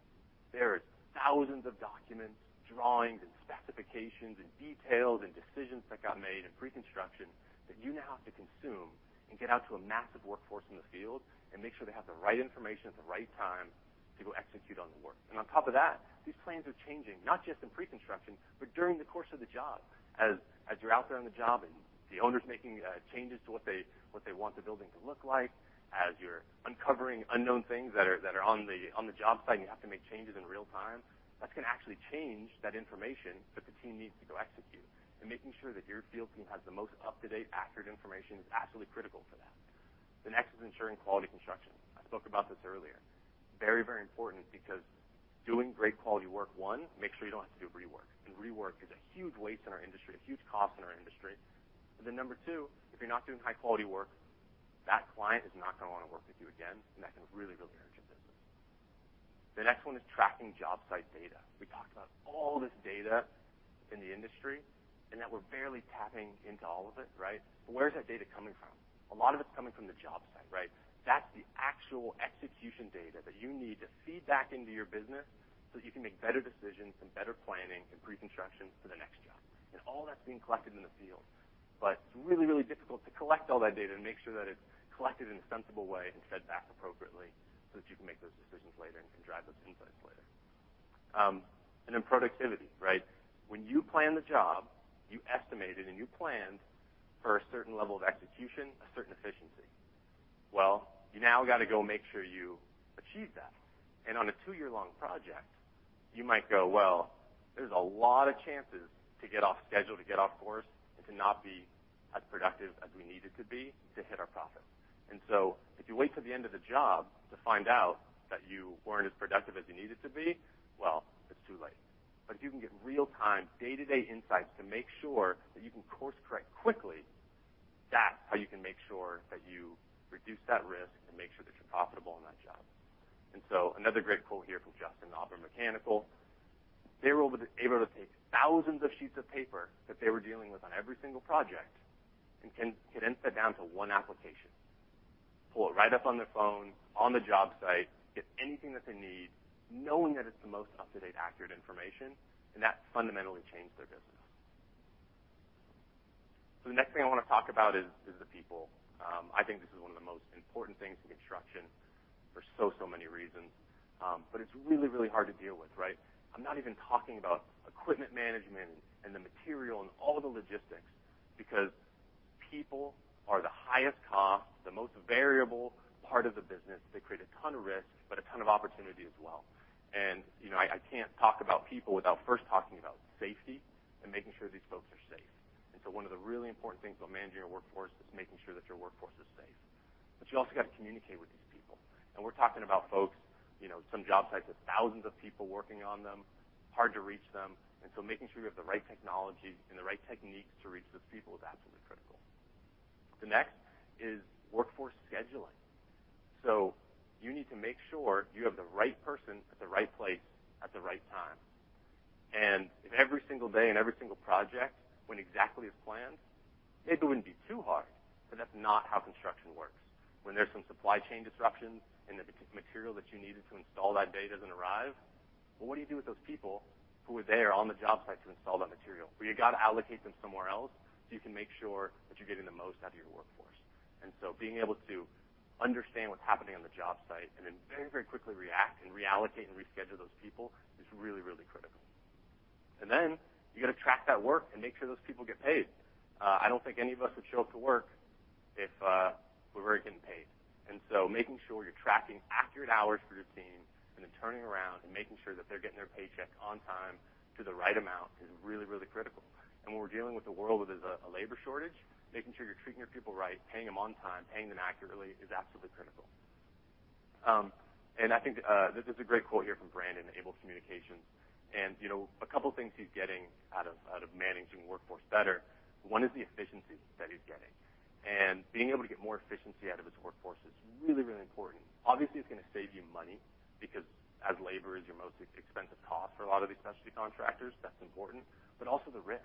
There are thousands of documents, drawings, and specifications and details and decisions that got made in pre-construction that you now have to consume and get out to a massive workforce in the field and make sure they have the right information at the right time to go execute on the work. On top of that, these plans are changing, not just in pre-construction, but during the course of the job. As you're out there on the job and the owner's making changes to what they want the building to look like, as you're uncovering unknown things that are on the job site and you have to make changes in real time, that's gonna actually change that information that the team needs to go execute. Making sure that your field team has the most up-to-date, accurate information is absolutely critical for that. The next is ensuring quality construction. I spoke about this earlier. Very, very important because doing great quality work, one, makes sure you don't have to do rework. Rework is a huge waste in our industry, a huge cost in our industry. Then number two, if you're not doing high-quality work, that client is not gonna wanna work with you again, and that can really, really hurt your business. The next one is tracking job site data. We talked about all this data in the industry and that we're barely tapping into all of it, right? Where is that data coming from? A lot of it's coming from the job site, right? That's the actual execution data that you need to feed back into your business so that you can make better decisions and better planning and pre-construction for the next job. All that's being collected in the field, but it's really, really difficult to collect all that data and make sure that it's collected in a sensible way and fed back appropriately so that you can make those decisions later and can drive those insights later. Productivity, right? When you plan the job, you estimated and you planned for a certain level of execution, a certain efficiency. Well, you now gotta go make sure you achieve that. On a two-year-long project, you might go, well, there's a lot of chances to get off schedule, to get off course, and to not be as productive as we needed to be to hit our profits. If you wait till the end of the job to find out that you weren't as productive as you needed to be, well, it's too late. But if you can get real-time, day-to-day insights to make sure that you can course-correct quickly, that's how you can make sure that you reduce that risk and make sure that you're profitable on that job. Another great quote here from Justin at Auburn Mechanical. They were able to take thousands of sheets of paper that they were dealing with on every single project and condense that down to one application. Pull it right up on their phone, on the job site, get anything that they need, knowing that it's the most up-to-date, accurate information, and that fundamentally changed their business. The next thing I wanna talk about is the people. I think this is one of the most important things in construction for so many reasons. It's really hard to deal with, right? I'm not even talking about equipment management and the material and all the logistics, because people are the highest cost, the most variable part of the business. They create a ton of risk, but a ton of opportunity as well. You know, I can't talk about people without first talking about safety and making sure these folks are safe. One of the really important things about managing your workforce is making sure that your workforce is safe. You also got to communicate with these people. We're talking about folks, you know, some job sites with thousands of people working on them, hard to reach them. Making sure you have the right technology and the right techniques to reach those people is absolutely critical. The next is workforce scheduling. You need to make sure you have the right person at the right place at the right time. If every single day and every single project went exactly as planned, maybe it wouldn't be too hard, but that's not how construction works. When there's some supply chain disruptions and the material that you needed to install that day doesn't arrive, well, what do you do with those people who are there on the job site to install that material? Well, you gotta allocate them somewhere else so you can make sure that you're getting the most out of your workforce. Being able to understand what's happening on the job site and then very, very quickly react and reallocate and reschedule those people is really, really critical. You gotta track that work and make sure those people get paid. I don't think any of us would show up to work if we weren't getting paid. Making sure you're tracking accurate hours for your team and then turning around and making sure that they're getting their paycheck on time to the right amount is really, really critical. When we're dealing with a world where there's a labor shortage, making sure you're treating your people right, paying them on time, paying them accurately, is absolutely critical. This is a great quote here from Brandon at ABLe Communications. You know, a couple things he's getting out of managing workforce better, one is the efficiency that he's getting. Being able to get more efficiency out of his workforce is really, really important. Obviously, it's gonna save you money because as labor is your most expensive cost for a lot of these specialty contractors, that's important. Also the risk,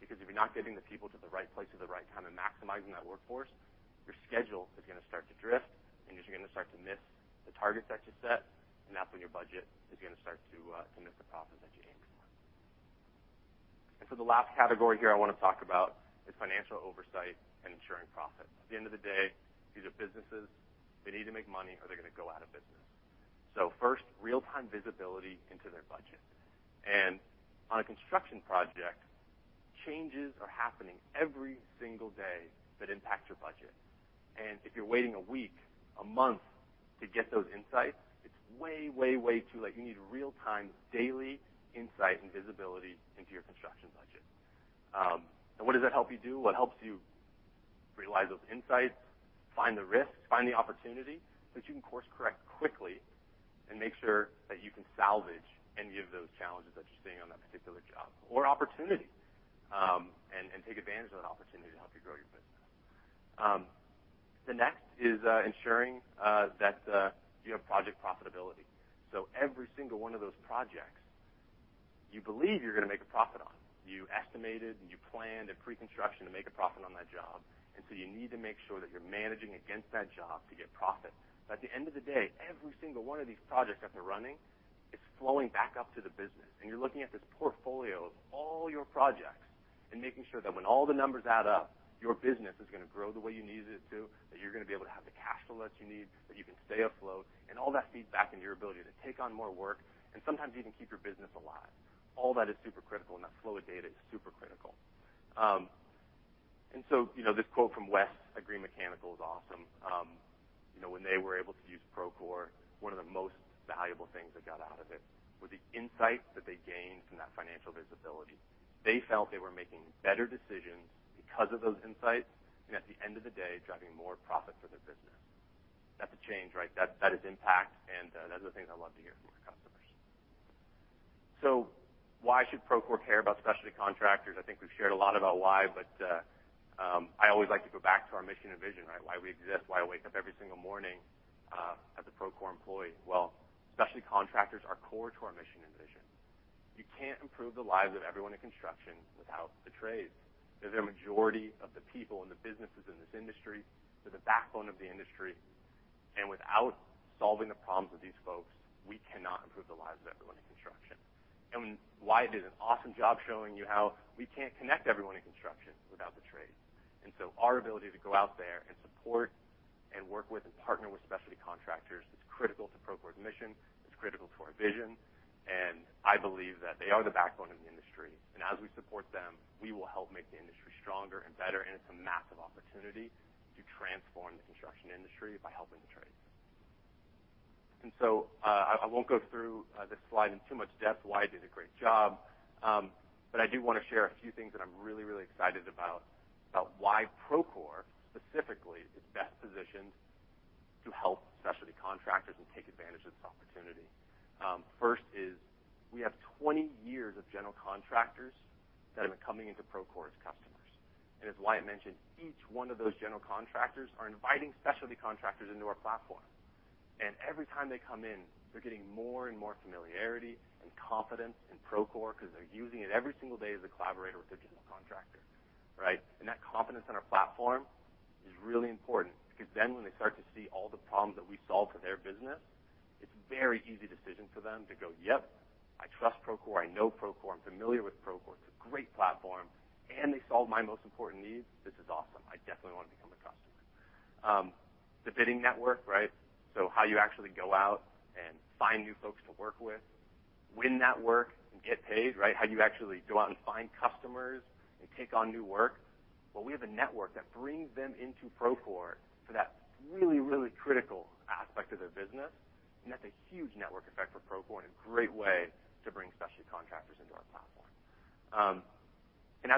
because if you're not getting the people to the right place at the right time and maximizing that workforce, your schedule is gonna start to drift, and you're gonna start to miss the targets that you set, and that's when your budget is gonna start to miss the profits that you're aiming for. The last category here I wanna talk about is financial oversight and ensuring profit. At the end of the day, these are businesses. They need to make money or they're gonna go out of business. First, real-time visibility into their budget. On a construction project, changes are happening every single day that impact your budget. If you're waiting a week, a month to get those insights, it's way, way too late. You need real-time daily insight and visibility into your construction budget. What does that help you do? Well, it helps you realize those insights, find the risks, find the opportunity that you can course-correct quickly and make sure that you can salvage any of those challenges that you're seeing on that particular job or opportunity, and take advantage of that opportunity to help you grow your business. The next is ensuring that you have project profitability. Every single one of those projects you believe you're gonna make a profit on. You estimated and you planned a pre-construction to make a profit on that job. You need to make sure that you're managing against that job to get profit. At the end of the day, every single one of these projects that they're running is flowing back up to the business. You're looking at this portfolio of all your projects and making sure that when all the numbers add up, your business is gonna grow the way you need it to, that you're gonna be able to have the cash flows you need, that you can stay afloat. All that feeds back into your ability to take on more work and sometimes even keep your business alive. All that is super critical, and that flow of data is super critical. You know, this quote from Wes at Green Mechanical is awesome. You know, when they were able to use Procore, one of the most valuable things they got out of it was the insight that they gained from that financial visibility. They felt they were making better decisions because of those insights, and at the end of the day, driving more profit for their business. That's a change, right? That is impact, and that's the things I love to hear from our customers. Why should Procore care about specialty contractors? I think we've shared a lot about why, but I always like to go back to our mission and vision, right? Why we exist, why I wake up every single morning as a Procore employee. Well, specialty contractors are core to our mission and vision. You can't improve the lives of everyone in construction without the trades. They're the majority of the people and the businesses in this industry. They're the backbone of the industry. Without solving the problems of these folks, we cannot improve the lives of everyone in construction. Wyatt did an awesome job showing you how we can't connect everyone in construction without the trades. Our ability to go out there and support and work with and partner with specialty contractors is critical to Procore's mission. It's critical to our vision, and I believe that they are the backbone of the industry. As we support them, we will help make the industry stronger and better, and it's a massive opportunity to transform the construction industry by helping the trades. I won't go through this slide in too much depth. Wyatt did a great job. I do wanna share a few things that I'm really, really excited about about why Procore specifically is best positioned to help specialty contractors and take advantage of this opportunity. First is we have 20 years of general contractors that have been coming into Procore as customers. As Wyatt mentioned, each one of those general contractors are inviting specialty contractors into our platform. Every time they come in, they're getting more and more familiarity and confidence in Procore 'cause they're using it every single day as a collaborator with their general contractor, right? That confidence in our platform is really important because then when they start to see all the problems that we solve for their business, it's a very easy decision for them to go, "Yep, I trust Procore. I know Procore. I'm familiar with Procore. It's a great platform, and they solve my most important needs. This is awesome. I definitely want to become a customer." The bidding network, right? How you actually go out and find new folks to work with, win that work and get paid, right? How you actually go out and find customers and take on new work. Well, we have a network that brings them into Procore for that really, really critical aspect of their business, and that's a huge network effect for Procore and a great way to bring specialty contractors into our platform.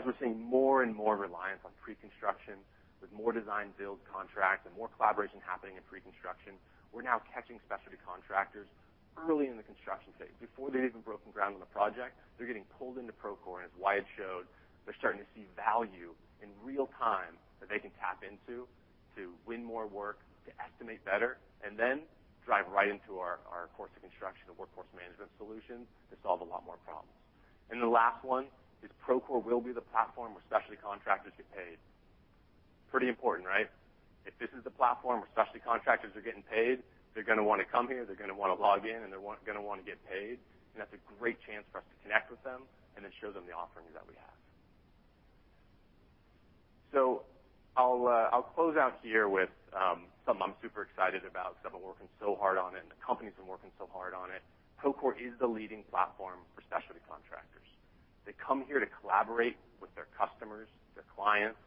As we're seeing more and more reliance on pre-construction with more design build contracts and more collaboration happening in pre-construction, we're now catching specialty contractors early in the construction phase. Before they've even broken ground on the project, they're getting pulled into Procore. As Wyatt showed, they're starting to see value in real time that they can tap into to win more work, to estimate better, and then drive right into our course of construction, the workforce management solution to solve a lot more problems. The last one is Procore will be the platform where specialty contractors get paid. Pretty important, right? If this is the platform where specialty contractors are getting paid, they're gonna wanna come here, they're gonna wanna log in, and they're gonna wanna get paid. That's a great chance for us to connect with them and then show them the offerings that we have. I'll close out here with something I'm super excited about because I've been working so hard on it and the company's been working so hard on it. Procore is the leading platform for specialty contractors. They come here to collaborate with their customers, their clients,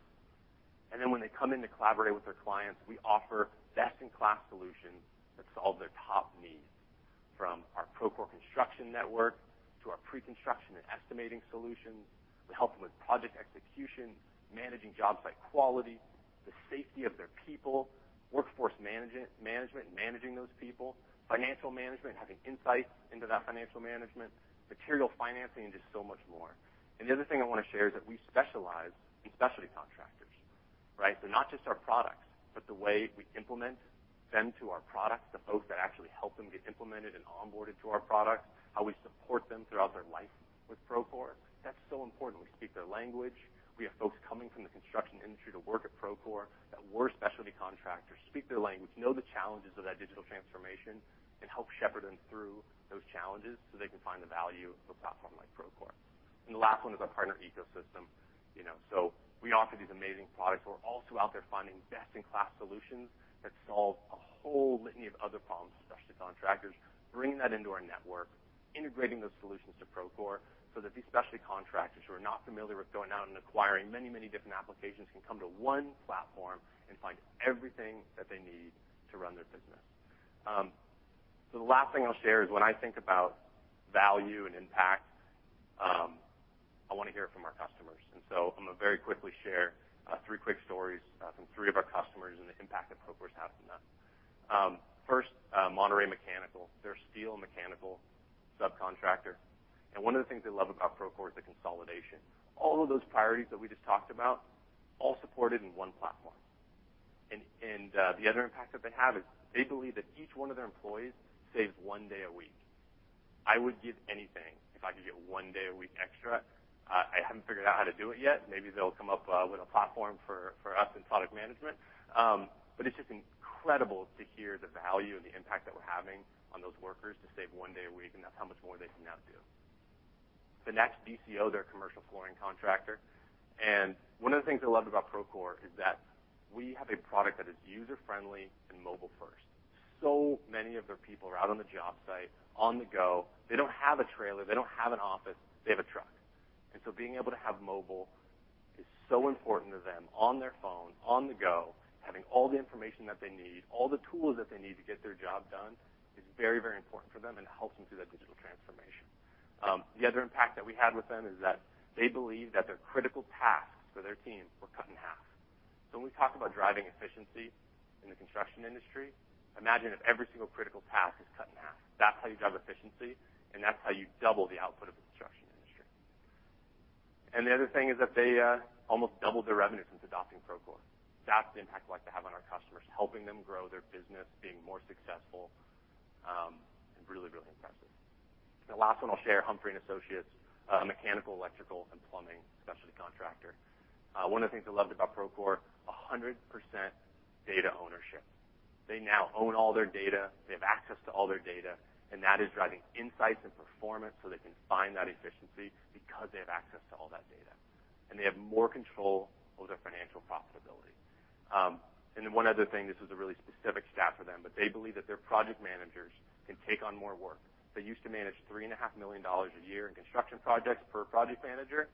and then when they come in to collaborate with their clients, we offer best-in-class solutions that solve their top needs, from our Procore Construction Network to our pre-construction and estimating solutions. We help them with project execution, managing job site quality, the safety of their people, workforce management, managing those people, financial management, having insights into that financial management, material financing, and just so much more. The other thing I wanna share is that we specialize in specialty contractors, right? Not just our products, but the way we implement them to our products, the folks that actually help them get implemented and onboarded to our products, how we support them throughout their life with Procore, that's so important. We speak their language. We have folks coming from the construction industry to work at Procore that were specialty contractors, speak their language, know the challenges of that digital transformation, and help shepherd them through those challenges so they can find the value of a platform like Procore. The last one is our partner ecosystem, you know. We offer these amazing products. We're also out there finding best-in-class solutions that solve a whole litany of other problems for specialty contractors, bringing that into our network, integrating those solutions to Procore, so that these specialty contractors who are not familiar with going out and acquiring many, many different applications, can come to one platform and find everything that they need to run their business. The last thing I'll share is when I think about value and impact, I wanna hear from our customers. I'm gonna very quickly share three quick stories from three of our customers and the impact that Procore is having on them. First, Monterey Mechanical. They're a steel mechanical subcontractor, and one of the things they love about Procore is the consolidation. All of those priorities that we just talked about, all supported in one platform. The other impact that they have is they believe that each one of their employees saves one day a week. I would give anything if I could get one day a week extra. I haven't figured out how to do it yet. Maybe they'll come up with a platform for us in product management. It's just incredible to hear the value and the impact that we're having on those workers to save one day a week, and that's how much more they can now do. The next, BCO, they're a commercial flooring contractor, and one of the things they loved about Procore is that we have a product that is user-friendly and mobile first. So many of their people are out on the job site, on the go. They don't have a trailer, they don't have an office, they have a truck. Being able to have mobile is so important to them, on their phone, on the go, having all the information that they need, all the tools that they need to get their job done is very, very important for them and helps them through that digital transformation. The other impact that we had with them is that they believe that their critical tasks for their team were cut in half. When we talk about driving efficiency in the construction industry, imagine if every single critical task is cut in half. That's how you drive efficiency, and that's how you double the output of the construction industry. The other thing is that they almost doubled their revenue since adopting Procore. That's the impact we like to have on our customers, helping them grow their business, being more successful, and really, really impressive. The last one I'll share, Humphrey & Associates, mechanical, electrical, and plumbing specialty contractor. One of the things they loved about Procore, 100% data ownership. They now own all their data, they have access to all their data, and that is driving insights and performance so they can find that efficiency because they have access to all that data. They have more control over their financial profitability. One other thing, this was a really specific stat for them, but they believe that their project managers can take on more work. They used to manage $3.5 million a year in construction projects per project manager.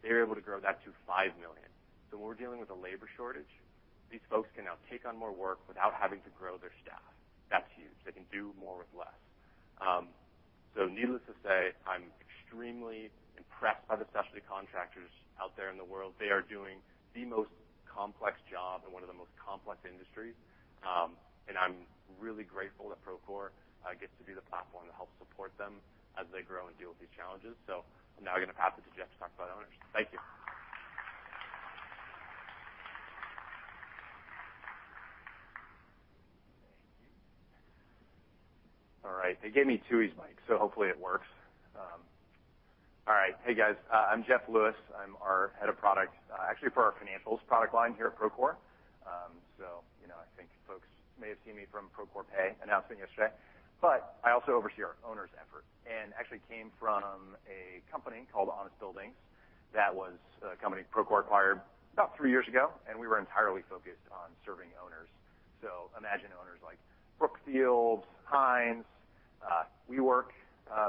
They're able to grow that to $5 million. When we're dealing with a labor shortage, these folks can now take on more work without having to grow their staff. That's huge. They can do more with less. Needless to say, I'm extremely impressed by the specialty contractors out there in the world. They are doing the most complex job in one of the most complex industries. I'm really grateful that Procore gets to be the platform to help support them as they grow and deal with these challenges. I'm now going to pass it to Jeff to talk about owners. Thank you. All right. They gave me Tooey's mic, so hopefully it works. All right. Hey guys, I'm Jeff Lewis. I'm our head of product, actually for our financials product line here at Procore. You know, I think folks may have seen me from Procore Pay announcement yesterday, but I also oversee our owners effort and actually came from a company called Honest Buildings that was a company Procore acquired about three years ago, and we were entirely focused on serving owners. Imagine owners like Brookfield, Hines, WeWork,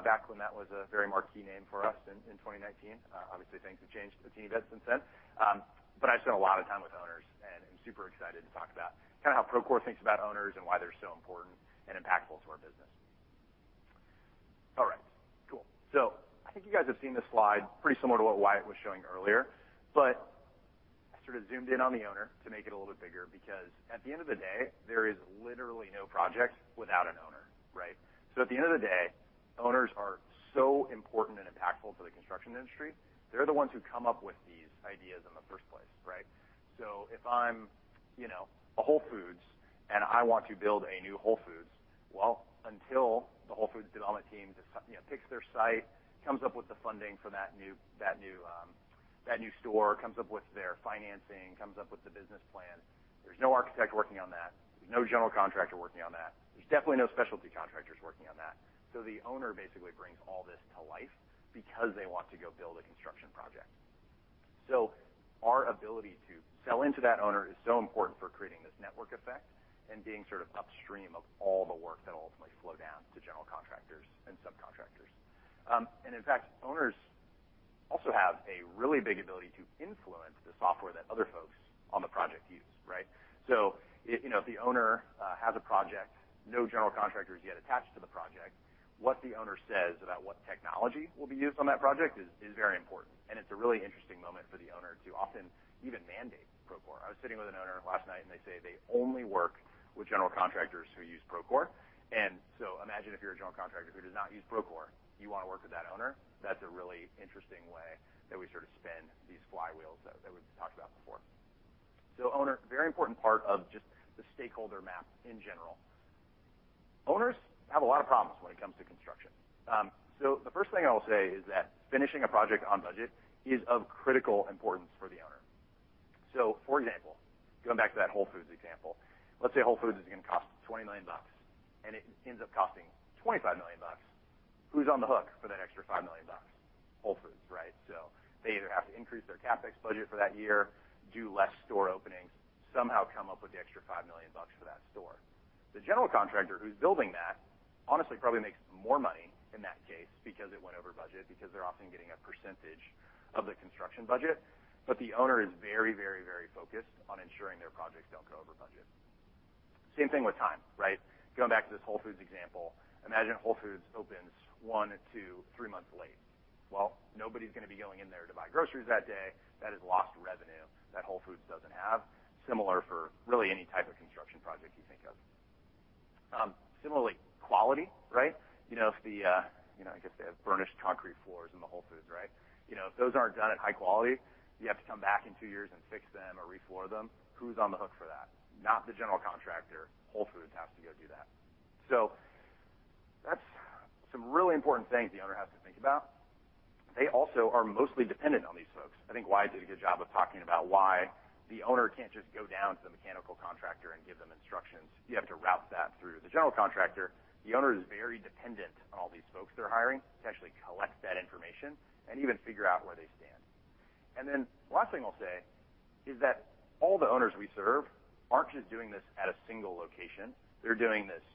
back when that was a very marquee name for us in 2019. Obviously things have changed a teeny bit since then. I spent a lot of time with owners, and I'm super excited to talk about kinda how Procore thinks about owners and why they're so important and impactful to our business. All right. Cool. I think you guys have seen this slide pretty similar to what Wyatt was showing earlier, but I sort of zoomed in on the owner to make it a little bit bigger because at the end of the day, there is literally no project without an owner, right? At the end of the day, owners are so important and impactful to the construction industry. They're the ones who come up with these ideas in the first place, right? If I'm, you know, a Whole Foods and I want to build a new Whole Foods, well, until the Whole Foods development team picks their site, comes up with the funding for that new store, comes up with their financing, comes up with the business plan. There's no architect working on that. There's no general contractor working on that. There's definitely no specialty contractors working on that. The owner basically brings all this to life because they want to go build a construction project. Our ability to sell into that owner is so important for creating this network effect and being sort of upstream of all the work that'll ultimately flow down to general contractors and subcontractors. In fact, owners also have a really big ability to influence the software that other folks on the project use, right? You know, if the owner has a project, no general contractor is yet attached to the project, what the owner says about what technology will be used on that project is very important. It's a really interesting moment for the owner to often even mandate Procore. I was sitting with an owner last night, and they say they only work with general contractors who use Procore. Imagine if you're a general contractor who does not use Procore, you wanna work with that owner. That's a really interesting way that we sort of spin these flywheels that we've talked about before. Owner, very important part of just the stakeholder map in general. Owners have a lot of problems when it comes to construction. The first thing I'll say is that finishing a project on budget is of critical importance for the owner. For example, going back to that Whole Foods example, let's say Whole Foods is gonna cost $20 million and it ends up costing $25 million. Who's on the hook for that extra $5 million? Whole Foods, right? They either have to increase their CapEx budget for that year, do less store openings, somehow come up with the extra $5 million for that store. The general contractor who's building that honestly probably makes more money in that case because it went over budget because they're often getting a percentage of the construction budget. The owner is very, very, very focused on ensuring their projects don't go over budget. Same thing with time, right? Going back to this Whole Foods example, imagine Whole Foods opens 1-3 months late. Well, nobody's gonna be going in there to buy groceries that day. That is lost revenue that Whole Foods doesn't have. Similar for really any type of construction project you think of. Similarly, quality, right? You know, if the, you know, I guess they have burnished concrete floors in the Whole Foods, right? You know, if those aren't done at high quality, you have to come back in two years and fix them or refloor them. Who's on the hook for that? Not the general contractor. Whole Foods has to go do that. That's some really important things the owner has to think about. They also are mostly dependent on these folks. I think Wyatt did a good job of talking about why the owner can't just go down to the mechanical contractor and give them instructions. You have to route that through the general contractor. The owner is very dependent on all these folks they're hiring to actually collect that information and even figure out where they stand. Last thing I'll say is that all the owners we serve aren't just doing this at a single location. They're doing this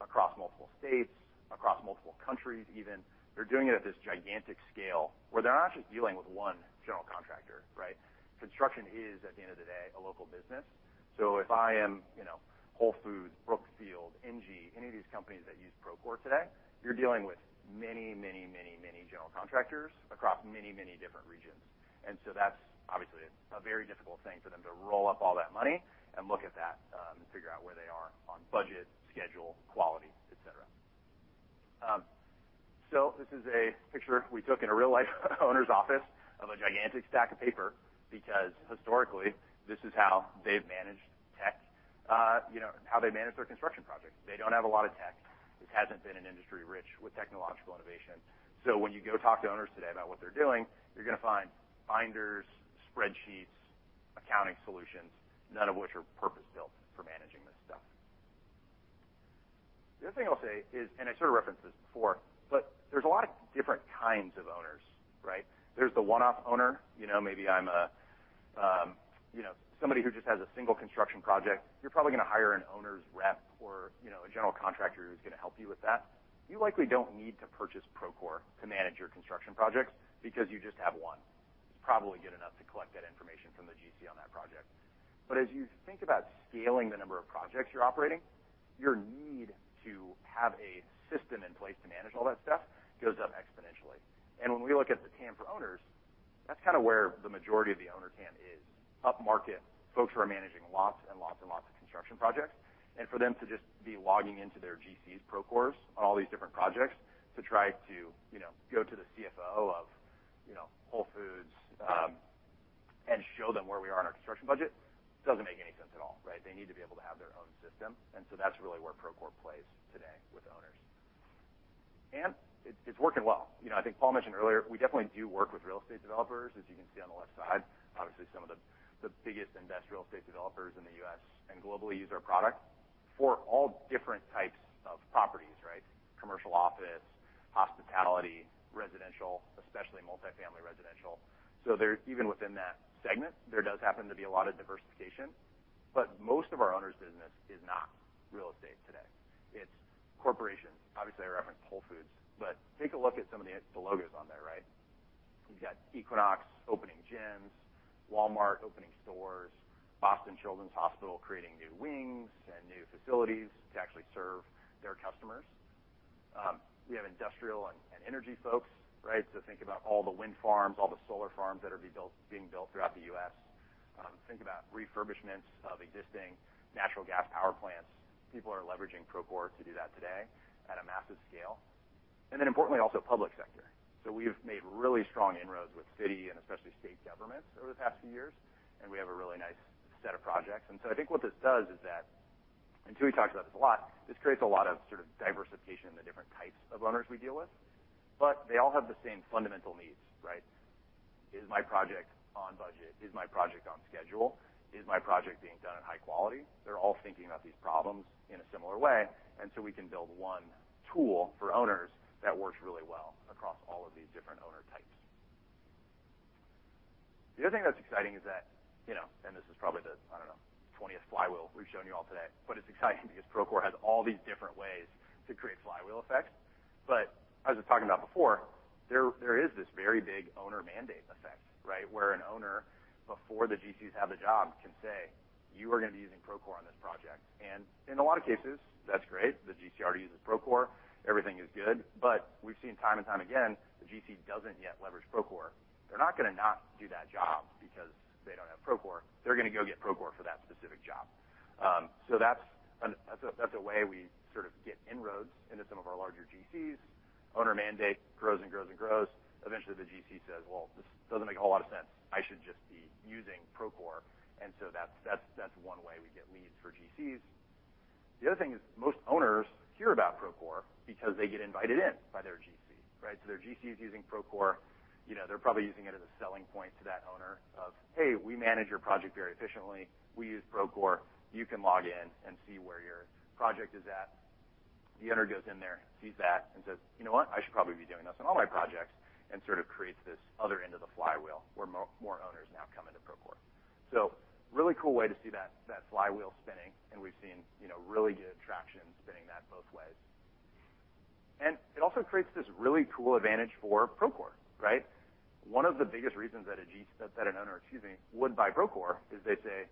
across multiple states, across multiple countries even. They're doing it at this gigantic scale where they're not just dealing with one general contractor, right? Construction is, at the end of the day, a local business. If I am, you know, Whole Foods, Brookfield, ENGIE, any of these companies that use Procore today, you're dealing with many, many, many, many general contractors across many, many different regions. That's obviously a very difficult thing for them to roll up all that money and look at that, and figure out where they are on budget, schedule, quality, et cetera. This is a picture we took in a real life owner's office of a gigantic stack of paper because historically this is how they've managed tech, you know, how they manage their construction projects. They don't have a lot of tech. This hasn't been an industry rich with technological innovation. When you go talk to owners today about what they're doing, you're gonna find binders, spreadsheets, accounting solutions, none of which are purpose-built for managing this stuff. The other thing I'll say is, and I sort of referenced this before, but there's a lot of different kinds of owners, right? There's the one-off owner. You know, maybe I'm a, you know, somebody who just has a single construction project, you're probably going to hire an owner's rep or, you know, a general contractor who's going to help you with that. You likely don't need to purchase Procore to manage your construction projects because you just have one. It's probably good enough to collect that information from the GC on that project. But as you think about scaling the number of projects you're operating, your need to have a system in place to manage all that stuff goes up exponentially. When we look at the TAM for owners, that's kind of where the majority of the owner TAM is. Upmarket folks who are managing lots and lots and lots of construction projects, and for them to just be logging into their GCs Procores on all these different projects to try to, you know, go to the CFO of, you know, Whole Foods, and show them where we are in our construction budget doesn't make any sense at all, right? They need to be able to have their own system, and so that's really where Procore plays today with owners. It's working well. You know, I think Paul mentioned earlier, we definitely do work with real estate developers, as you can see on the left side. Obviously, some of the biggest industrial estate developers in the U.S. and globally use our product for all different types of properties, right? Commercial office, hospitality, residential, especially multifamily residential. There even within that segment, there does happen to be a lot of diversification. Most of our owners business is not real estate today. It's corporations. Obviously, I referenced Whole Foods, but take a look at some of the logos on there, right? You've got Equinox opening gyms, Walmart opening stores, Boston Children's Hospital creating new wings and new facilities to actually serve their customers. We have industrial and energy folks, right? Think about all the wind farms, all the solar farms that are being built throughout the U.S. Think about refurbishments of existing natural gas power plants. People are leveraging Procore to do that today at a massive scale. Importantly, also public sector. We've made really strong inroads with city and especially state governments over the past few years, and we have a really nice set of projects. I think what this does is that, and Tui talked about this a lot, this creates a lot of sort of diversification in the different types of owners we deal with. They all have the same fundamental needs, right? Is my project on budget? Is my project on schedule? Is my project being done at high quality? They're all thinking about these problems in a similar way, and so we can build one tool for owners that works really well across all of these different owner types. The other thing that's exciting is that, you know, and this is probably the, I don't know, 20th flywheel we've shown you all today, but it's exciting because Procore has all these different ways to create flywheel effects. But as I was talking about before, there is this very big owner mandate effect, right? Where an owner, before the GCs have the job, can say, "You are going to be using Procore on this project." In a lot of cases, that's great. The GC already uses Procore. Everything is good. But we've seen time and time again, the GC doesn't yet leverage Procore. They're not going to not do that job because they don't have Procore. They're going to go get Procore for that specific job. So that's a way we sort of get inroads into some of our larger GCs. Owner mandate grows and grows and grows. Eventually, the GC says, "Well, this doesn't make a whole lot of sense. I should just be using Procore." That's one way we get leads for GCs. The other thing is most owners hear about Procore because they get invited in by their GC, right? Their GC is using Procore. You know, they're probably using it as a selling point to that owner of, "Hey, we manage your project very efficiently. We use Procore. You can log in and see where your project is at." The owner goes in there, sees that, and says, "You know what? I should probably be doing this on all my projects," and sort of creates this other end of the flywheel where more owners now come into Procore. Really cool way to see that flywheel spinning, and we've seen, you know, really good traction spinning that both ways. It also creates this really cool advantage for Procore, right? One of the biggest reasons that an owner, excuse me, would buy Procore is they say,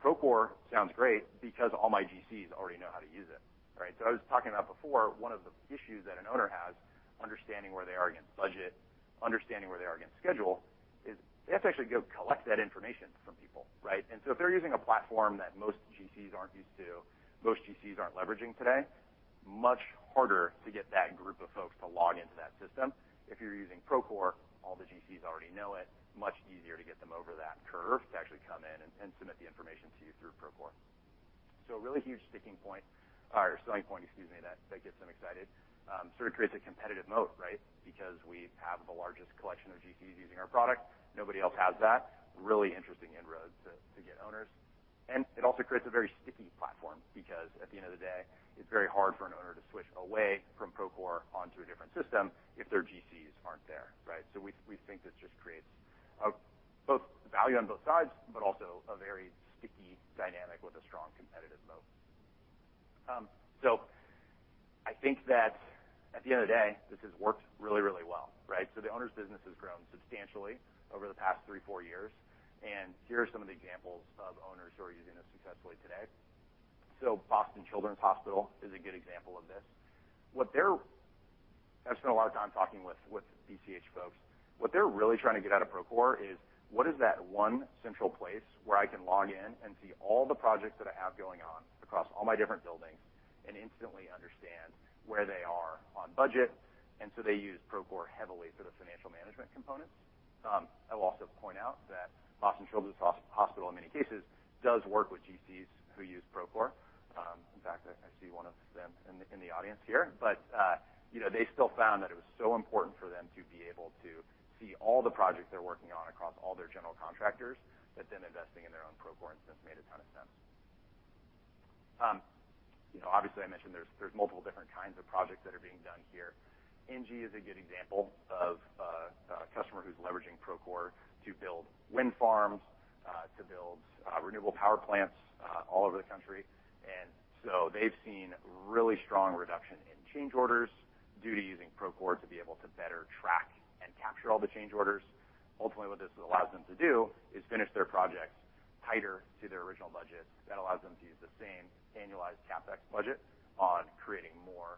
"Procore sounds great because all my GCs already know how to use it," right? I was talking about before, one of the issues that an owner has, understanding where they are against budget, understanding where they are against schedule, is they have to actually go collect that information from people, right? If they're using a platform that most GCs aren't used to, most GCs aren't leveraging today, much harder to get that group of folks to log into that system. If you're using Procore, all the GCs already know it, much easier to get them over that curve to actually come in and submit the information to you through Procore. A really huge sticking point or selling point, excuse me, that gets them excited. Sort of creates a competitive moat, right? Because we have the largest collection of GCs using our product. Nobody else has that. Really interesting inroads to get owners. It also creates a very sticky platform because at the end of the day, it's very hard for an owner to switch away from Procore onto a different system if their GCs aren't there, right? We think this just creates a both value on both sides, but also a very sticky dynamic with a strong competitive moat. I think that at the end of the day, this has worked really, really well, right? The owners business has grown substantially over the past three, four years, and here are some of the examples of owners who are using this successfully today. Boston Children's Hospital is a good example of this. I've spent a lot of time talking with BCH folks. What they're really trying to get out of Procore is, what is that one central place where I can log in and see all the projects that I have going on across all my different buildings and instantly understand where they are on budget? They use Procore heavily for the financial management components. I will also point out that Boston Children's Hospital, in many cases, does work with GCs who use Procore. In fact, I see one of them in the audience here. You know, they still found that it was so important for them to be able to see all the projects they're working on across all their general contractors that them investing in their own Procore instance made a ton of sense. You know, obviously I mentioned there's multiple different kinds of projects that are being done here. ENGIE is a good example of a customer who's leveraging Procore to build wind farms, to build renewable power plants, all over the country. They've seen really strong reduction in change orders due to using Procore to be able to better track and capture all the change orders. Ultimately, what this allows them to do is finish their projects tighter to their original budget. That allows them to use the same annualized CapEx budget on creating more,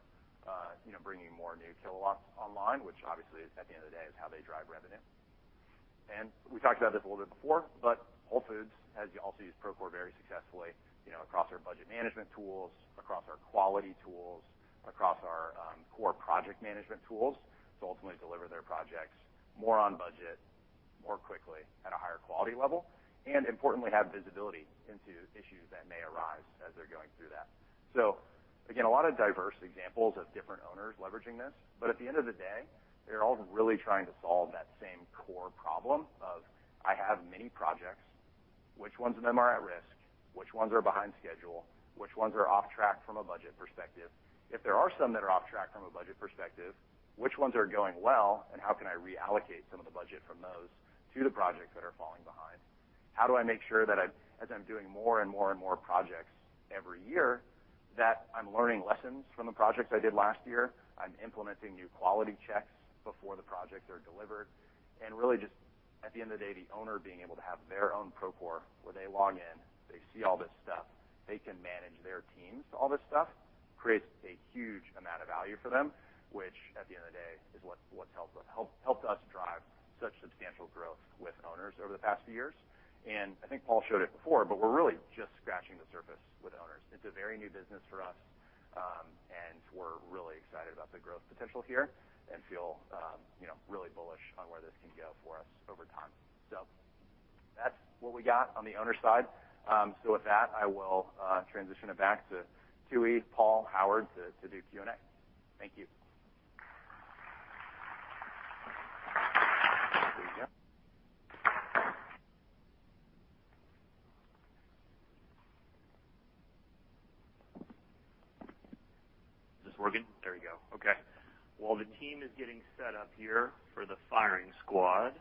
you know, bringing more new kilowatts online, which obviously is, at the end of the day, how they drive revenue. We talked about this a little bit before, but Whole Foods has also used Procore very successfully, you know, across our budget management tools, across our quality tools, across our core project management tools to ultimately deliver their projects more on budget, more quickly at a higher quality level, and importantly, have visibility into issues that may arise as they're going through that. Again, a lot of diverse examples of different owners leveraging this, but at the end of the day, they're all really trying to solve that same core problem of, I have many projects, which ones of them are at risk? Which ones are behind schedule? Which ones are off track from a budget perspective? If there are some that are off track from a budget perspective, which ones are going well, and how can I reallocate some of the budget from those to the projects that are falling behind? How do I make sure that as I'm doing more and more and more projects every year, that I'm learning lessons from the projects I did last year? I'm implementing new quality checks before the projects are delivered. Really just at the end of the day, the owner being able to have their own Procore where they log in, they see all this stuff, they can manage their teams, all this stuff creates a huge amount of value for them, which at the end of the day, is what's helped us drive such substantial growth with owners over the past few years. I think Paul showed it before, but we're really just scratching the surface with owners. It's a very new business for us, and we're really excited about the growth potential here and feel, you know, really bullish on where this can go for us over time. That's what we got on the owner side. With that, I will transition it back to Tooey, Paul, Howard, to do Q&A. Thank you. There you go. Is this working? There you go. Okay. While the team is getting set up here for the firing squad,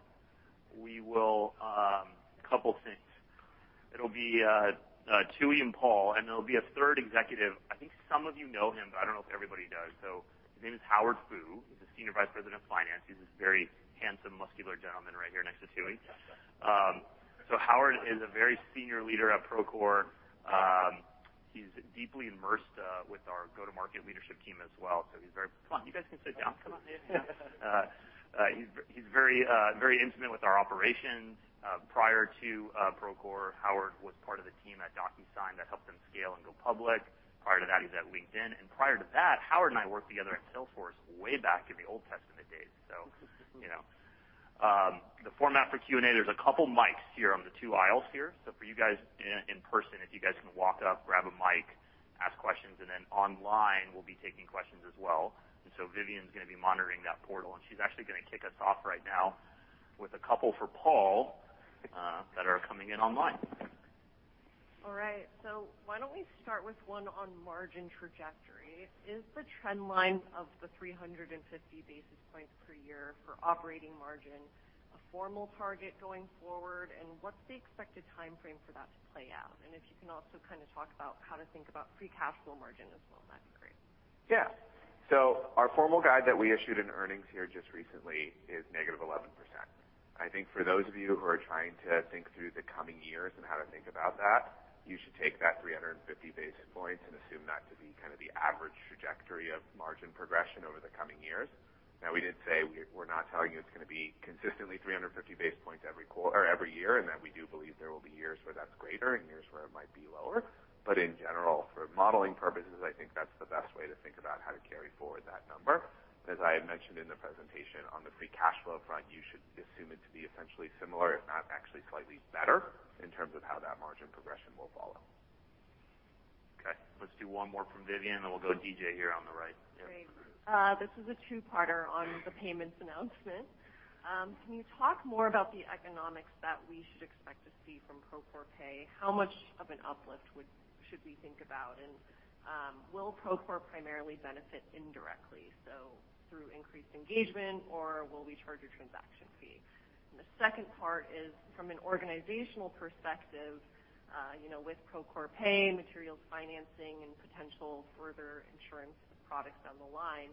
we will, a couple of things. It'll be, Tui and Paul, and there'll be a third executive. I think some of you know him, but I don't know if everybody does. His name is Howard Fu, he's the Senior Vice President of Finance. He's this very handsome, muscular gentleman right here next to Tui. Howard is a very senior leader at Procore. He's deeply immersed with our go-to-market leadership team as well. Come on, you guys can sit down. Come on. He's very intimate with our operations. Prior to Procore, Howard was part of the team at DocuSign that helped them scale and go public. Prior to that, he was at LinkedIn. Prior to that, Howard and I worked together at Salesforce way back in the Old Testament days. You know. The format for Q&A, there's a couple of mics here on the two aisles here. For you guys in person, if you guys can walk up, grab a mic, ask questions, and then online, we'll be taking questions as well. Vivian is gonna be monitoring that portal, and she's actually gonna kick us off right now with a couple for Paul, that are coming in online. All right. Why don't we start with one on margin trajectory. Is the trend line of the 350 basis points per year for operating margin, a formal target going forward, and what's the expected timeframe for that to play out? If you can also kind of talk about how to think about free cash flow margin as well, that'd be great. Yeah. Our formal guide that we issued in earnings here just recently is negative 11%. I think for those of you who are trying to think through the coming years and how to think about that, you should take that 350 basis points and assume that to be kind of the average trajectory of margin progression over the coming years. Now, we did say we're not telling you it's gonna be consistently 350 basis points every quarter or every year, and that we do believe there will be years where that's greater and years where it might be lower. In general, for modeling purposes, I think that's the best way to think about how to carry forward that number. As I had mentioned in the presentation on the free cash flow front, you should assume it to be essentially similar, if not actually slightly better in terms of how that margin progression will follow. Okay, let's do one more from Vivian, then we'll go D.J. here on the right. Great. This is a two-parter on the payments announcement. Can you talk more about the economics that we should expect to see from Procore Pay? How much of an uplift should we think about? Will Procore primarily benefit indirectly, so through increased engagement, or will we charge a transaction fee? The second part is, from an organizational perspective, you know, with Procore Pay, materials financing and potential further insurance products on the line,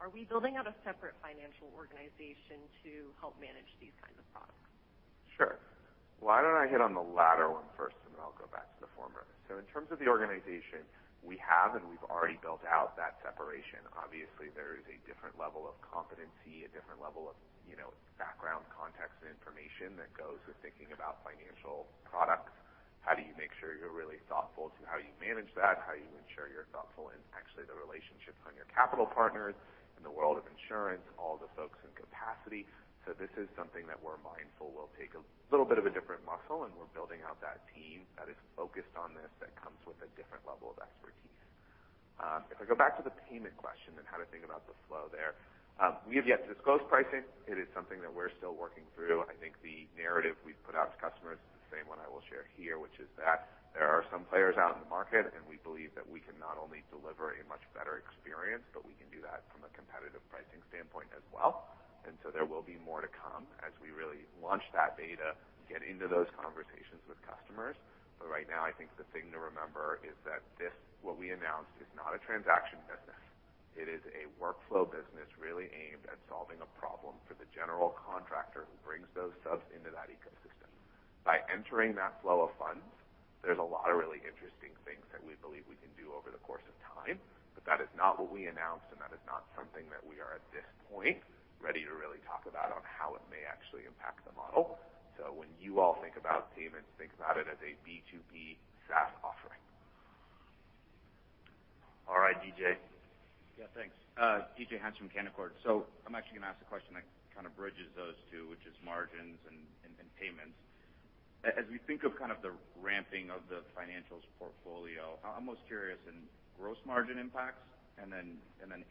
are we building out a separate financial organization to help manage these kinds of products? Sure. Why don't I hit on the latter one first, and then I'll go back to the former. In terms of the organization, we have and we've already built out that separation. Obviously, there is a different level of competency, a different level of, you know, background, context, and information that goes with thinking about financial products. How do you make sure you're really thoughtful to how you manage that, how you ensure you're thoughtful in actually the relationships on your capital partners in the world of insurance, all the folks in capacity. This is something that we're mindful will take a little bit of a different muscle, and we're building out that team that is focused on this, that comes with a different level of expertise. If I go back to the payment question and how to think about the flow there, we have yet to disclose pricing. It is something that we're still working through. I think the narrative we've put out to customers is the same one I will share here, which is that there are some players out in the market, and we believe that we can not only deliver a much better experience, but we can do that from a competitive pricing standpoint as well. There will be more to come as we really launch that beta, get into those conversations with customers. Right now, I think the thing to remember is that this, what we announced, is not a transaction business. It is a workflow business really aimed at solving a problem for the general contractor who brings those subs into that ecosystem. By entering that flow of funds, there's a lot of really interesting things that we believe we can do over the course of time. That is not what we announced, and that is not something that we are, at this point, ready to really talk about on how it may actually impact the model. When you all think about payments, think about it as a B2B SaaS offering. All right, DJ. Yeah, thanks. D.J. Hynes from Canaccord Genuity. I'm actually gonna ask a question that kinda bridges those two, which is margins and payments. As we think of kind of the ramping of the financials portfolio, I'm most curious in gross margin impacts, and then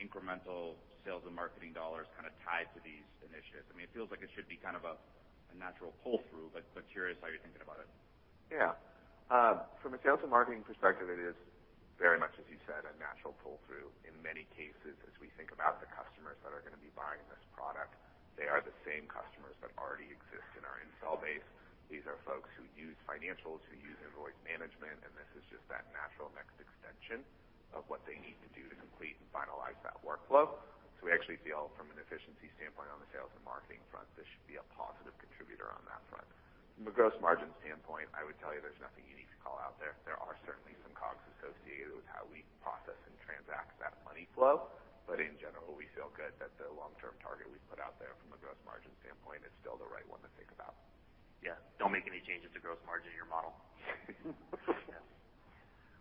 incremental sales and marketing dollars kinda tied to these initiatives. I mean, it feels like it should be kind of a natural pull-through, but curious how you're thinking about it. Yeah. From a sales and marketing perspective, it is very much, as you said, a natural pull-through. In many cases, as we think about the customers that are gonna be buying this product, they are the same customers that already exist in our installed base. These are folks who use financials, who use invoice management, and this is just that natural next extension of what they need to do to complete and finalize that workflow. We actually feel from an efficiency standpoint on the sales and marketing front, this should be a positive contributor on that front. From a gross margin standpoint, I would tell you there's nothing unique to call out there. There are certainly some costs associated with how we process and transact that money flow. In general, we feel good that the long-term target we've put out there from a gross margin standpoint is still the right one to think about. Yeah. Don't make any changes to gross margin in your model. Yeah.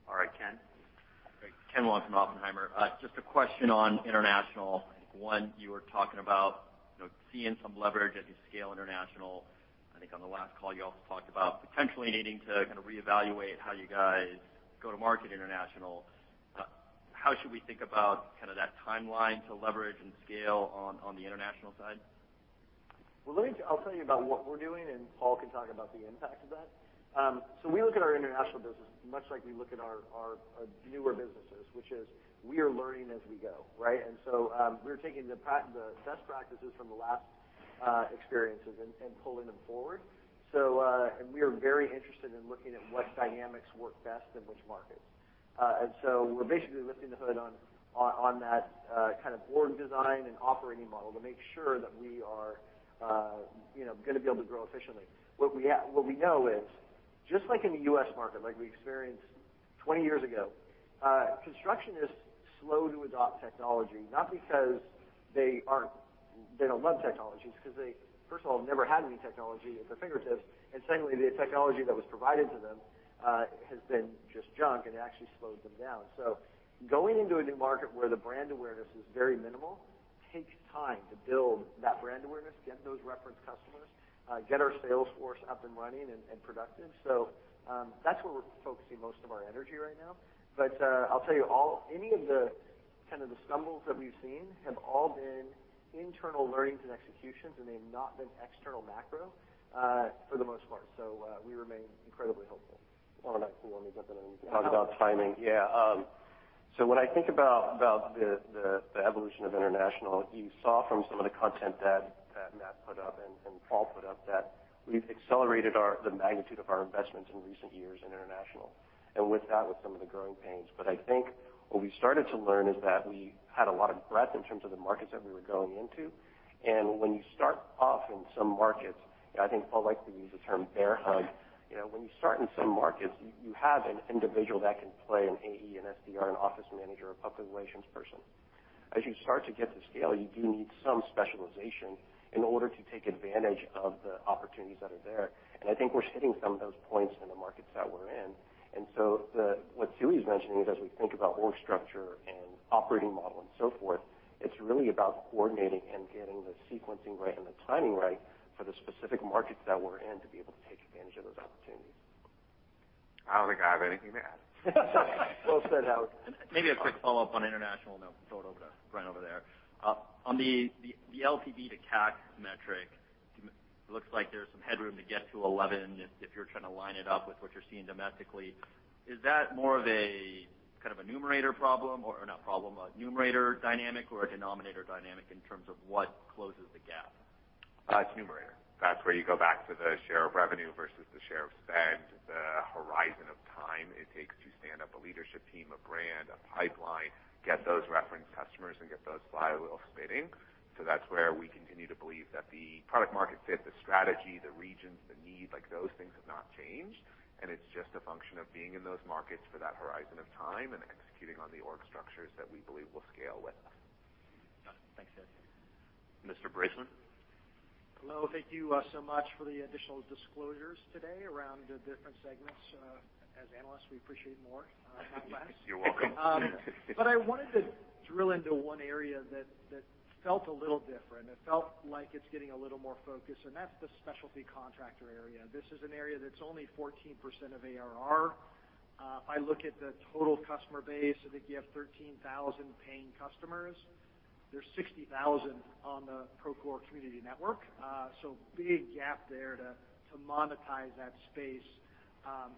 All right. Ken? Great. Ken Wong from Oppenheimer & Co. Just a question on international. One, you were talking about, you know, seeing some leverage as you scale international. I think on the last call, you also talked about potentially needing to kinda reevaluate how you guys go to market international. How should we think about kinda that timeline to leverage and scale on the international side? I'll tell you about what we're doing, and Paul can talk about the impact of that. We look at our international business much like we look at our newer businesses, which is we are learning as we go, right? We're taking the best practices from the last experiences and pulling them forward. We are very interested in looking at what dynamics work best in which markets. We're basically lifting the hood on that kind of org design and operating model to make sure that we are you know gonna be able to grow efficiently. What we know is just like in the US market, like we experienced 20 years ago, construction is slow to adopt technology, not because they don't love technologies, 'cause they, first of all, have never had any technology at their fingertips. Secondly, the technology that was provided to them has been just junk, and it actually slowed them down. Going into a new market where the brand awareness is very minimal takes time to build that brand awareness, get those reference customers, get our sales force up and running and productive. That's where we're focusing most of our energy right now. I'll tell you, any of the kind of the stumbles that we've seen have all been internal learnings and executions, and they've not been external macro, for the most part. We remain incredibly hopeful. You want me to jump in and talk about timing? Yeah. So when I think about the evolution of international, you saw from some of the content that Matt put up and Paul put up that we've accelerated the magnitude of our investments in recent years in international, and with that, some of the growing pains. I think what we started to learn is that we had a lot of breadth in terms of the markets that we were going into. When you start off in some markets, and I think Paul likes to use the term bear hug, you know, when you start in some markets, you have an individual that can play an AE, an SDR, an office manager, a public relations person. As you start to get to scale, you do need some specialization in order to take advantage of the opportunities that are there. I think we're hitting some of those points in the markets that we're in. What Tooey's mentioning is, as we think about org structure and operating model and so forth, it's really about coordinating and getting the sequencing right and the timing right for the specific markets that we're in to be able to take advantage of those opportunities. I don't think I have anything to add. Well said, Howard. Maybe a quick follow-up on international, and then I'll throw it over to Brent over there. On the LTV to CAC metric, it looks like there's some headroom to get to 11 if you're trying to line it up with what you're seeing domestically. Is that more of a kind of a numerator problem or not problem, a numerator dynamic or a denominator dynamic in terms of what closes the gap? It's numerator. That's where you go back to the share of revenue versus the share of spend, the horizon of time it takes to stand up a leadership team, a brand, a pipeline, get those reference customers, and get those flywheel spinning. So that's where we continue to believe that the product market fit, the strategy, the regions, the need, like those things have not changed. It's just a function of being in those markets for that horizon of time and executing on the org structures that we believe will scale with us. Thanks, guys. Mr. Bracelin? Hello. Thank you, so much for the additional disclosures today around the different segments. As analysts, we appreciate more, not less. You're welcome. I wanted to drill into one area that felt a little different. It felt like it's getting a little more focus, and that's the specialty contractor area. This is an area that's only 14% of ARR. If I look at the total customer base, I think you have 13,000 paying customers. There's 60,000 on the Procore Construction Network, so big gap there to monetize that space.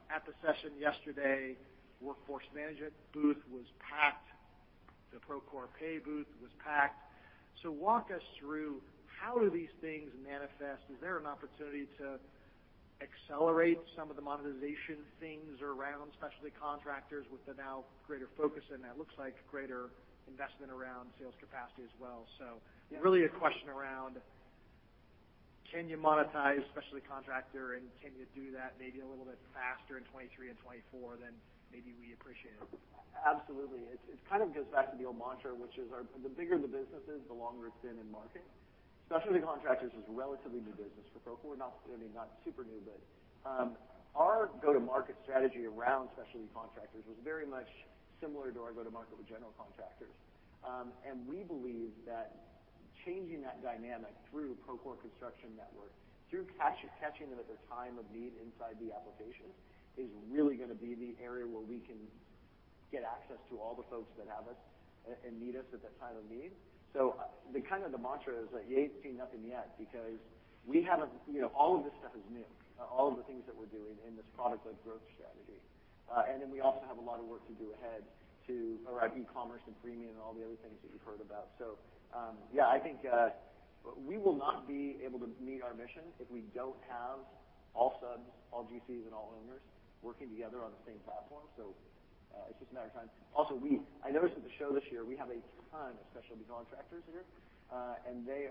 At the session yesterday, Workforce Management booth was packed. The Procore Pay booth was packed. Walk us through how do these things manifest? Is there an opportunity to accelerate some of the monetization things around specialty contractors with the now greater focus, and that looks like greater investment around sales capacity as well. Really a question around can you monetize specialty contractor, and can you do that maybe a little bit faster in 2023 and 2024 than maybe we appreciated? Absolutely. It kind of goes back to the old mantra, which is the bigger the businesses, the longer it's been in market. Specialty contractors is relatively new business for Procore, not, I mean, not super new, but our go-to-market strategy around specialty contractors was very much similar to our go-to-market with general contractors. We believe that changing that dynamic through Procore Construction Network, through catching them at their time of need inside the application is really gonna be the area where we can get access to all the folks that have us and need us at that time of need. The kind of mantra is that you ain't seen nothing yet because we haven't, you know, all of this stuff is new, all of the things that we're doing in this product-led growth strategy. We also have a lot of work to do ahead around e-commerce and freemium and all the other things that you've heard about. Yeah, I think we will not be able to meet our mission if we don't have all subs, all GCs, and all owners working together on the same platform. It's just a matter of time. Also, I noticed at the show this year, we have a ton of specialty contractors here, and they're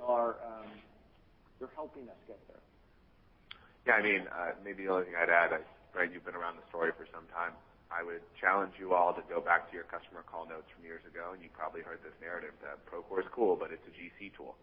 helping us get there. Yeah, I mean, maybe the only thing I'd add is, Brent, you've been around the story for some time. I would challenge you all to go back to your customer call notes from years ago, and you probably heard this narrative that Procore is cool, but it's a GC tool,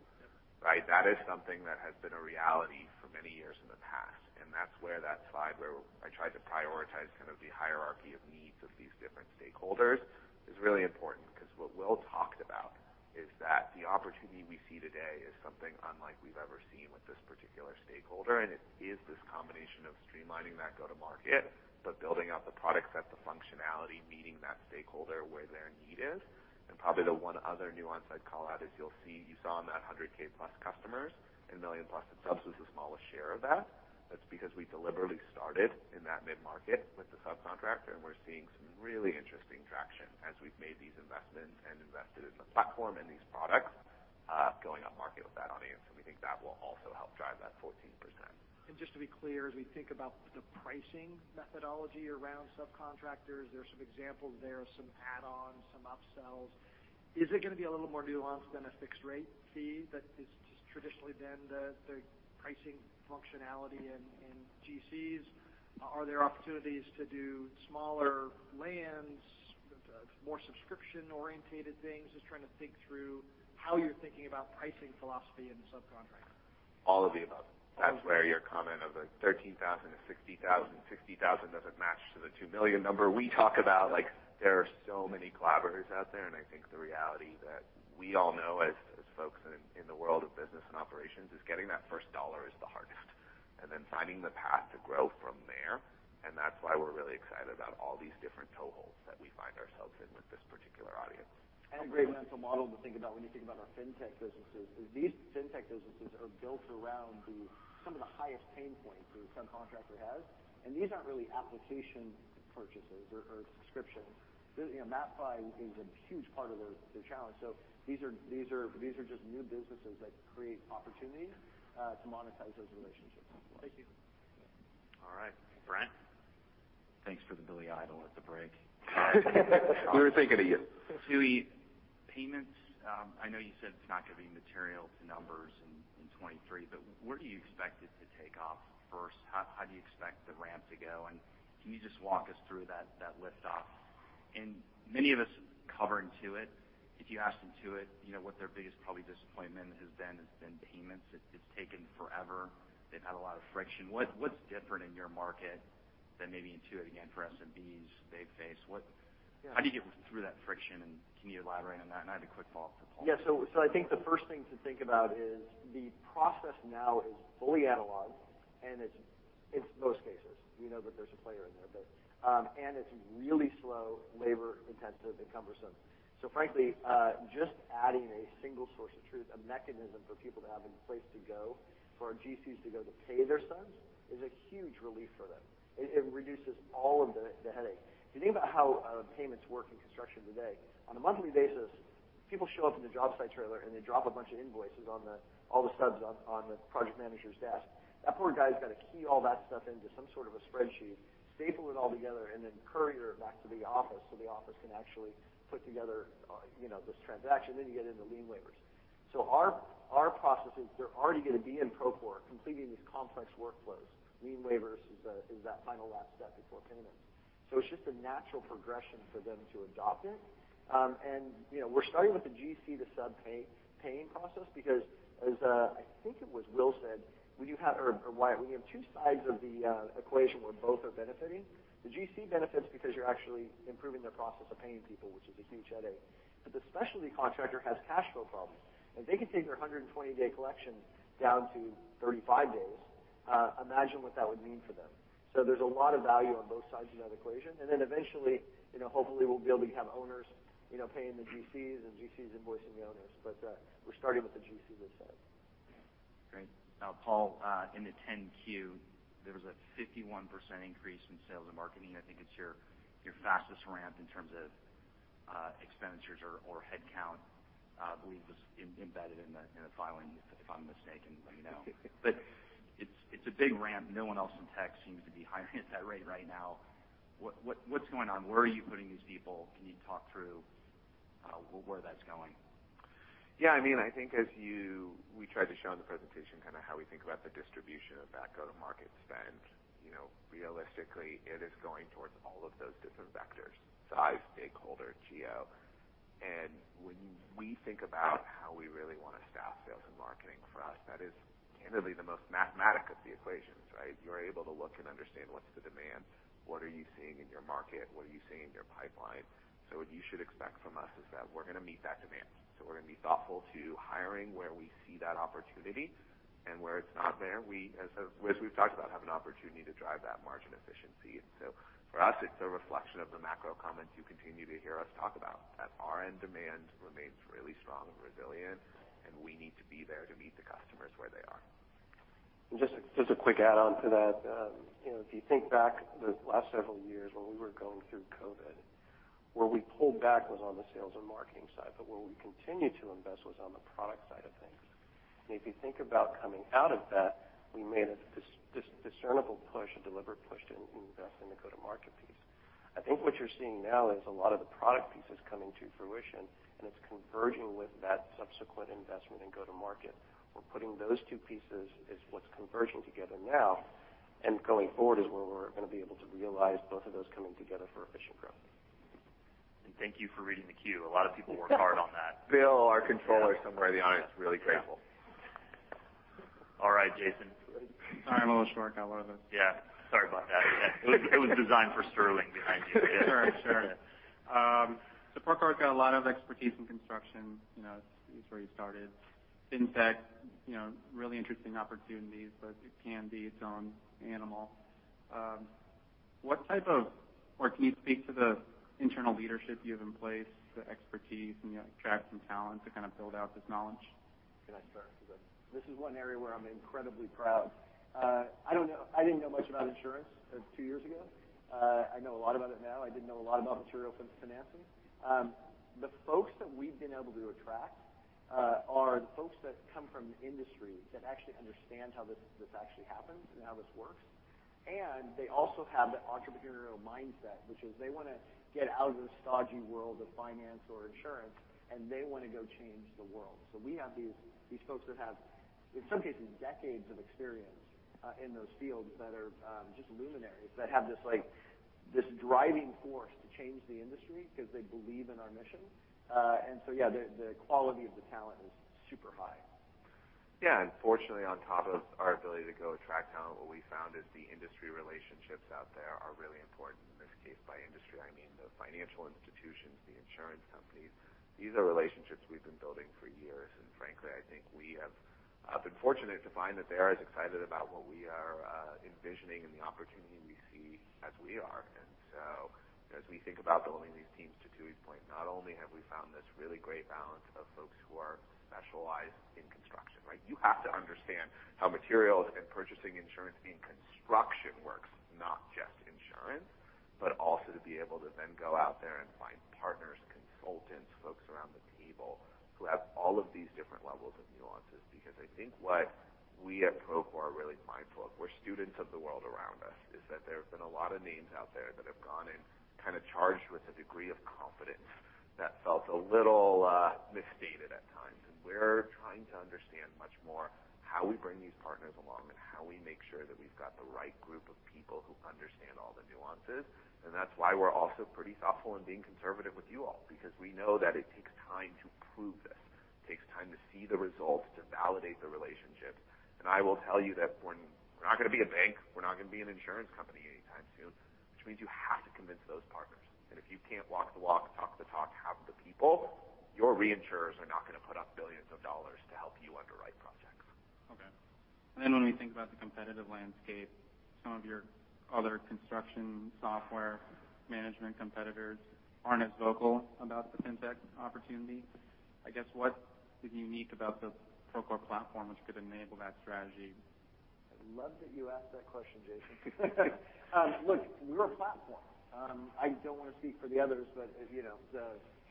right? That is something that has been a reality for many years in the past, and that's where that slide where I tried to prioritize kind of the hierarchy of needs of these different stakeholders is really important. 'Cause what Will talked about is that the opportunity we see today is something unlike we've ever seen with this particular stakeholder, and it is this combination of streamlining that go to market, but building out the product set, the functionality, meeting that stakeholder where their need is. Probably the one other nuance I'd call out is you'll see, you saw in that 100K plus customers and 1 million plus in subs was the smallest share of that. That's because we deliberately started in that mid-market with the subcontractor, and we're seeing some really interesting traction as we've made these investments and invested in the platform and these products, going up market with that audience. We think that will also help drive that 14%. Just to be clear, as we think about the pricing methodology around subcontractors, there's some examples there, some add-ons, some upsells. Is it gonna be a little more nuanced than a fixed rate fee that is just traditionally been the pricing functionality in GCs? Are there opportunities to do smaller plans, more subscription-oriented things? Just trying to think through how you're thinking about pricing philosophy in the subcontract. All of the above. That's where your comment of the 13,000-60,000, 60,000 doesn't match to the 2 million number we talk about, like, there are so many collaborators out there, and I think the reality that we all know as folks in the world of business and operations is getting that first dollar is the hardest, and then finding the path to grow from there. That's why we're really excited about all these different toeholds that we find ourselves in with this particular audience. A great mental model to think about when you think about our fintech businesses is these fintech businesses are built around some of the highest pain points a subcontractor has. These aren't really application purchases or subscriptions. You know, MapBuy is a huge part of the challenge. These are just new businesses that create opportunities to monetize those relationships. Thank you. All right. Brent? Thanks for the Billy Idol at the break. We were thinking of you. To e-payments. I know you said it's not gonna be material to numbers in 2023, but where do you expect it to take off first? How do you expect the ramp to go? Can you just walk us through that lift off? Many of us cover Intuit. If you ask Intuit, you know, what their biggest probably disappointment has been, payments. It's taken forever. They've had a lot of friction. What's different in your market than maybe Intuit, again, for SMBs they face? What Yeah. How do you get through that friction, and can you elaborate on that? I had a quick follow-up for Paul. Yeah. I think the first thing to think about is the process now is fully analog, and it is in most cases. We know that there is a player in there, and it is really slow, labor-intensive, and cumbersome. Frankly, just adding a single source of truth, a mechanism for people to have in place to go for our GCs to go to pay their subs is a huge relief for them. It reduces all of the headache. If you think about how payments work in construction today, on a monthly basis, people show up in the job site trailer, and they drop a bunch of invoices on the desk of all the subs on the project manager's desk. That poor guy's gotta key all that stuff into some sort of a spreadsheet, staple it all together, and then courier it back to the office, so the office can actually put together, you know, this transaction. You get into lien waivers. Our processes, they're already gonna be in Procore completing these complex workflows. Lien waivers is that final last step before payment. It's just a natural progression for them to adopt it. You know, we're starting with the GC to sub pay paying process because as I think it was Will said, or Wyatt, we have two sides of the equation where both are benefiting. The GC benefits because you're actually improving their process of paying people, which is a huge headache. The specialty contractor has cash flow problems, and they can take their 120-day collection down to 35 days. Imagine what that would mean for them. There's a lot of value on both sides of that equation. Then eventually, you know, hopefully we'll be able to have owners, you know, paying the GCs and GCs invoicing the owners. We're starting with the GCs, let's say. Great. Now, Paul, in the 10-Q, there was a 51% increase in sales and marketing. I think it's your fastest ramp in terms of expenditures or headcount. I believe it was embedded in the filing. If I'm mistaken, let me know. It's a big ramp. No one else in tech seems to be hiring at that rate right now. What's going on? Where are you putting these people? Can you talk through where that's going? Yeah, I mean, I think we tried to show in the presentation kind of how we think about the distribution of that go-to-market spend. You know, realistically, it is going towards all of those different vectors, size, stakeholder, geo. When we think about how we really wanna staff sales and marketing, for us, that is candidly the most mathematical of the equations, right? You're able to look and understand what's the demand, what are you seeing in your market, what are you seeing in your pipeline. What you should expect from us is that we're gonna meet that demand. We're gonna be thoughtful to hiring where we see that opportunity, and where it's not there, we, as we've talked about, have an opportunity to drive that margin efficiency. For us, it's a reflection of the macro comments you continue to hear us talk about, that RPO demand remains really strong and resilient, and we need to be there to meet the customers where they are. Just a quick add on to that. You know, if you think back the last several years when we were going through COVID, where we pulled back was on the sales and marketing side, but where we continued to invest was on the product side of things. If you think about coming out of that, we made a discernible push, a deliberate push to invest in the go-to-market piece. I think what you're seeing now is a lot of the product pieces coming to fruition, and it's converging with that subsequent investment in go to market. We're putting those two pieces is what's converging together now, and going forward is where we're gonna be able to realize both of those coming together for efficient growth. Thank you for reading the Q. A lot of people worked hard on that. Bill, our controller, somewhere in the audience. Really grateful. All right, Jason. Sorry, I'm a little short. How about that? Yeah, sorry about that. It was designed for Sterling behind you. Sure, sure. Procore's got a lot of expertise in construction. You know, it's where you started. Fintech, you know, really interesting opportunities, but it can be its own animal. Or can you speak to the internal leadership you have in place, the expertise, and you attract some talent to kind of build out this knowledge? Can I start? This is one area where I'm incredibly proud. I didn't know much about insurance two years ago. I know a lot about it now. I didn't know a lot about material financing. The folks that we've been able to attract are the folks that come from industry that actually understand how this actually happens and how this works. They also have the entrepreneurial mindset, which is they wanna get out of the stodgy world of finance or insurance, and they wanna go change the world. We have these folks that have, in some cases, decades of experience in those fields that are just luminaries, that have this like this driving force to change the industry 'cause they believe in our mission. The quality of the talent is super high. Yeah. Fortunately, on top of our ability to go attract talent, what we found is the industry relationships out there are really important. In this case, by industry, I mean, the financial institutions, the insurance companies. These are relationships we've been building for years. Frankly, I think we have been fortunate to find that they are as excited about what we are envisioning and the opportunity we see as we are. As we think about building these teams, to Tui's point, not only have we found this really great balance of folks who are specialized in construction, right? You have to understand how materials and purchasing insurance in construction works, not just insurance, but also to be able to then go out there and find partners, consultants, folks around the table who have all of these different levels of nuances. Because I think what we at Procore are really mindful of, we're students of the world around us, is that there have been a lot of names out there that have gone in kinda charged with a degree of confidence that felt a little, misstated at times. We're trying to understand much more how we bring these partners along, and how we make sure that we've got the right group of people who understand all the nuances. That's why we're also pretty thoughtful in being conservative with you all, because we know that it takes time to prove this. It takes time to see the results, to validate the relationships. I will tell you that we're not gonna be a bank, we're not gonna be an insurance company anytime soon, which means you have to convince those partners. If you can't walk the walk, talk the talk, have the people, your reinsurers are not gonna put up billions of dollars to help you underwrite projects. Okay. When we think about the competitive landscape, some of your other construction management software competitors aren't as vocal about the fintech opportunity. I guess, what is unique about the Procore platform which could enable that strategy? I love that you asked that question, Jason. Look, we're a platform. I don't wanna speak for the others, but as you know,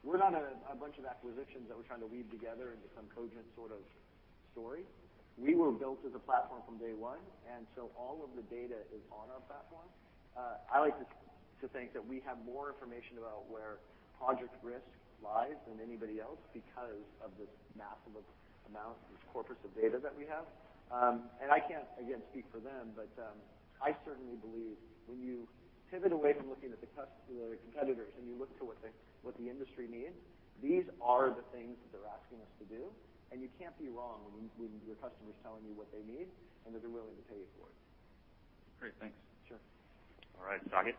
we're not a bunch of acquisitions that we're trying to weave together into some cogent sort of story. We were built as a platform from day one, and so all of the data is on our platform. I like to think that we have more information about where project risk lies than anybody else because of this massive amount, this corpus of data that we have. I can't, again, speak for them, but I certainly believe when you pivot away from looking at the competitors and you look to what the industry needs, these are the things that they're asking us to do. You can't be wrong when your customer's telling you what they need and that they're willing to pay you for it. Great. Thanks. Sure. All right. Saket?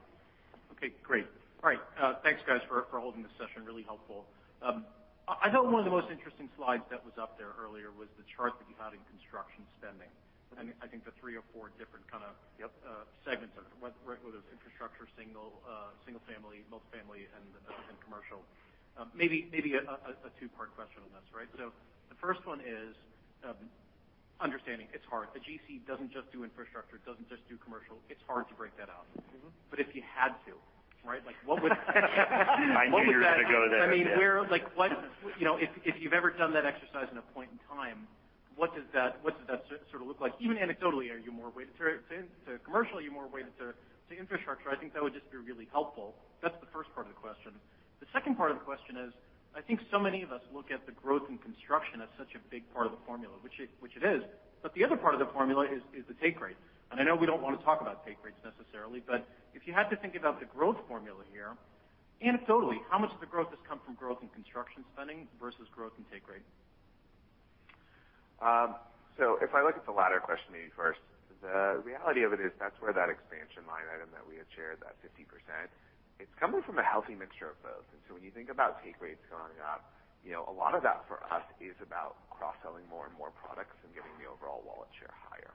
Okay, great. All right. Thanks guys for holding this session. Really helpful. I thought one of the most interesting slides that was up there earlier was the chart that you had in construction spending. I think the three or four different kinda- Yep. Segments of it, whether it's infrastructure, single family, multi-family and commercial. Maybe a two-part question on this, right? The first one is understanding it's hard. The GC doesn't just do infrastructure, doesn't just do commercial. It's hard to break that out. Mm-hmm. If you had to, right, like what would- I knew you were gonna go there. I mean, where? Like, what, you know, if you've ever done that exercise in a point in time, what does that sort of look like? Even anecdotally, are you more weighted to commercial? Are you more weighted to infrastructure? I think that would just be really helpful. That's the first part of the question. The second part of the question is, I think so many of us look at the growth in construction as such a big part of the formula, which it is, but the other part of the formula is the take rate. I know we don't wanna talk about take rates necessarily, but if you had to think about the growth formula here, anecdotally, how much of the growth has come from growth in construction spending versus growth in take rate? If I look at the latter question maybe first, the reality of it is that's where that expansion line item that we had shared, that 50%, it's coming from a healthy mixture of both. When you think about take rates going up, you know, a lot of that for us is about cross-selling more and more products and getting the overall wallet share higher.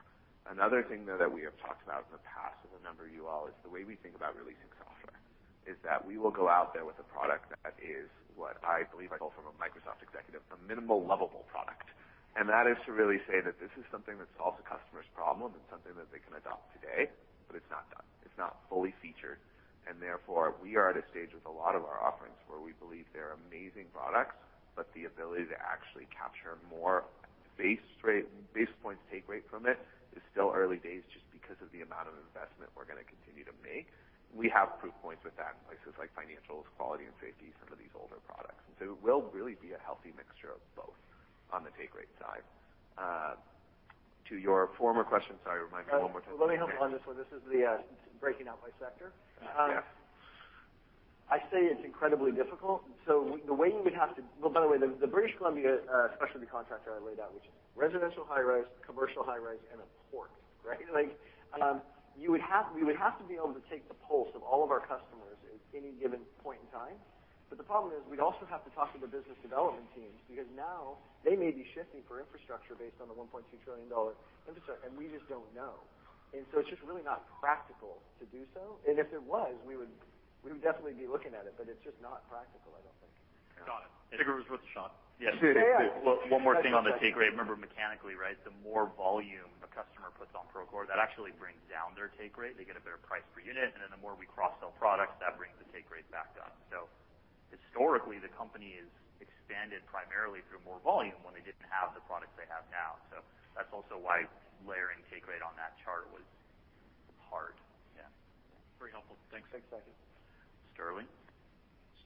Another thing, though, that we have talked about in the past with a number of you all is the way we think about releasing software, is that we will go out there with a product that is what I believe I call from a Microsoft executive, a minimal lovable product. That is to really say that this is something that solves a customer's problem. It's something that they can adopt today, but it's not done. It's not fully featured, and therefore we are at a stage with a lot of our offerings where we believe they're amazing products, but the ability to actually capture more basis points take rate from it is still early days just because of the amount of investment we're gonna continue to make. We have proof points with that in places like financials, quality and safety, some of these older products. It will really be a healthy mixture of both on the take rate side. To your former question, sorry, remind me one more time. Let me hop on this one. This is the breaking out by sector. Yeah. I say it's incredibly difficult. The way you would have to. Well, by the way, the British Columbia specialty contractor I laid out, which is residential high rise, commercial high rise and a port, right? Like, we would have to be able to take the pulse of all of our customers at any given point in time. The problem is we'd also have to talk to the business development teams, because now they may be shifting for infrastructure based on the $1.2 trillion infrastructure, and we just don't know. It's just really not practical to do so. If it was, we would definitely be looking at it, but it's just not practical, I don't think. Got it. Figure it was worth a shot. Yeah. Yeah, yeah. One more thing on the take rate. Remember mechanically, right, the more volume a customer puts on Procore, that actually brings down their take rate. They get a better price per unit, and then the more we cross-sell products, that brings the take rate back up. Historically, the company has expanded primarily through more volume when they didn't have the products they have now. That's also why layering take rate on that chart was hard. Yeah. Very helpful. Thanks. Thanks, Saket. Sterling.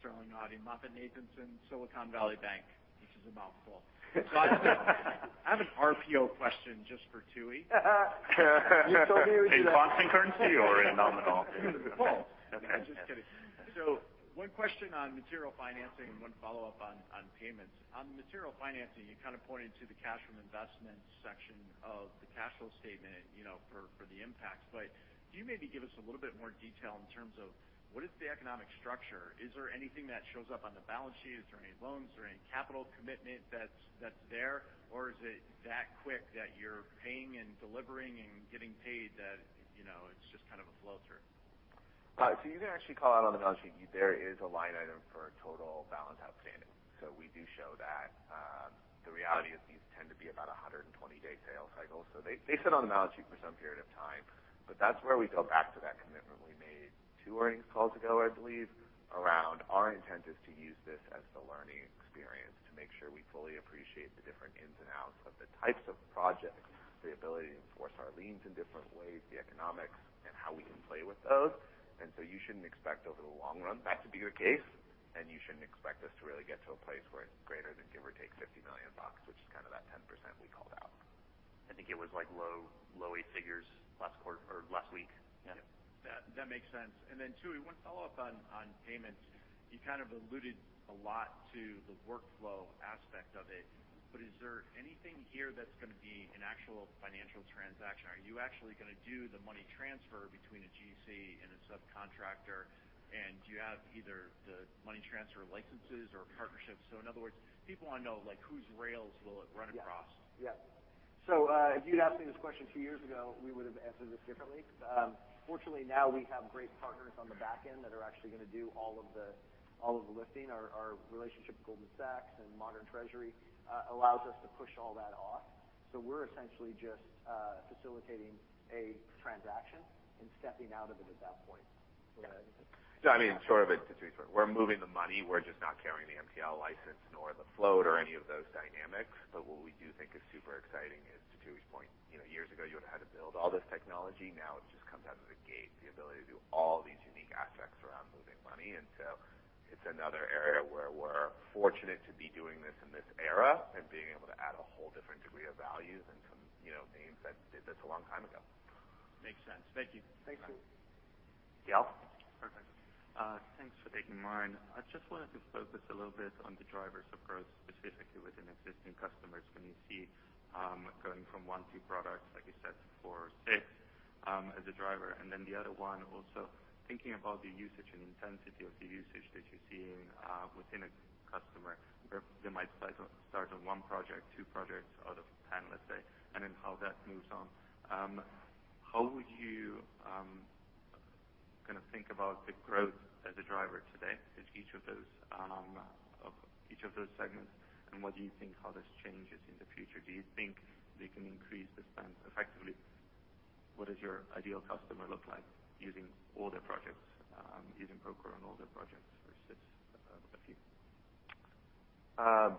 Sterling Auty, MoffettNathanson, Silicon Valley Bank, which is a mouthful. I have an RPO question just for Tooey Courtemanche. You told me it was. In constant currency or in nominal? Both. Okay. I'm just kidding. One question on material financing and one follow-up on payments. On material financing, you kind of pointed to the cash from investment section of the cash flow statement, you know, for the impacts. Can you maybe give us a little bit more detail in terms of what is the economic structure? Is there anything that shows up on the balance sheet? Is there any loans, is there any capital commitment that's there? Or is it that quick that you're paying and delivering and getting paid that, you know, it's just kind of a flow through? You can actually call out on the balance sheet, there is a line item for total balance outstanding. We do show that. The reality is these tend to be about a 120-day sales cycle, so they sit on the balance sheet for some period of time. That's where we go back to that commitment we made two earnings calls ago, I believe, around our intent is to use this as the learning experience to make sure we fully appreciate the different ins and outs of the types of projects, the ability to enforce our liens in different ways, the economics and how we can play with those. You shouldn't expect over the long run that to be the case, and you shouldn't expect us to really get to a place where it's greater than give or take $50 million, which is kind of that 10% we called out. I think it was like low, low eight figures last quarter or last week. Yeah. That makes sense. Tooey Courtemanche, one follow-up on payments. You kind of alluded a lot to the workflow aspect of it, but is there anything here that's gonna be an actual financial transaction? Are you actually gonna do the money transfer between a GC and a subcontractor? And do you have either the money transfer licenses or partnerships? In other words, people wanna know, like, whose rails will it run across? Yeah. If you'd asked me this question two years ago, we would've answered this differently. Fortunately, now we have great partners on the back end that are actually gonna do all of the lifting. Our relationship with Goldman Sachs and Modern Treasury allows us to push all that off. We're essentially just facilitating a transaction and stepping out of it at that point. Yeah. I mean, short of it, to be short, we're moving the money. We're just not carrying the MSB license nor the float or any of those dynamics. What we do think is super exciting is, to Tooey's point, you know, years ago, you would've had to build all this technology. Now it just comes out of the gate, the ability to do all these unique aspects around moving money. It's another area where we're fortunate to be doing this in this era and being able to add a whole different degree of value than some, you know, names that did this a long time ago. Makes sense. Thank you. Thanks, Tooey. Yeah. Thanks for taking mine. I just wanted to focus a little bit on the drivers of growth, specifically within existing customers. Can you see going from 1, 2 products, like you said, 4, 6 as a driver? And then the other one also, thinking about the usage and intensity of the usage that you're seeing within a customer where they might start on 1 project, 2 projects out of 10, let's say, and then how that moves on. How would you kinda think about the growth as a driver today with each of those segments, and what do you think how this changes in the future? Do you think they can increase the spend effectively? What does your ideal customer look like using all their projects using Procore on all their projects versus a few? I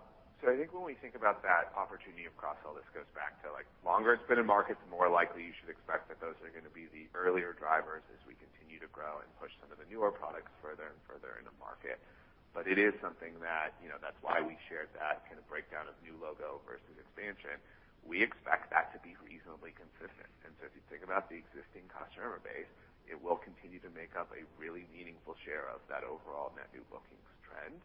think when we think about that opportunity across all this goes back to, like, longer it's been in markets, more likely you should expect that those are gonna be the earlier drivers as we continue to grow and push some of the newer products further and further in the market. It is something that, you know, that's why we shared that kinda breakdown of new logo versus expansion. We expect that to be reasonably consistent. If you think about the existing customer base, it will continue to make up a really meaningful share of that overall net new bookings trend,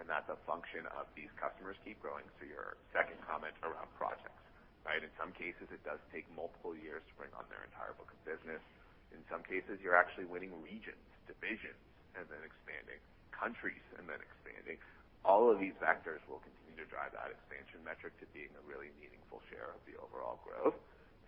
and that's a function of these customers keep growing. Your second comment around projects, right? In some cases, it does take multiple years to bring on their entire book of business. In some cases, you're actually winning regions, divisions, and then expanding countries and then expanding. All of these factors will continue to drive that expansion metric to being a really meaningful share of the overall growth.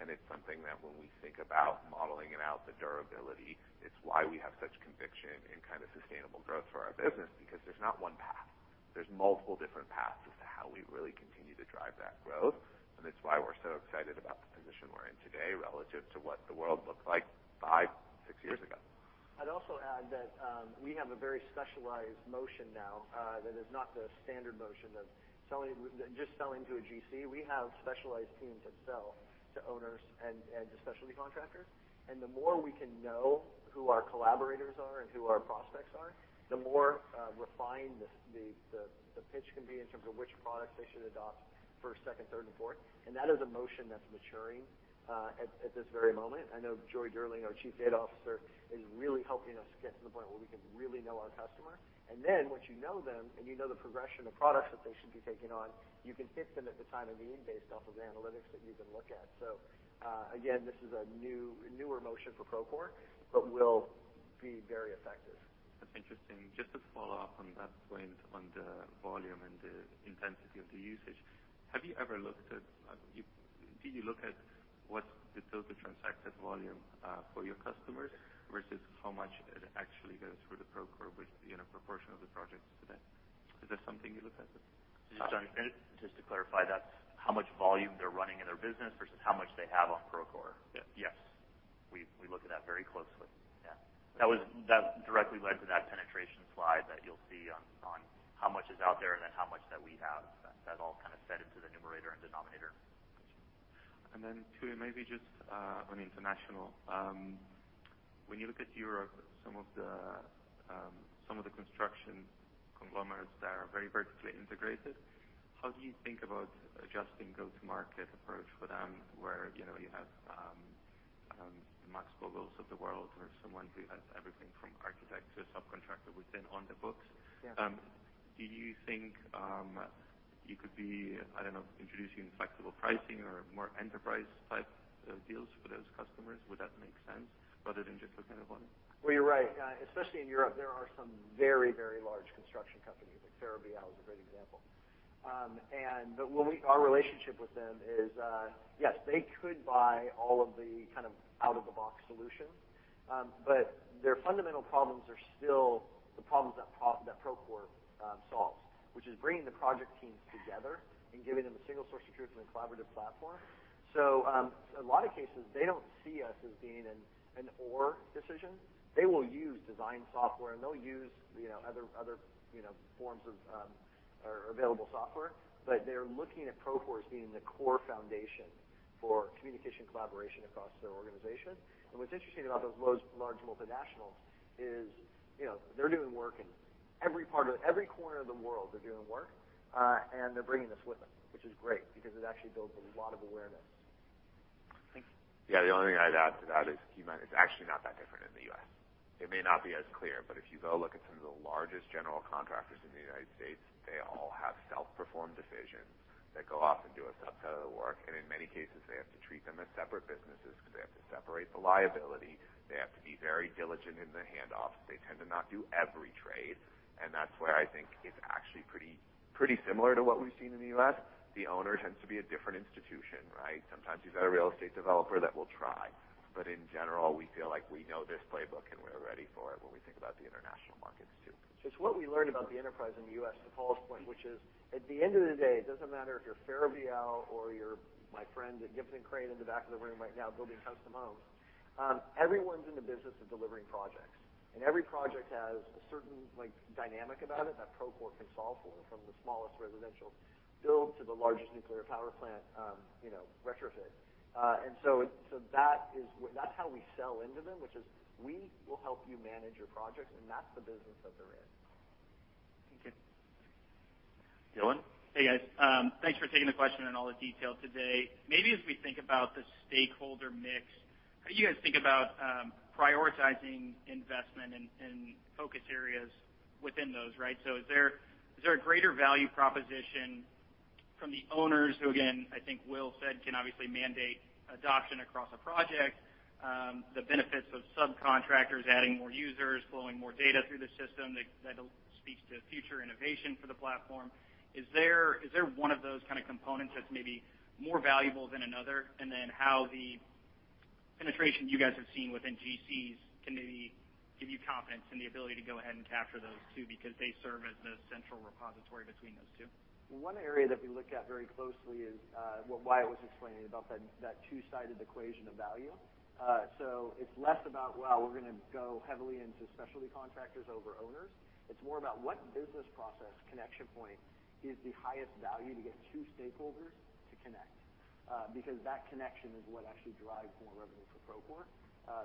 It's something that when we think about modeling it out, the durability, it's why we have such conviction in kind of sustainable growth for our business because there's not one path. There's multiple different paths as to how we really continue to drive that growth, and that's why we're so excited about the position we're in today relative to what the world looked like five, six years ago. I'd also add that, we have a very specialized motion now, that is not the standard motion of selling, just selling to a GC. We have specialized teams that sell to owners and to specialty contractors. The more we can know who our collaborators are and who our prospects are, the more refined the pitch can be in terms of which products they should adopt first, second, third, and fourth. That is a motion that's maturing at this very moment. I know Joy Durling, our Chief Data Officer, is really helping us get to the point where we can really know our customer. Then once you know them and you know the progression of products that they should be taking on, you can hit them at the time of need based off of analytics that you can look at. Again, this is a new, newer motion for Procore, but will be very effective. That's interesting. Just to follow up on that point on the volume and the intensity of the usage. Have you ever looked at, do you look at what's the total transacted volume, for your customers versus how much it actually goes through the Procore, which, you know, proportion of the projects today? Is that something you look at? Just to clarify, that's how much volume they're running in their business versus how much they have on Procore. Yes. We look at that very closely. Yeah. That directly led to that penetration slide that you'll see on how much is out there and thenhow much that we have. That all kind of fed into the numerator and denominator. Then two, maybe just on international. When you look at Europe, some of the construction conglomerates that are very vertically integrated, how do you think about adjusting go-to-market approach for them where, you know, you have the Max Bögl of the world or someone who has everything from architect to subcontractor within on the books? Yeah. Do you think you could be, I don't know, introducing flexible pricing or more enterprise-type deals for those customers? Would that make sense rather than just looking at one? Well, you're right. Especially in Europe, there are some very, very large construction companies, like Ferrovial is a great example. Our relationship with them is, yes, they could buy all of the kind of out-of-the-box solutions, but their fundamental problems are still the problems that Procore solves, which is bringing the project teams together and giving them a single source of truth in a collaborative platform. A lot of cases, they don't see us as being an either/or decision. They will use design software, and they'll use, you know, other, you know, forms of or available software. They're looking at Procore as being the core foundation for communication, collaboration across their organization. What's interesting about those large multinationals is, you know, they're doing work in every corner of the world, they're doing work, and they're bringing us with them, which is great because it actually builds a lot of awareness. Thank you. Yeah. The only thing I'd add to that is, it's actually not that different in the U.S. It may not be as clear, but if you go look at some of the largest general contractors in the United States, they all have self-performed divisions that go off and do subcontract work. In many cases, they have to treat them as separate businesses because they have to separate the liability. They have to be very diligent in the handoffs. They tend to not do every trade. That's where I think it's actually pretty similar to what we've seen in the U.S. The owner tends to be a different institution, right? Sometimes you've got a real estate developer that will try. In general, we feel like we know this playbook and we're ready for it when we think about the international markets, too. It's what we learned about the enterprise in the US to Paul's point, which is at the end of the day, it doesn't matter if you're Ferrovial or you're my friend at Gibson Custom Construction in the back of the room right now building custom homes. Everyone's in the business of delivering projects, and every project has a certain like dynamic about it that Procore can solve for from the smallest residential build to the largest nuclear power plant retrofit. That's how we sell into them, which is we will help you manage your project, and that's the business that they're in. Thank you. Dylan? Hey guys, thanks for taking the question and all the detail today. Maybe as we think about the stakeholder mix, how do you guys think about prioritizing investment and focus areas within those, right? Is there a greater value proposition from the owners who, again, I think Will said, can obviously mandate adoption across a project, the benefits of subcontractors adding more users, flowing more data through the system that speaks to future innovation for the platform. Is there one of those kind of components that's maybe more valuable than another? Then how the penetration you guys have seen within GCs can maybe give you confidence in the ability to go ahead and capture those two because they serve as the central repository between those two. One area that we look at very closely is what Wyatt was explaining about that two-sided equation of value. It's less about, well, we're gonna go heavily into specialty contractors over owners. It's more about what business process connection point is the highest value to get two stakeholders to connect, because that connection is what actually drives more revenue for Procore.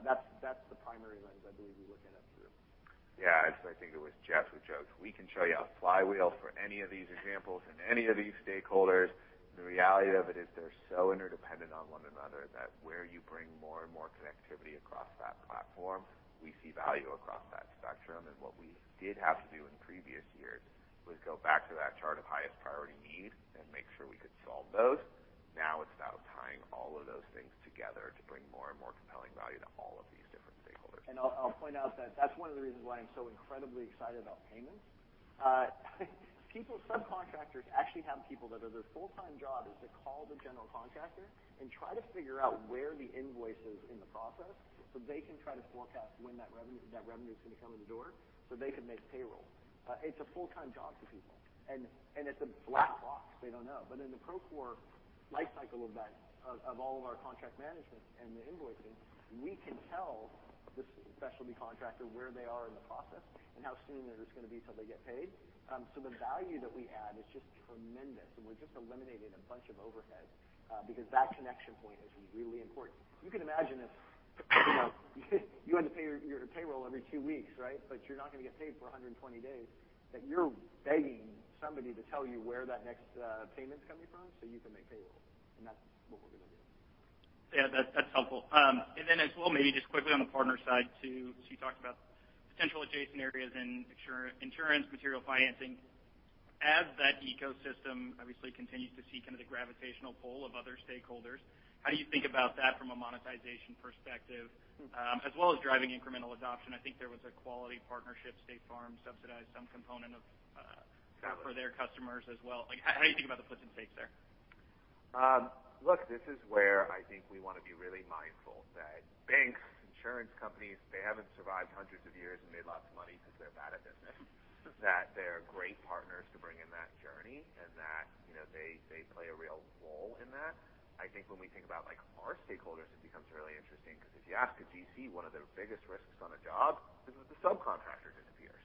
That's the primary lens I believe we look at it through. Yeah. Actually, I think it was Jeff who joked, "We can show you a flywheel for any of these examples and any of these stakeholders." The reality of it is they're so interdependent on one another that where you bring more and more connectivity across that platform, we see value across that spectrum. What we did have to do in previous years was go back to that chart of highest priority needs and make sure we could solve those. Now it's about tying all of those things together to bring more and more compelling value to all of these different stakeholders. I'll point out that that's one of the reasons why I'm so incredibly excited about payments. Subcontractors actually have people that are their full-time job is to call the general contractor and try to figure out where the invoice is in the process, so they can try to forecast when that revenue is gonna come in the door, so they can make payroll. It's a full-time job for people, and it's a black box. They don't know. In the Procore life cycle of that, of all of our contract management and the invoicing, we can tell the specialty contractor where they are in the process and how soon it is gonna be till they get paid. The value that we add is just tremendous, and we're just eliminating a bunch of overhead because that connection point is really important. You can imagine if, you know, you had to pay your payroll every two weeks, right? But you're not gonna get paid for 120 days, that you're begging somebody to tell you where that next payment's coming from so you can make payroll. That's what we're gonna do. Yeah. That's helpful. As well, maybe just quickly on the partner side too, so you talked about potential adjacent areas in insurance, material financing. That ecosystem obviously continues to see kind of the gravitational pull of other stakeholders. How do you think about that from a monetization perspective, as well as driving incremental adoption? I think there was a quality partnership. State Farm subsidized some component of Got it. For their customers as well. Like, how do you think about the puts and takes there? Look, this is where I think we wanna be really mindful that banks, insurance companies, they haven't survived hundreds of years and made lots of money because they're bad at business. That they're great partners to bring in that journey and that, you know, they play a real role in that. I think when we think about, like, our stakeholders, it becomes really interesting because if you ask a GC, one of their biggest risks on a job is if the subcontractor disappears.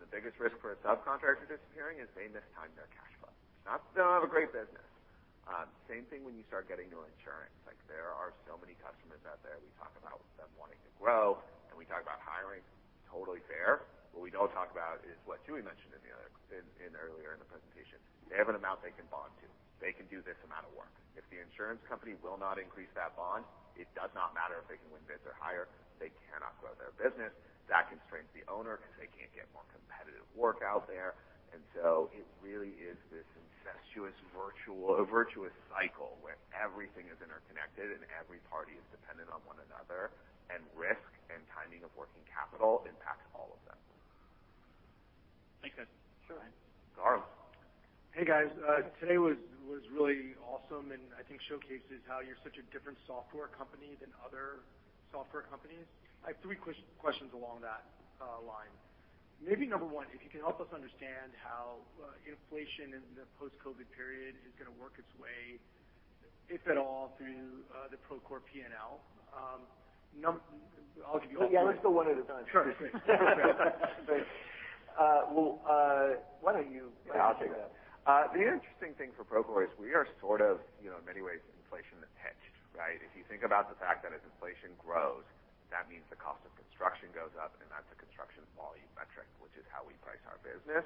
Mm-hmm. The biggest risk for a subcontractor disappearing is they mistime their cash flow. It's not a great business. Same thing when you start getting into insurance. Like, there are so many customers out there, we talk about them wanting to grow, and we talk about hiring. Totally fair. What we don't talk about is what Julie mentioned earlier in the presentation. They have an amount they can bond to. They can do this amount of work. If the insurance company will not increase that bond, it does not matter if they can win bids or hire, they cannot grow their business. That constrains the owner because they can't get more competitive work out there. It really is this incestuous, a virtuous cycle where everything is interconnected and every party is dependent on one another, and risk and timing of working capital impacts all of them. Thanks, guys. Sure. Gar. Hey, guys. Today was really awesome, and I think showcases how you're such a different software company than other software companies. I have three questions along that line. Maybe number one, if you can help us understand how inflation in the post-COVID period is gonna work its way, if at all, through the Procore P&L. I'll give you all three. Yeah, let's go one at a time. Sure. Thanks. Well, why don't you take that? Yeah, I'll take that. The interesting thing for Procore is we are sort of, you know, in many ways inflation-hedged, right? If you think about the fact that as inflation grows, that means the cost of construction goes up, and that's a construction volume metric, which is how we price our business.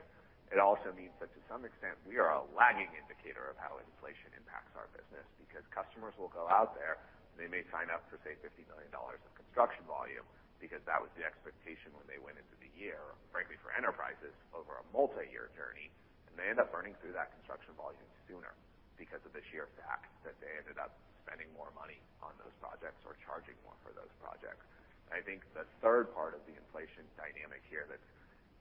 It also means that to some extent, we are a lagging indicator of how inflation impacts our business. Because customers will go out there and they may sign up for, say, $50 million of construction volume because that was the expectation when they went into the year, frankly, for enterprises over a multi-year journey, and they end up burning through that construction volume sooner because of the sheer fact that they ended up spending more money on those projects or charging more for those projects. I think the third part of the inflation dynamic here that's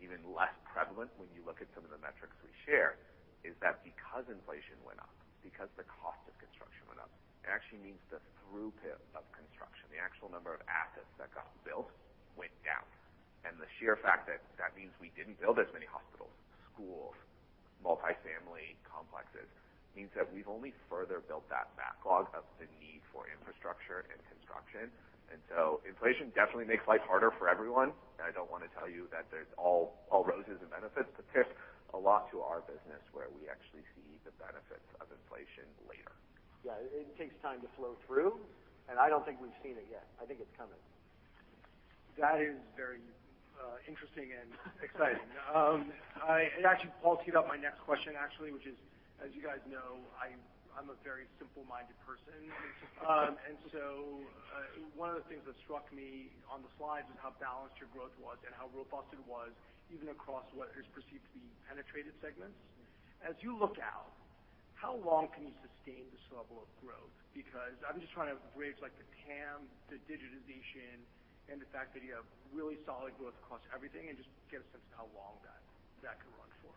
even less prevalent when you look at some of the metrics we share is that because inflation went up, because the cost of construction went up, it actually means the throughput of construction, the actual number of assets that got built went down. The sheer fact that that means we didn't build as many hospitals, schools, multifamily complexes, means that we've only further built that backlog of the need for infrastructure and construction. Inflation definitely makes life harder for everyone, and I don't wanna tell you that there's all roses and benefits. There's a lot to our business where we actually see the benefits of inflation later. Yeah. It takes time to flow through, and I don't think we've seen it yet. I think it's coming. That is very interesting and exciting. It actually Paul teed up my next question actually, which is, as you guys know, I'm a very simple-minded person. One of the things that struck me on the slides was how balanced your growth was and how robust it was even across what is perceived to be penetrated segments. As you look out, how long can you sustain this level of growth? Because I'm just trying to bridge like the TAM, the digitization, and the fact that you have really solid growth across everything, and just get a sense of how long that can run for.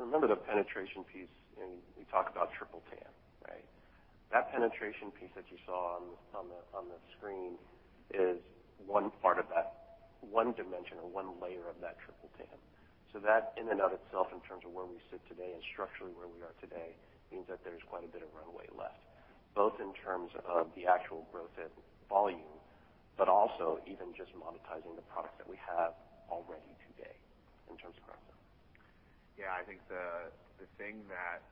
Remember the penetration piece, and we talked about Trimble TAM, right? That penetration piece that you saw on the screen is one part of that one dimension or one layer of that Trimble TAM. That in and of itself, in terms of where we sit today and structurally where we are today, means that there's quite a bit of runway left, both in terms of the actual growth at volume, but also even just monetizing the products that we have already today in terms of growth. Yeah. I think the thing that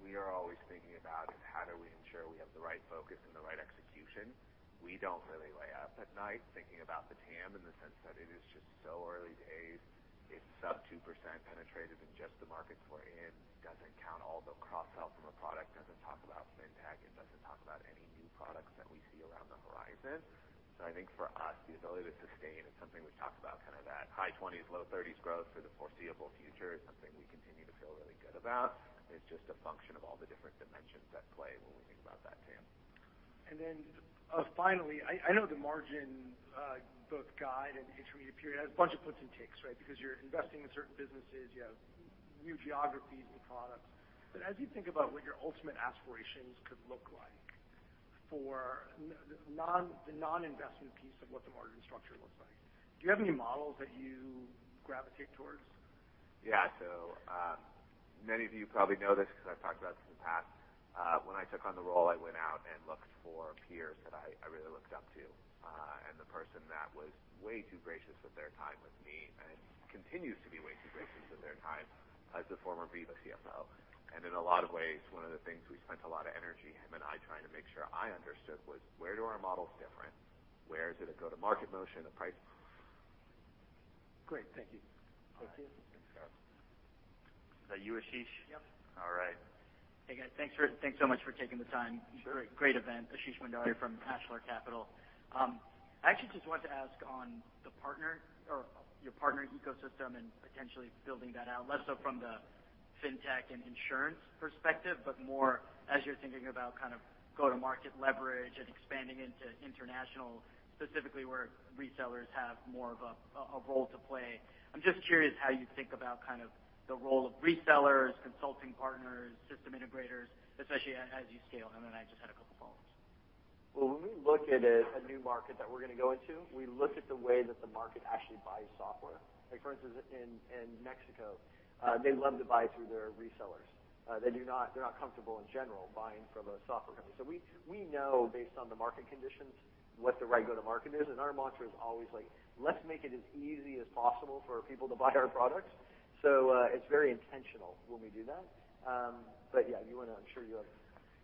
we are always thinking about is how do we ensure we have the right focus and the right execution. We don't really lie awake at night thinking about the TAM in the sense that it is just so early days. It's sub-2% penetration in just the markets we're in, doesn't count all the cross-sell from a product, doesn't talk about fintech, it doesn't talk about any new products that we see on the horizon. I think for us, the ability to sustain is something we've talked about, kind of that high 20s, low 30s growth for the foreseeable future is something we continue to feel really good about. It's just a function of all the different dimensions at play when we think about that TAM. Finally, I know the margin outlook guide and interim period has a bunch of puts and takes, right? Because you're investing in certain businesses, you have new geographies, new products. As you think about what your ultimate aspirations could look like for the non-investment piece of what the margin structure looks like, do you have any models that you gravitate towards? Many of you probably know this 'cause I've talked about this in the past. When I took on the role, I went out and looked for peers that I really looked up to. The person that was way too gracious with their time with me, and continues to be way too gracious with their time, is the former Veeva CFO. In a lot of ways, one of the things we spent a lot of energy, him and I, trying to make sure I understood was where do our models differ and where does it go-to-market motion, the price. Great. Thank you. Thank you. Thanks, Scott. Is that you, Ashish? Yep. All right. Hey, guys. Thanks so much for taking the time. Great event. Ashish Wadharya from Ashlar Capital. I actually just wanted to ask on your partner ecosystem and potentially building that out, less so from the fintech and insurance perspective, but more as you're thinking about kind of go-to-market leverage and expanding into international, specifically where resellers have more of a role to play. I'm just curious how you think about kind of the role of resellers, consulting partners, system integrators, especially as you scale. I just had a couple follows. Well, when we look at a new market that we're gonna go into, we look at the way that the market actually buys software. Like for instance, in Mexico, they love to buy through their resellers. They're not comfortable in general buying from a software company. We know based on the market conditions what the right go-to-market is, and our mantra is always like, "Let's make it as easy as possible for people to buy our products." It's very intentional when we do that.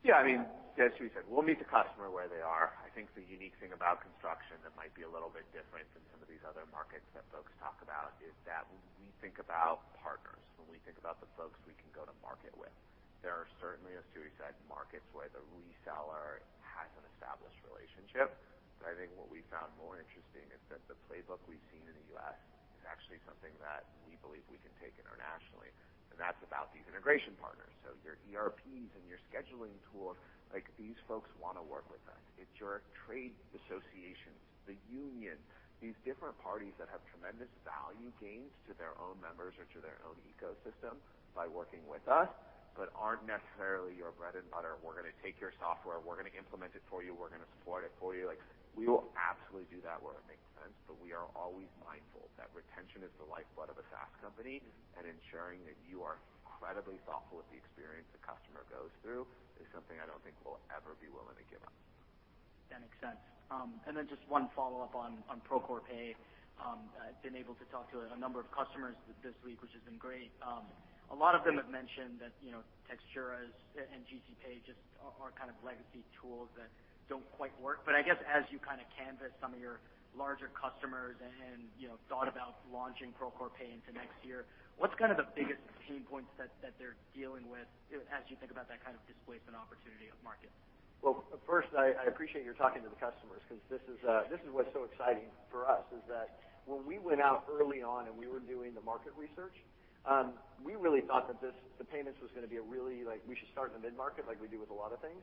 Yeah. I mean, as Stewie said, we'll meet the customer where they are. I think the unique thing about construction that might be a little bit different than some of these other markets that folks talk about is that when we think about partners, when we think about the folks we can go to market with, there are certainly, as Stewie said, markets where the reseller has an established relationship. But I think what we found more interesting is that the playbook we've seen in the U.S. is actually something that we believe we can take internationally, and that's about these integration partners. Your ERPs and your scheduling tools, like, these folks wanna work with us. It's your trade associations, the union, these different parties that have tremendous value gains to their own members or to their own ecosystem by working with us, but aren't necessarily your bread and butter, we're gonna take your software, we're gonna implement it for you, we're gonna support it for you. Like, we will absolutely do that where it makes sense, but we are always mindful that retention is the lifeblood of a SaaS company, and ensuring that you are incredibly thoughtful with the experience the customer goes through is something I don't think we'll ever be willing to give up. That makes sense. Just one follow-up on Procore Pay. I've been able to talk to a number of customers this week, which has been great. A lot of them have mentioned that, you know, Textura and GCPay just are kind of legacy tools that don't quite work. I guess as you kinda canvassed some of your larger customers and, you know, thought about launching Procore Pay into next year, what's kind of the biggest pain points that they're dealing with as you think about that kind of displacement opportunity in the market? Well, first I appreciate your talking to the customers 'cause this is what's so exciting for us, is that when we went out early on and we were doing the market research, we really thought that this, the payments was gonna be a really, like we should start in the mid-market like we do with a lot of things.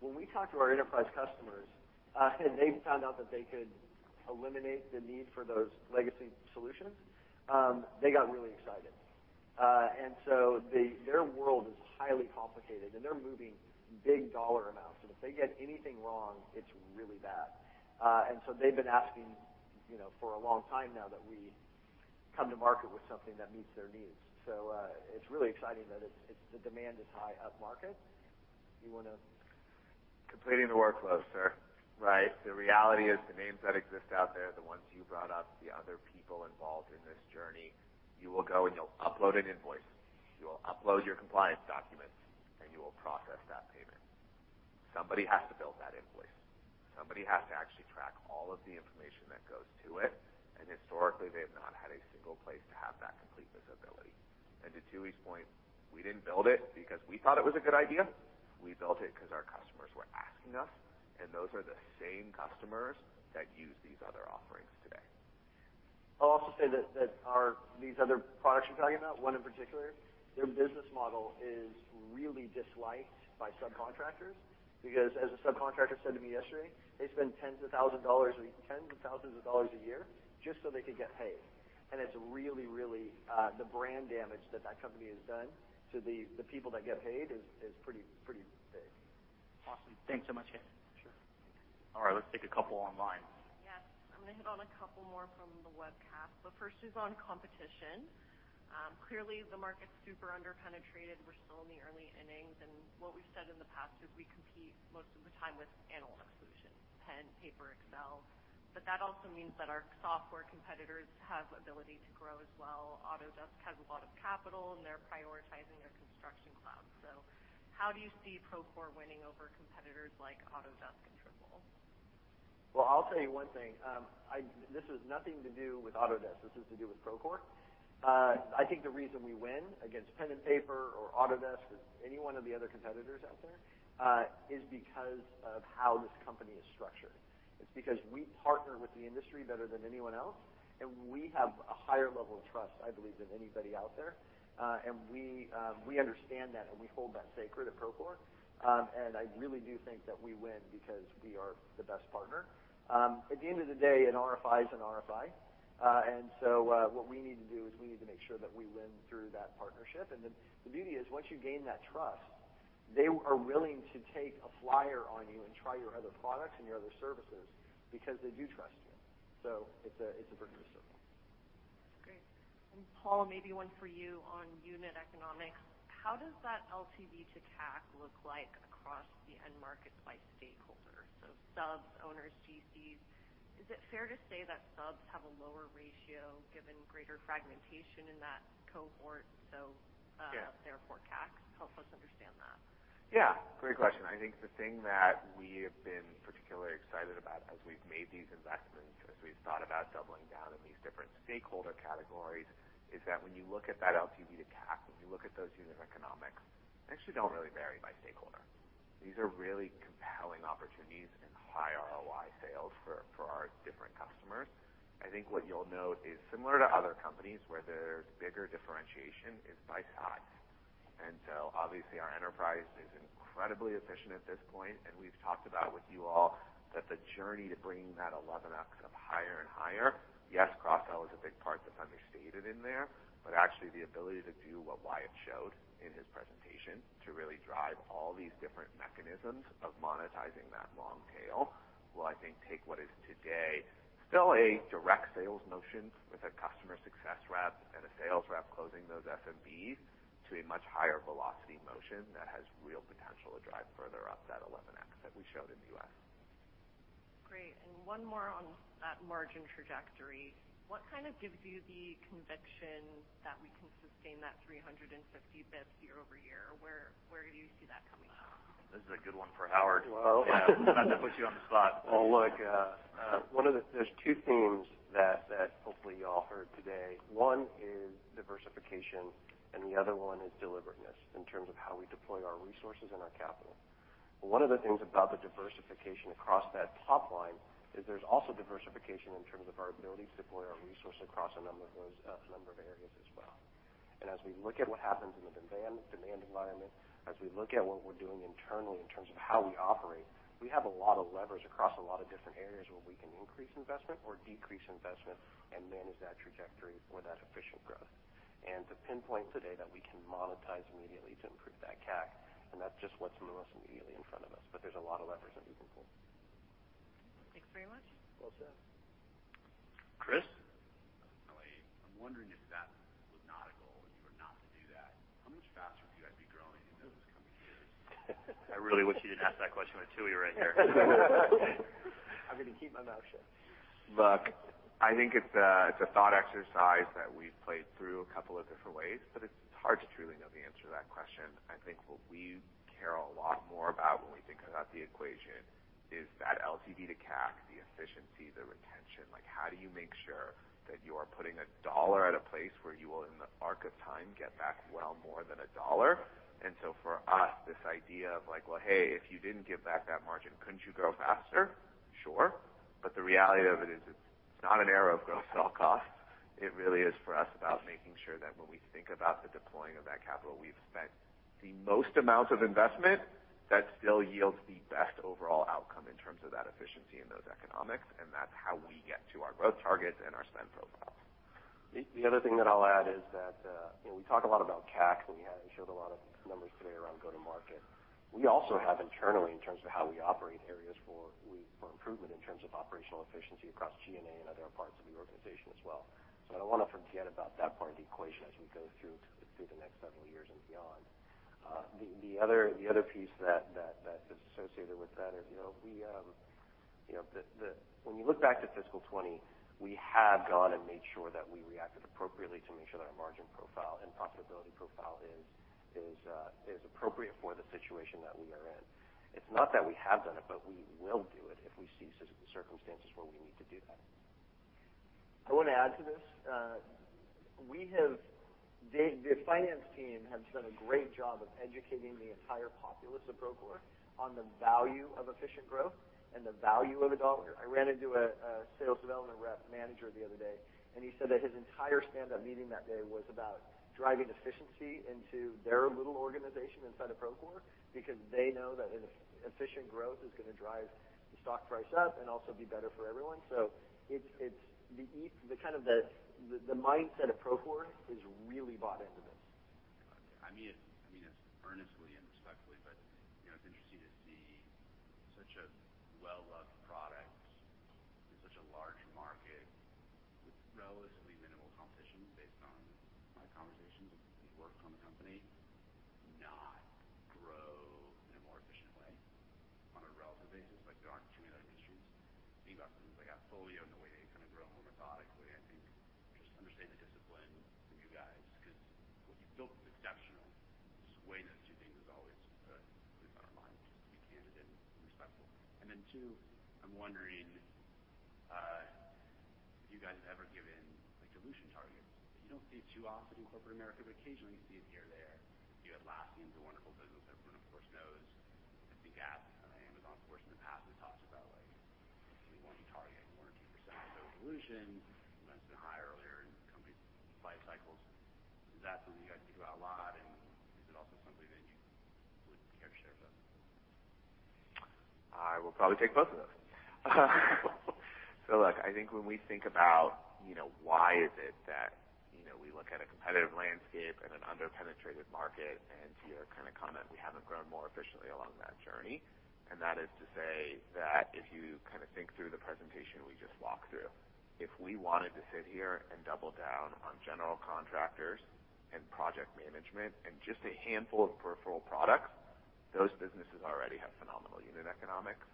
When we talked to our enterprise customers, and they found out that they could eliminate the need for those legacy solutions, they got really excited. Their world is highly complicated, and they're moving big dollar amounts, and if they get anything wrong, it's really bad. They've been asking, you know, for a long time now that we come to market with something that meets their needs. It's really exciting that the demand is high upmarket. You wanna- Completing the workflow, sir. Right. The reality is the names that exist out there, the ones you brought up, the other people involved in this journey, you will go, and you'll upload an invoice, you'll upload your compliance documents, and you will process that payment. Somebody has to build that invoice. Somebody has to actually track all of the information that goes to it, and historically, they have not had a single place to have that complete visibility. To Tooey's point, we didn't build it because we thought it was a good idea. We built it because our customers were asking us, and those are the same customers that use these other offerings today. I'll also say that our these other products you're talking about, one in particular, their business model is really disliked by subcontractors. Because as a subcontractor said to me yesterday, they spend tens of thousands of dollars a year just so they could get paid. It's really the brand damage that company has done to the people that get paid is pretty big. Awesome. Thanks so much, guys. Sure. All right, let's take a couple online. Yes. I'm gonna hit on a couple more from the webcast. The first is on competition. Clearly, the market's super under-penetrated. We're still in the early innings, and what we've said in the past is we compete most of the time with analog solutions, pen, paper, Excel. But that also means that our software competitors have ability to grow as well. Autodesk has a lot of capital, and they're prioritizing their construction cloud. So how do you see Procore winning over competitors like Autodesk and Trimble? Well, I'll tell you one thing. This has nothing to do with Autodesk. This has to do with Procore. I think the reason we win against pen and paper or Autodesk or any one of the other competitors out there is because of how this company is structured. It's because we partner with the industry better than anyone else, and we have a higher level of trust, I believe, than anybody out there. We understand that, and we hold that sacred at Procore. I really do think that we win because we are the best partner. At the end of the day, an RFI is an RFI. What we need to do is make sure that we win through that partnership. The beauty is once you gain that trust, they are willing to take a flyer on you and try your other products and your other services because they do trust you. It's a virtuous circle. Great. Paul, maybe one for you on unit economics. How does that LTV to CAC look like across the end market by stakeholder, so subs, owners, GCs? Is it fair to say that subs have a lower ratio given greater fragmentation in that cohort? Yeah. Therefore, CAC? Help us understand that. Yeah. Great question. I think the thing that we have been particularly excited about as we've made these investments, as we've thought about doubling down in these different stakeholder categories, is that when you look at that LTV to CAC, when you look at those unit economics, they actually don't really vary by stakeholder. These are really compelling opportunities and high ROI sales for our different customers. I think what you'll note is similar to other companies where there's bigger differentiation is by size. Obviously, our enterprise is incredibly efficient at this point, and we've talked about with you all that the journey to bringing that 11x up higher and higher, yes, cross-sell is a big part that's understated in there. Actually, the ability to do what Wyatt showed in his presentation, to really drive all these different mechanisms of monetizing that long tail, will, I think, take what is today still a direct sales motion with a customer success rep and a sales rep closing those SMBs to a much higher velocity motion that has real potential to drive further up that 11x that we showed in the U.S. Great. One more on that margin trajectory. What kind of gives you the conviction that we can sustain that 350 basis points year-over-year? Where do you see that coming from? This is a good one for Howard. Well, Sorry to put you on the spot. Well, look, one of the there's two themes that hopefully you all heard today. One is diversification, and the other one is deliberateness in terms of how we deploy our resources and our capital. One of the things about the diversification across that top line is there's also diversification in terms of our ability to deploy our resource across a number of those, a number of areas as well. As we look at what happens in the demand environment, as we look at what we're doing internally in terms of how we operate, we have a lot of levers across a lot of different areas where we can increase investment or decrease investment and manage that trajectory for that efficient growth. To pinpoint today that we can monetize immediately to improve that CAC, and that's just what's most immediately in front of us. There's a lot of levers that we can pull. Thanks very much. Well said. Chris? Hi. I'm wondering if that was not a goal and you were not to do that, how much faster do you guys be growing in those coming years? I really wish you didn't ask that question with Tooey right here. I'm gonna keep my mouth shut. Look, I think it's a thought exercise that we've played through a couple of different ways, but it's hard to truly know the answer to that question. I think what we care a lot more about when we think about the equation is that LTV to CAC, the efficiency, the retention. Like, how do you make sure that you are putting a dollar at a place where you will, in the arc of time, get back well more than a dollar? For us, this idea of, like, well, hey, if you didn't give back that margin, couldn't you grow faster? Sure. The reality of it is it's not an era of grow at all costs. It really is for us about making sure that when we think about the deploying of that capital, we've spent the most amount of investment that still yields the best overall outcome in terms of that efficiency and those economics, and that's how we get to our growth targets and our spend profiles. The other thing that I'll add is that, you know, we talk a lot about CAC, and we had showed a lot of numbers today around go-to-market. We also have internally, in terms of how we operate, areas for improvement in terms of operational efficiency across G&A and other parts of the organization as well. I don't wanna forget about that part of the equation as we go through the next several years and beyond. The other piece that is associated with that is, you know, we. You know, when you look back to fiscal 2020, we have gone and made sure that we reacted appropriately to make sure that our margin profile and profitability profile is appropriate for the situation that we are in. It's not that we have done it, but we will do it if we see circumstances where we need to do that. I wanna add to this. The finance team have done a great job of educating the entire populace of Procore on the value of efficient growth and the value of a dollar. I ran into a sales development rep manager the other day, and he said that his entire stand-up meeting that day was about driving efficiency into their little organization inside of Procore because they know that an efficient growth is gonna drive the stock price up and also be better for everyone. It's the kind of the mindset of Procore is really bought into this. I mean it, I been higher earlier in the company's life cycles. Is that something you guys think about a lot, and is it also something that you would care to share with us? I will probably take both of those. Look, I think when we think about, you know, why is it that, you know, we look at a competitive landscape and an under-penetrated market, and to your kind of comment, we haven't grown more efficiently along that journey. That is to say that if you kind of think through the presentation we just walked through, if we wanted to sit here and double down on general contractors and project management and just a handful of peripheral products, those businesses already have phenomenal unit economics.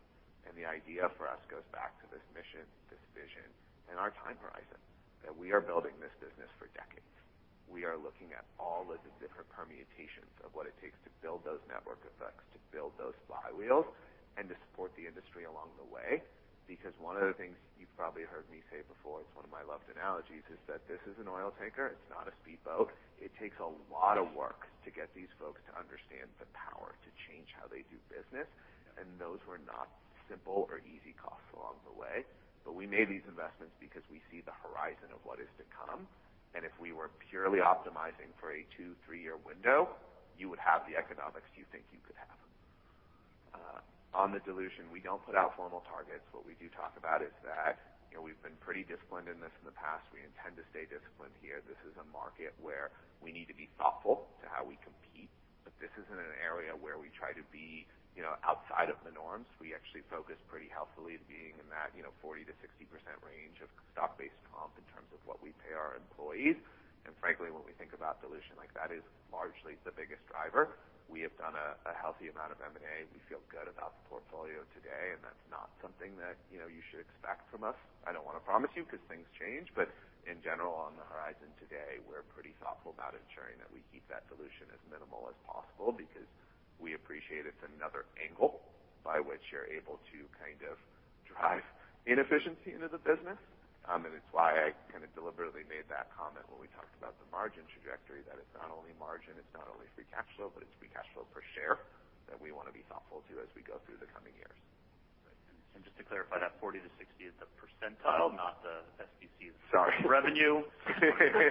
The idea for us goes back to this mission, this vision, and our time horizon, that we are building this business for decades. We are looking at all of the different permutations of what it takes to build those network effects, to build those flywheels, and to support the industry along the way. Because one of the things you've probably heard me say before, it's one of my loved analogies, is that this is an oil tanker, it's not a speedboat. It takes a lot of work to get these folks to understand the power to change how they do business. Those were not simple or easy costs along the way. We made these investments because we see the horizon of what is to come. If we were purely optimizing for a 2-3-year window, you would have the economics you think you could have. On the dilution, we don't put out formal targets. What we do talk about is that, you know, we've been pretty disciplined in this in the past. We intend to stay disciplined here. This is a market where we need to be thoughtful to how we compete, but this isn't an area where we try to be, you know, outside of the norms. We actually focus pretty healthy being in that, you know, 40%-60% range of stock-based comp in terms of what we pay our employees. Frankly, when we think about dilution, like that is largely the biggest driver. We have done a healthy amount of M&A. We feel good about the portfolio today, and that's not something that, you know, you should expect from us. I don't wanna promise you 'cause things change, but in general, on the horizon today, we're pretty thoughtful about ensuring that we keep that dilution as minimal as possible because we appreciate it's another angle by which you're able to kind of drive inefficiency into the business. It's why I kinda deliberately made that comment when we talked about the margin trajectory, that it's not only margin, it's not only free cash flow, but it's free cash flow per share that we wanna be thoughtful to as we go through the coming years. Just to clarify that 40-60 is the percentile, not the SBC. Sorry. -revenue.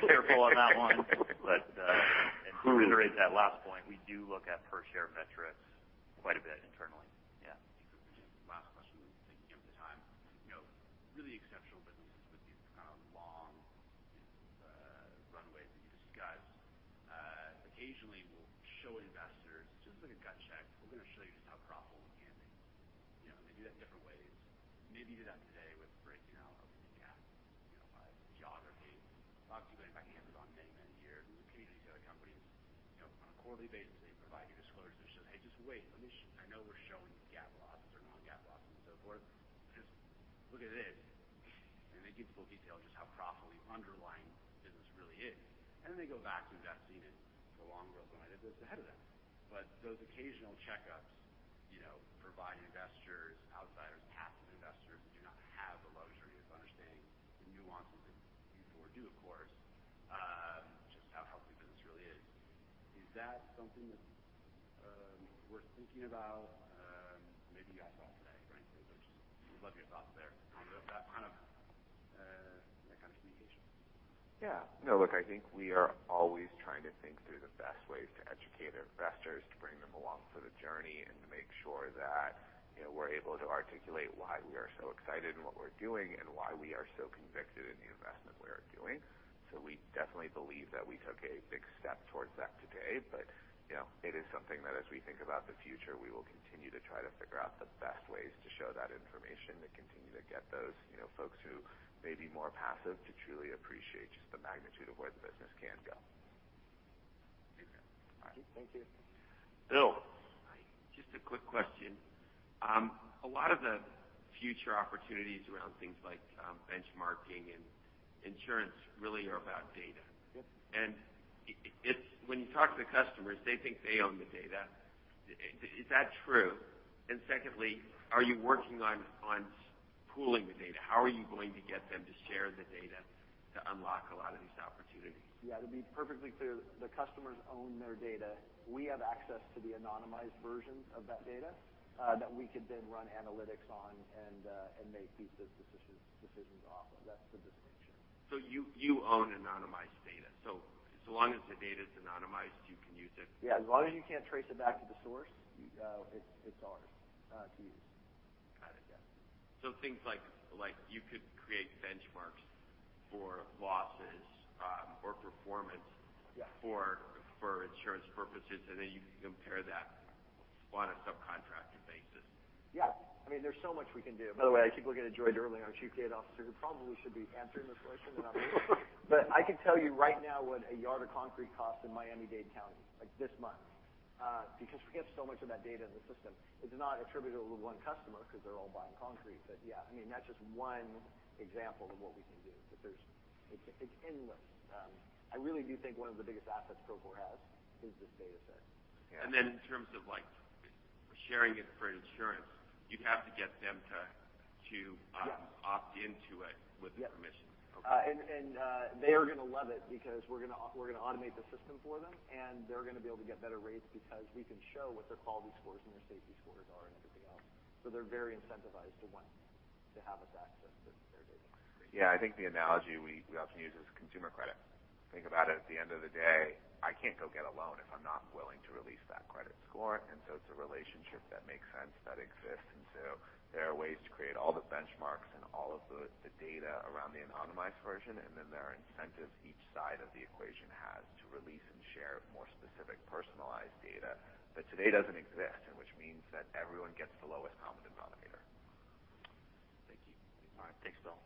Careful on that one. To reiterate that last point, we do look at per share metrics quite a bit internally. there on that kind of communication. Yeah. No, look, I think we are always trying to think through the best ways to educate investors, to bring them along for the journey, and to make sure that, you know, we're able to articulate why we are so excited in what we're doing and why we are so convicted in the investment we are doing. We definitely believe that we took a big step towards that today. You know, it is something that as we think about the future, we will continue to try to figure out the best ways to show that information, to continue to get those, you know, folks who may be more passive to truly appreciate just the magnitude of where the business can go. Thank you. Bill. Hi. Just a quick question. A lot of the future opportunities around things like benchmarking and insurance really are about data. Yep. It's when you talk to the customers, they think they own the data. Is that true? Secondly, are you working on pooling the data? How are you going to get them to share the data to unlock a lot of these opportunities? Yeah. To be perfectly clear, the customers own their data. We have access to the anonymized versions of that data that we could then run analytics on and make business decisions off of. That's the distinction. You own anonymized data. So long as the data's anonymized, you can use it. Yeah. As long as you can't trace it back to the source, it's ours to use. Got it. Yeah. Things like you could create benchmarks for losses, or performance. Yeah. for insurance purposes, and then you can compare that on a subcontractor basis. Yeah. I mean, there's so much we can do. By the way, I keep looking at Joy Durling, our Chief Data Officer, who probably should be answering this question, not me. I can tell you right now what a yard of concrete costs in Miami-Dade County, like, this month, because we have so much of that data in the system. It's not attributable to one customer 'cause they're all buying concrete. Yeah, I mean, that's just one example of what we can do. It's endless. I really do think one of the biggest assets Procore has is this data set. In terms of, like, sharing it for insurance, you'd have to get them to Yeah. Opt into it with permission. Yeah. Okay. They are gonna love it because we're gonna automate the system for them, and they're gonna be able to get better rates because we can show what their quality scores and their safety scores are and everything else. They're very incentivized to want to have us access their data. Yeah. I think the analogy we often use is consumer credit. Think about it. At the end of the day, I can't go get a loan if I'm not willing to release that credit score, and so it's a relationship that makes sense, that exists. There are ways to create all the benchmarks and all of the data around the anonymized version, and then there are incentives each side of the equation has to release and share more specific personalized data that today doesn't exist, and which means that everyone gets the lowest common denominator. Thank you. All right. Thanks, Bill.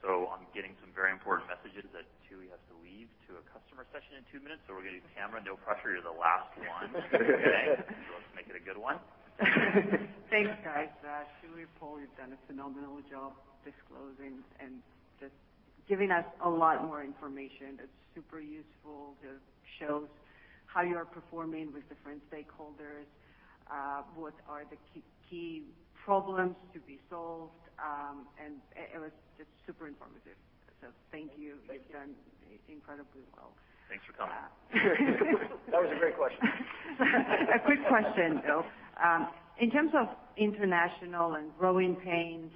I'm getting some very important messages that Tooey has to leave to a customer session in two minutes. We're gonna do Tamara. No pressure, you're the last one. Let's make it a good one. Thanks, guys. Tooey, Paul, you've done a phenomenal job disclosing and just giving us a lot more information. It's super useful. Just shows how you're performing with different stakeholders, what are the key problems to be solved. And it was just super informative. Thank you. Thank you. You've done incredibly well. Thanks for coming. That was a great question. A quick question, Bill. In terms of international and growing pains,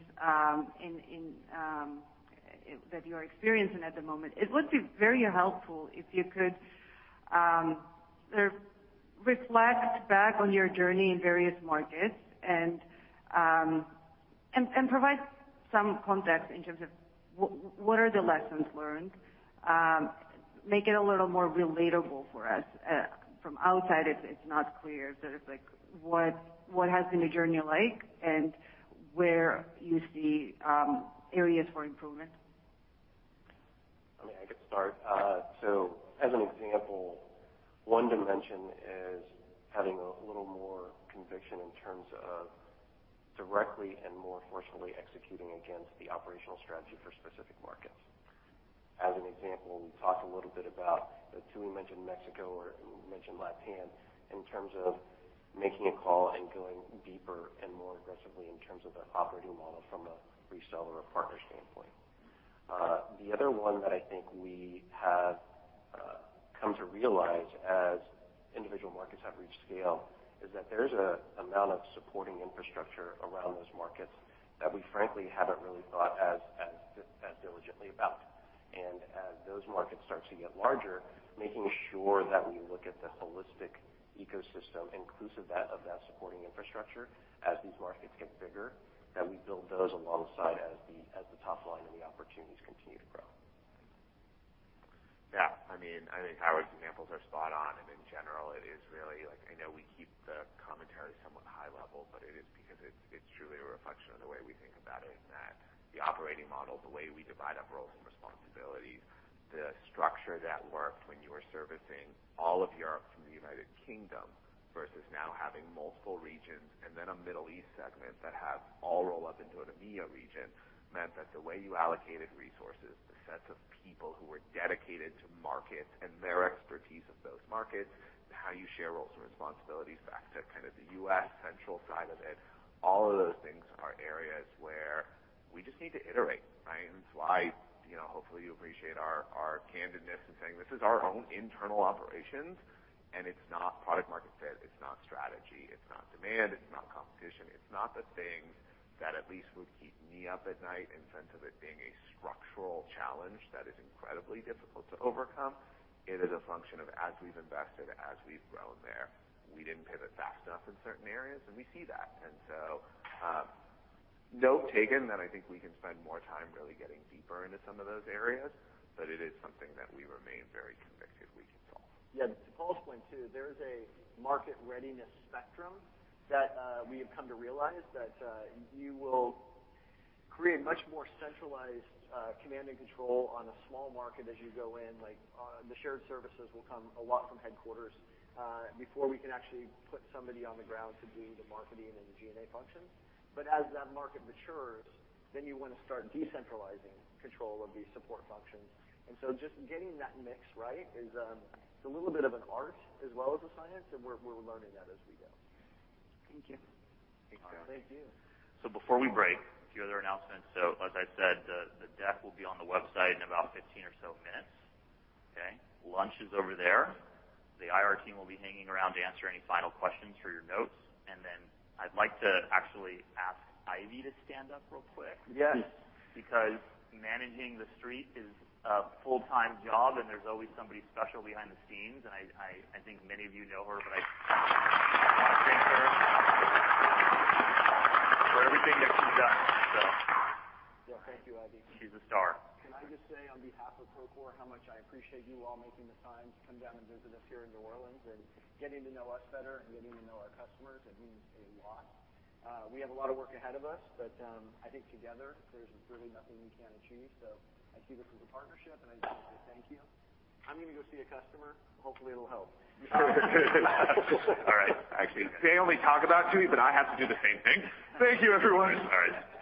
in that you're experiencing at the moment, it would be very helpful if you could sort of reflect back on your journey in various markets and provide some context in terms of what are the lessons learned. Make it a little more relatable for us. From outside, it's not clear. It's like, what has been the journey like and where you see areas for improvement? I mean, I can start. So as an example, one dimension is having a little more conviction in terms of directly and more forcefully executing against the operational strategy for specific markets. As an example, we talked a little bit about, Tooey mentioned Mexico or mentioned LatAm in terms of making a call and going deeper and more aggressively in terms of the operating model from a reseller or partner standpoint. The other one that I think we have come to realize as individual markets have reached scale is that there's a amount of supporting infrastructure around those markets that we frankly haven't really thought as diligently about. As those markets start to get larger, making sure that we look at the holistic ecosystem inclusive of that supporting infrastructure as these markets get bigger, that we build those alongside as the top line and the opportunities continue to grow. Yeah. I mean, I think Howard's examples are spot on, and in general, it is really like, I know we keep the commentary somewhat high level, but it is because it's truly a reflection of the way we think about it in that the operating model, the way we divide up roles and responsibilities, the structure that worked when you were servicing all of Europe from the United Kingdom versus now having multiple regions and then a Middle East segment that have all roll up into an EMEA region, meant that the way you allocated resources, the sets of people who were dedicated to markets and their expertise of those markets, how you share roles and responsibilities back to kind of the U.S. central side of it, all of those things are areas where we just need to iterate, right? That's why, you know, hopefully you appreciate our candidness in saying this is our own internal operations, and it's not product market fit, it's not strategy, it's not demand, it's not competition. It's not the things that at least would keep me up at night in sense of it being a structural challenge that is incredibly difficult to overcome. It is a function of as we've invested, as we've grown there, we didn't pivot fast enough in certain areas, and we see that. Note taken that I think we can spend more time really getting deeper into some of those areas, but it is something that we remain very convinced we can solve. Yeah. To Paul's point, too, there is a market readiness spectrum that we have come to realize that you will create much more centralized command and control on a small market as you go in. Like, the shared services will come a lot from headquarters before we can actually put somebody on the ground to do the marketing and the G&A functions. But as that market matures, then you wanna start decentralizing control of these support functions. Just getting that mix right is. It's a little bit of an art as well as a science, and we're learning that as we go. Thank you. Thanks, Bill. Thank you. Before we break, a few other announcements. As I said, the deck will be on the website in about 15 or so minutes. Okay? Lunch is over there. The IR team will be hanging around to answer any final questions for your notes. I'd like to actually ask Ivy to stand up real quick. Yes. Because managing the Street is a full-time job, and there's always somebody special behind the scenes. I think many of you know her, but I want to thank her for everything that she's done. Yeah. Thank you, Ivy. She's a star. Can I just say on behalf of Procore, how much I appreciate you all making the time to come down and visit us here in New Orleans, and getting to know us better and getting to know our customers. It means a lot. We have a lot of work ahead of us, but I think together there's really nothing we can't achieve. I see this as a partnership, and I just wanna say thank you. I'm gonna go see a customer. Hopefully, it'll help. All right. Actually, they only talk about Tooey, but I have to do the same thing. Thank you, everyone. All right.